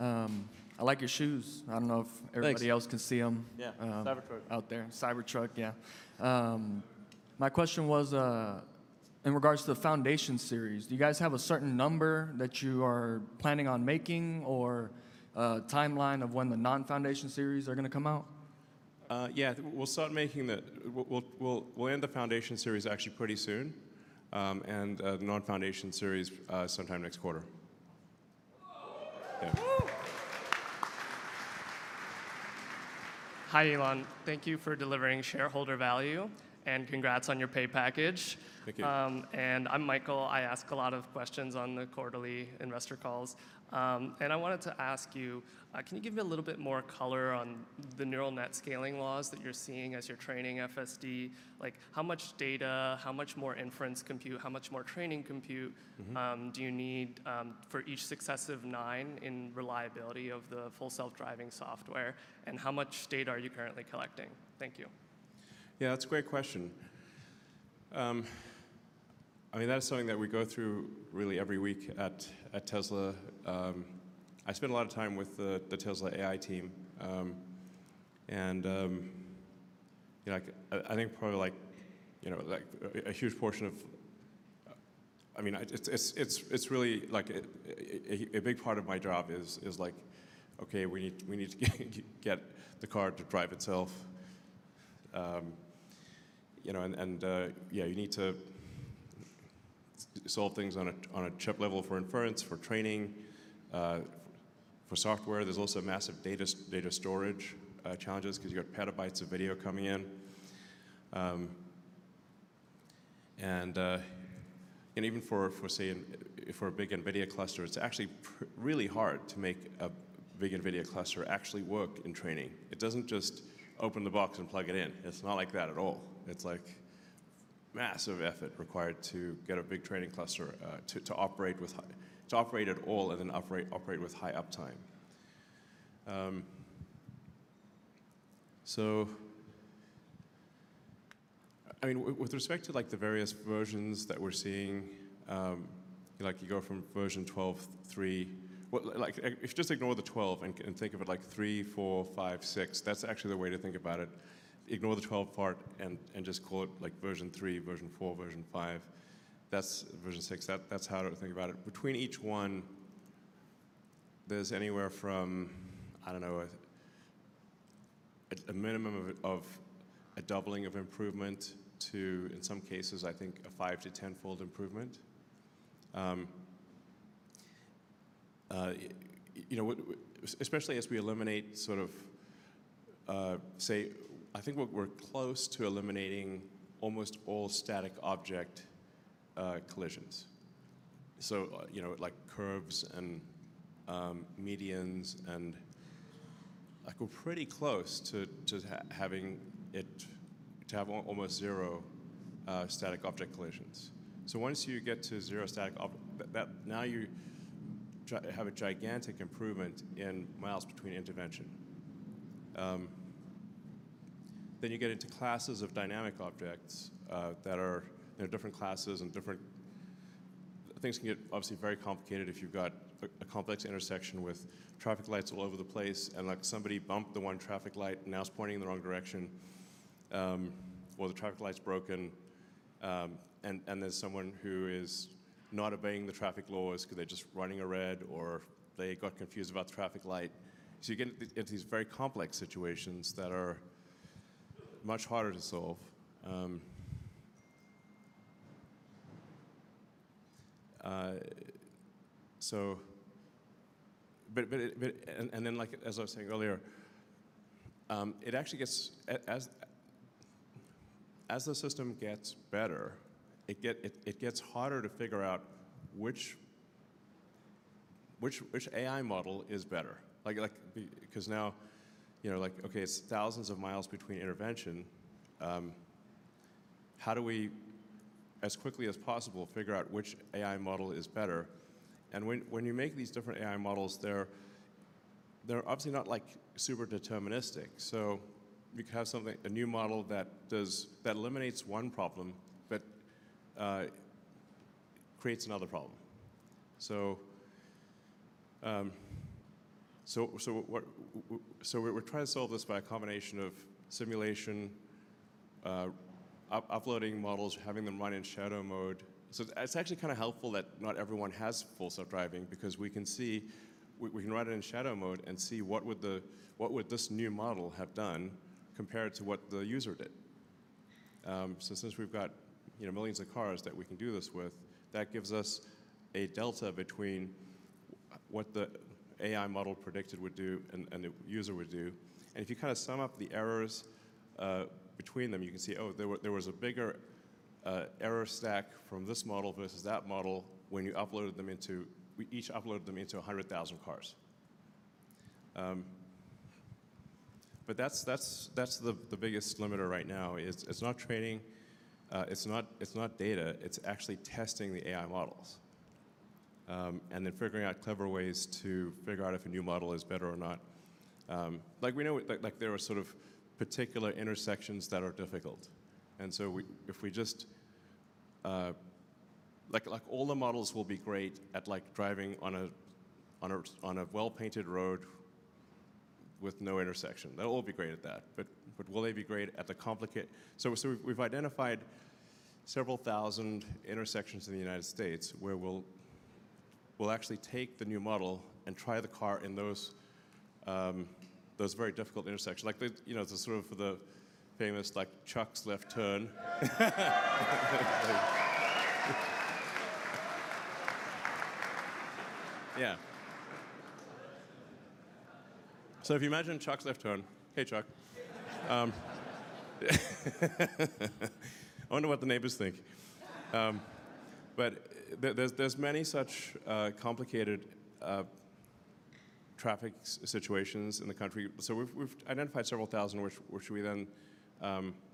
I like your shoes. I don't know if everybody else can see them. Yeah, Cybertruck. Out there. Cybertruck, yeah. My question was in regards to the Founders Series. Do you guys have a certain number that you are planning on making or a timeline of when the non-Foundation Series are going to come out? Yeah, we'll start making the, we'll end the Foundation Series actually pretty soon and the non-Foundation Series sometime next quarter. Hi, Elon. Thank you for delivering shareholder value and congrats on your pay package. Thank you. I'm Michael. I ask a lot of questions on the quarterly investor calls. I wanted to ask you, can you give me a little bit more color on the neural net scaling laws that you're seeing as you're training FSD? Like how much data, how much more inference compute, how much more training compute do you need for each successive nine in reliability of the Full Self-Driving software and how much data are you currently collecting? Thank you. Yeah, that's a great question. I mean, that is something that we go through really every week at Tesla. I spend a lot of time with the Tesla AI team and you know, I think probably like, you know, like a huge portion of, I mean, it's really like a big part of my job is like, okay, we need to get the car to drive itself. You know, and yeah, you need to solve things on a chip level for inference, for training, for software. There's also massive data storage challenges because you got petabytes of video coming in. Even for, say, for a big NVIDIA cluster, it's actually really hard to make a big NVIDIA cluster actually work in training. It doesn't just open the box and plug it in. It's not like that at all. It's like massive effort required to get a big training cluster to operate with, to operate at all and then operate with high uptime. So, I mean, with respect to like the various versions that we're seeing, like you go from version 12.3, like if you just ignore the 12 and think of it like three, four, five, six, that's actually the way to think about it. Ignore the 12 part and just call it like version three, version four, version five. That's version six. That's how to think about it. Between each one, there's anywhere from, I don't know, a minimum of a doubling of improvement to, in some cases, I think a 5-10-fold improvement. You know, especially as we eliminate sort of, say, I think we're close to eliminating almost all static object collisions. So, you know, like curves and medians and like we're pretty close to having it to have almost zero static object collisions. So once you get to zero static, now you have a gigantic improvement in miles between intervention. Then you get into classes of dynamic objects that are different classes and different things can get obviously very complicated if you've got a complex intersection with traffic lights all over the place and like somebody bumped the one traffic light and now it's pointing in the wrong direction. Well, the traffic light's broken and there's someone who is not obeying the traffic laws because they're just running a red or they got confused about the traffic light. So you get into these very complex situations that are much harder to solve. Like as I was saying earlier, it actually gets, as the system gets better, it gets harder to figure out which AI model is better. Like because now, you know, like okay, it's thousands of miles between intervention. How do we, as quickly as possible, figure out which AI model is better? When you make these different AI models, they're obviously not like super deterministic. So you can have something, a new model that does, that eliminates one problem, but creates another problem. So we're trying to solve this by a combination of simulation, uploading models, having them run in Shadow Mode. So it's actually kind of helpful that not everyone has Full Self-Driving because we can see, we can run it in Shadow Mode and see what would this new model have done compared to what the user did. So since we've got, you know, millions of cars that we can do this with, that gives us a delta between what the AI model predicted would do and the user would do and if you kind of sum up the errors between them, you can see, oh, there was a bigger error stack from this model versus that model when you uploaded them into, we each uploaded them into 100,000 cars. But that's the biggest limiter right now. It's not training, it's not data, it's actually testing the AI models. Then figuring out clever ways to figure out if a new model is better or not. Like we know, like there are sort of particular intersections that are difficult and so if we just, like all the models will be great at like driving on a well-painted road with no intersection. They'll all be great at that. But will they be great at the complicated? So we've identified several thousand intersections in the United States where we'll actually take the new model and try the car in those very difficult intersections. Like the, you know, the sort of the famous like Chuck's left turn. Yeah. So if you imagine Chuck's left turn, hey Chuck. I wonder what the neighbors think. But there's many such complicated traffic situations in the country. So we've identified several thousand, which we then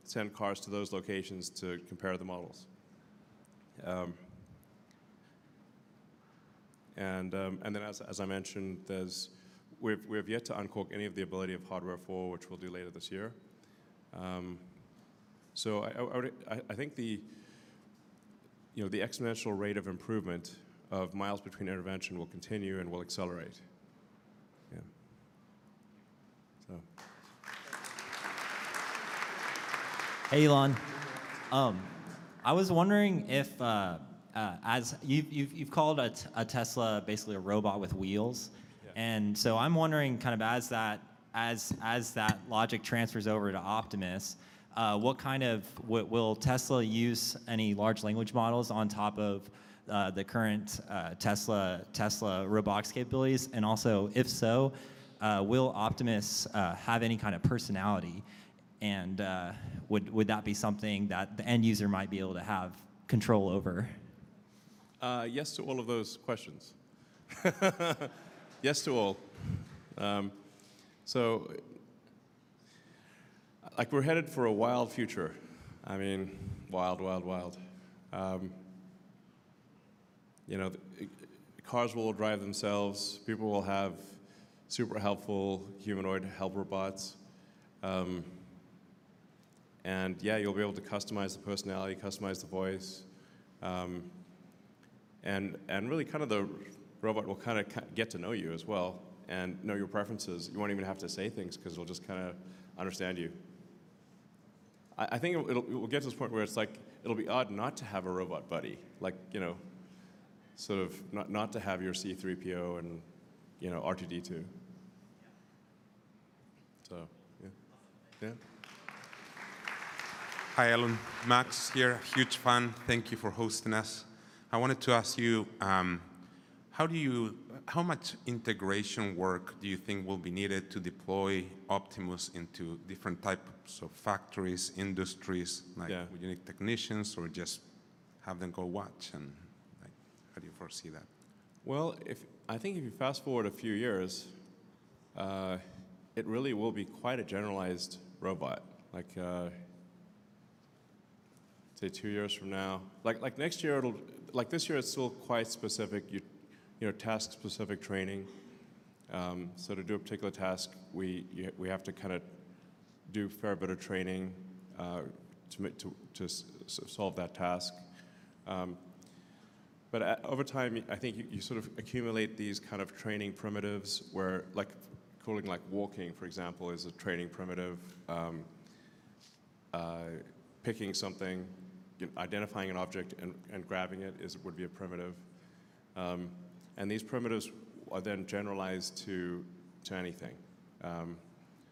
send cars to those locations to compare the models. Then as I mentioned, there's, we have yet to uncork any of the ability of Hardware 4, which we'll do later this year. So I think the, you know, the exponential rate of improvement of miles between intervention will continue and will accelerate. Yeah. Hey Elon. I was wondering if, as you've called a Tesla basically a robot with wheels, and so I'm wondering kind of as that logic transfers over to Optimus, what kind of—will Tesla use any large language models on top of the current Tesla robotics capabilities? Also if so, will Optimus have any kind of personality? Would that be something that the end user might be able to have control over? Yes to all of those questions. Yes to all. So like we're headed for a wild future. I mean, wild, wild, wild. You know, cars will drive themselves. People will have super helpful humanoid helper bots. Yeah, you'll be able to customize the personality, customize the voice and really kind of the robot will kind of get to know you as well and know your preferences. You won't even have to say things because it'll just kind of understand you. I think it will get to this point where it's like, it'll be odd not to have a robot buddy. Like, you know, sort of not to have your C-3PO and, you know, R2-D2. So yeah. Yeah. Hi Elon, Max here, huge fan. Thank you for hosting us. I wanted to ask you, how much integration work do you think will be needed to deploy Optimus into different types of factories, industries? Like would you need technicians or just have them go watch and like, how do you foresee that? Well, if I think if you fast forward a few years, it really will be quite a generalized robot. Like say two years from now, like next year, like this year it's still quite specific, you know, task specific training. So to do a particular task, we have to kind of do a fair bit of training to solve that task. But over time, I think you sort of accumulate these kind of training primitives where like calling like walking, for example, is a training primitive. Picking something, identifying an object and grabbing it would be a primitive. These primitives are then generalized to anything.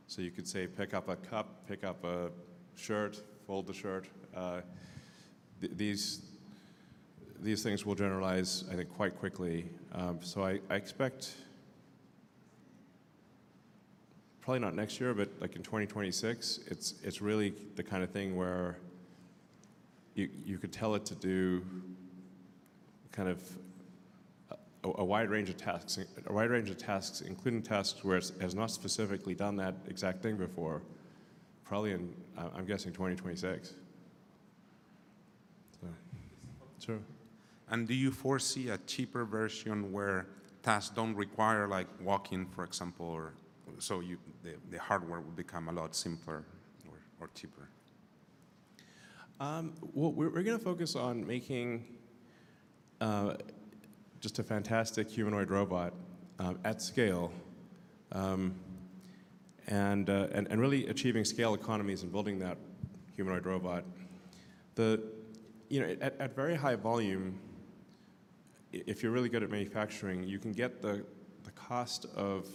So you could say pick up a cup, pick up a shirt, fold the shirt. These things will generalize, I think, quite quickly. So I expect probably not next year, but like in 2026, it's really the kind of thing where you could tell it to do kind of a wide range of tasks, a wide range of tasks, including tasks where it has not specifically done that exact thing before, probably in, I'm guessing 2026. True, and do you foresee a cheaper version where tasks don't require like walking, for example, or so the hardware would become a lot simpler or cheaper? Well, we're going to focus on making just a fantastic humanoid robot at scale and really achieving scale economies and building that humanoid robot. You know, at very high volume, if you're really good at manufacturing, you can get the cost of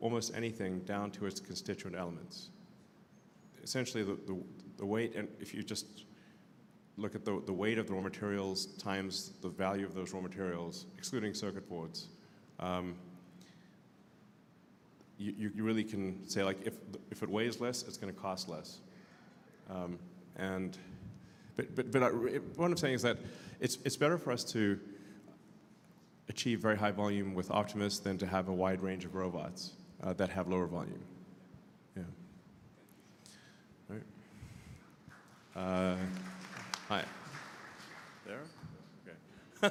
almost anything down to its constituent elements. Essentially, the weight, and if you just look at the weight of the raw materials times the value of those raw materials, excluding circuit boards, you really can say like if it weighs less, it's going to cost less. But what I'm saying is that it's better for us to achieve very high volume with Optimus than to have a wide range of robots that have lower volume. Yeah. Hi. There?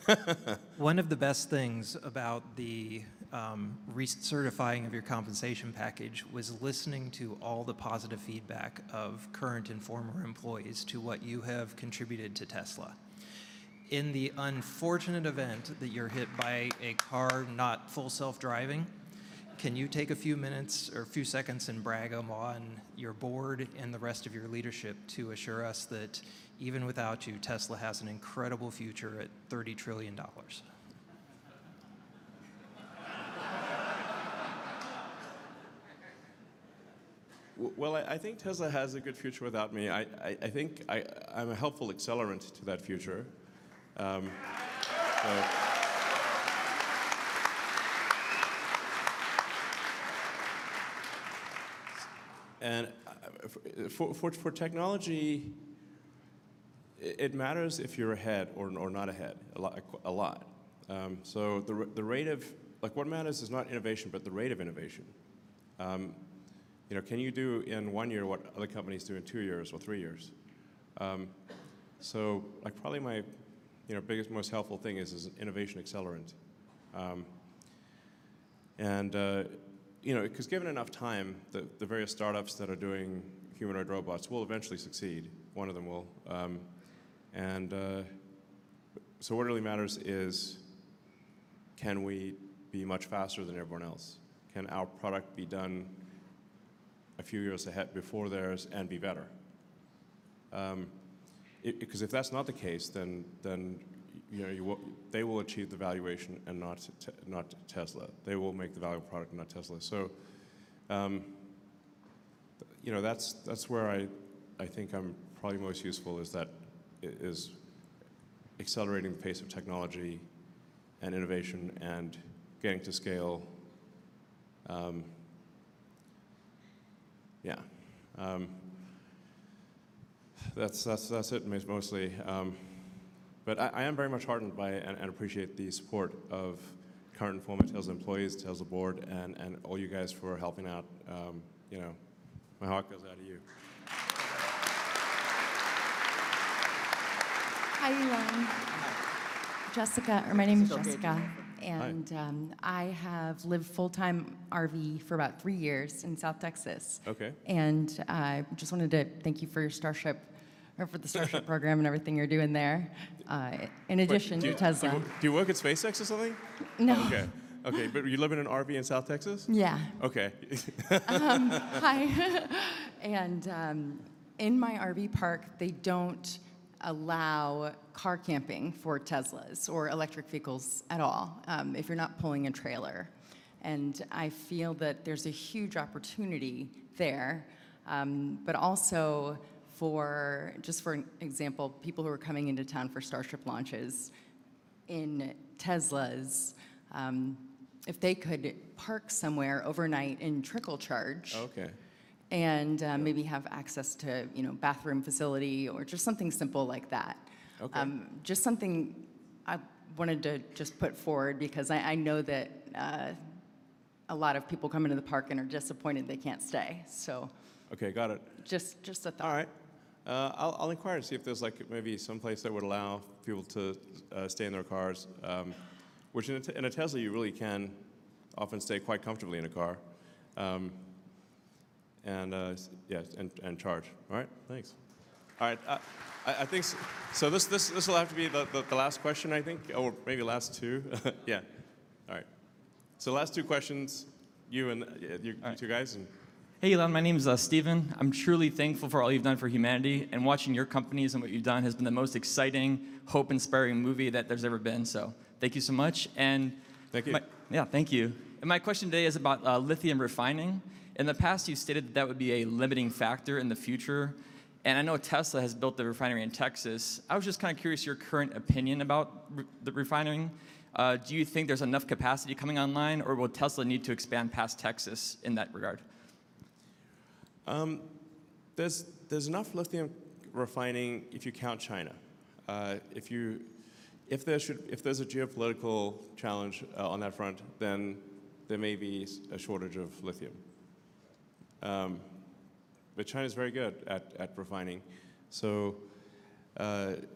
Okay. One of the best things about the recertifying of your compensation package was listening to all the positive feedback of current and former employees to what you have contributed to Tesla. In the unfortunate event that you're hit by a car not Full Self-Driving, can you take a few minutes or a few seconds and brag on your board and the rest of your leadership to assure us that even without you, Tesla has an incredible future at $30 trillion? Well, I think Tesla has a good future without me. I think I'm a helpful accelerant to that future. For technology, it matters if you're ahead or not ahead, a lot. So the rate of, like what matters is not innovation, but the rate of innovation. You know, can you do in one year what other companies do in two years or three years? So like probably my, you know, biggest, most helpful thing is an innovation accelerant and, you know, because given enough time, the various startups that are doing humanoid robots will eventually succeed. One of them will. So what really matters is can we be much faster than everyone else? Can our product be done a few years ahead before theirs and be better because if that's not the case, then they will achieve the valuation and not Tesla. They will make the value of product and not Tesla. So, you know, that's where I think I'm probably most useful is that it is accelerating the pace of technology and innovation and getting to scale. Yeah. That's it mostly. But I am very much heartened by and appreciate the support of current and former Tesla employees, Tesla board, and all you guys for helping out. You know, my heart goes out to you. Hi Elon. Jessica, or my name is Jessica. I have lived full-time RV for about three years in South Texas. Okay. I just wanted to thank you for your Starship, or for the Starship program and everything you're doing there. In addition to Tesla. Do you work at SpaceX or something? No. Okay. Okay. But you live in an RV in South Texas? Yeah. Okay. Hi, and in my RV park, they don't allow car camping for Teslas or electric vehicles at all if you're not pulling a trailer. I feel that there's a huge opportunity there. But also for, just for example, people who are coming into town for Starship launches in Teslas, if they could park somewhere overnight and trickle charge. Okay. Maybe have access to, you know, bathroom facility or just something simple like that. Just something I wanted to just put forward because I know that a lot of people come into the park and are disappointed they can't stay. So- Okay, got it. Just a thought. All right. I'll inquire to see if there's like maybe someplace that would allow people to stay in their cars, which in a Tesla you really can often stay quite comfortably in a car, yeah, and charge. All right, thanks. All right. I think so this will have to be the last question I think, or maybe last two. Yeah. All right. So last two questions, you and you guys. Hey Elon, my name is Steven. I'm truly thankful for all you've done for humanity and watching your companies and what you've done has been the most exciting, hope-inspiring movie that there's ever been. So thank you so much. Thank you. Yeah, thank you. My question today is about lithium refining. In the past, you stated that that would be a limiting factor in the future. I know Tesla has built the refinery in Texas. I was just kind of curious your current opinion about the refining. Do you think there's enough capacity coming online or will Tesla need to expand past Texas in that regard? There's enough lithium refining if you count China. If there's a geopolitical challenge on that front, then there may be a shortage of lithium. But China is very good at refining. So, but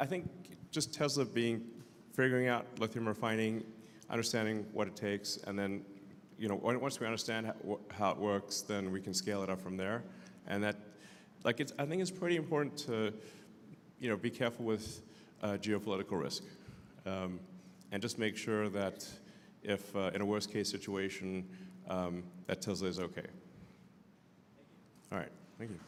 I think just Tesla being figuring out lithium refining, understanding what it takes, and then, you know, once we understand how it works, then we can scale it up from there. Like I think it's pretty important to, you know, be careful with geopolitical risk and just make sure that if in a worst-case situation, that Tesla is okay. Thank you. All right, thank you.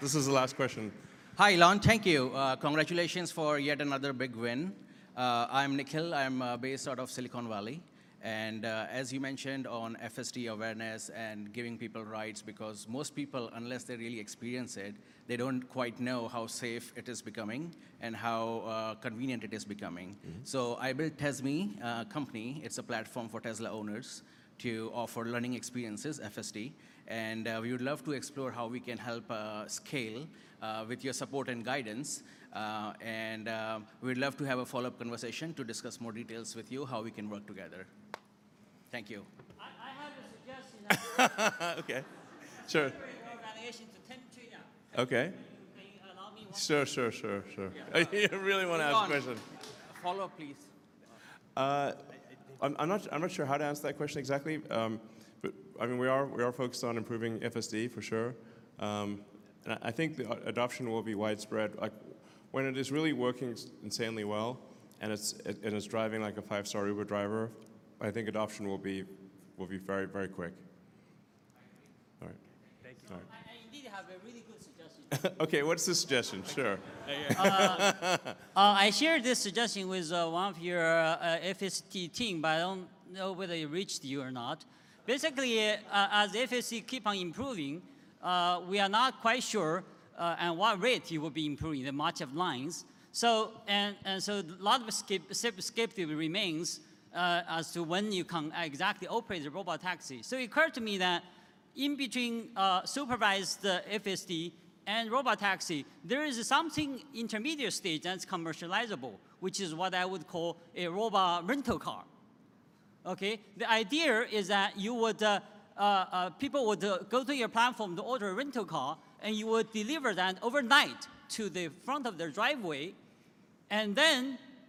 This is the last question. Hi Elon, thank you. Congratulations for yet another big win. I'm Nikhil. I'm based out of Silicon Valley. As you mentioned on FSD awareness and giving people rights, because most people, unless they really experience it, they don't quite know how safe it is becoming and how convenient it is becoming. So I built TesMe, a company. It's a platform for Tesla owners to offer learning experiences, FSD. We would love to explore how we can help scale with your support and guidance and we'd love to have a follow-up conversation to discuss more details with you, how we can work together. Thank you. I have a suggestion. Okay. Sure. To 10 to 10. Okay. Can you allow me one? Sure, sure, sure, sure. I really want to ask a question. Follow up, please. I'm not sure how to answer that question exactly. But I mean, we are focused on improving FSD for sure. I think the adoption will be widespread. When it is really working insanely well and it's driving like a five-star Uber driver, I think adoption will be very, very quick. All right. Thank you. I indeed have a really good suggestion. Okay, what's the suggestion? Sure. I shared this suggestion with one of your FSD team, but I don't know whether it reached you or not. Basically, as FSD keeps on improving, we are not quite sure at what rate it will be improving. The much-discussed timeline. So, and so a lot of skepticism remains as to when you can exactly operate the Robotaxi. So it occurred to me that in between supervised FSD and Robotaxi, there is something intermediate stage that's commercializable, which is what I would call a robot rental car. Okay. The idea is that you would, people would go to your platform to order a rental car and you would deliver that overnight to the front of their driveway.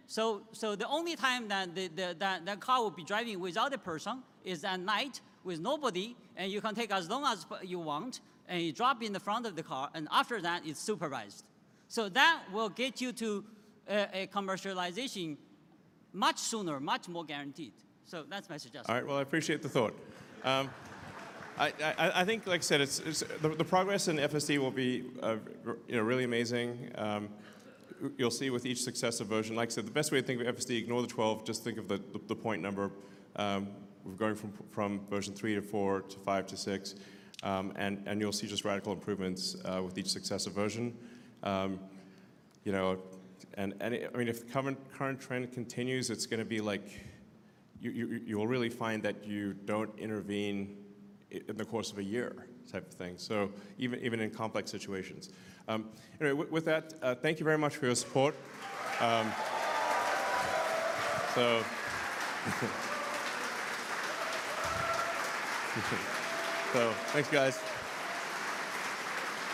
So the only time that the car will be driving without a person is at night with nobody. You can take as long as you want and you drop in the front of the car and after that, it's supervised. So that will get you to a commercialization much sooner, much more guaranteed. So that's my suggestion. All right. Well, I appreciate the thought. I think, like I said, the progress in FSD will be really amazing. You'll see with each successive version, like I said, the best way to think of FSD, ignore the 12, just think of the point number going from version three to four to five to six. You'll see just radical improvements with each successive version. You know, and I mean, if the current trend continues, it's going to be like you'll really find that you don't intervene in the course of a year type of thing. So even in complex situations. Anyway, with that, thank you very much for your support. So thanks, guys.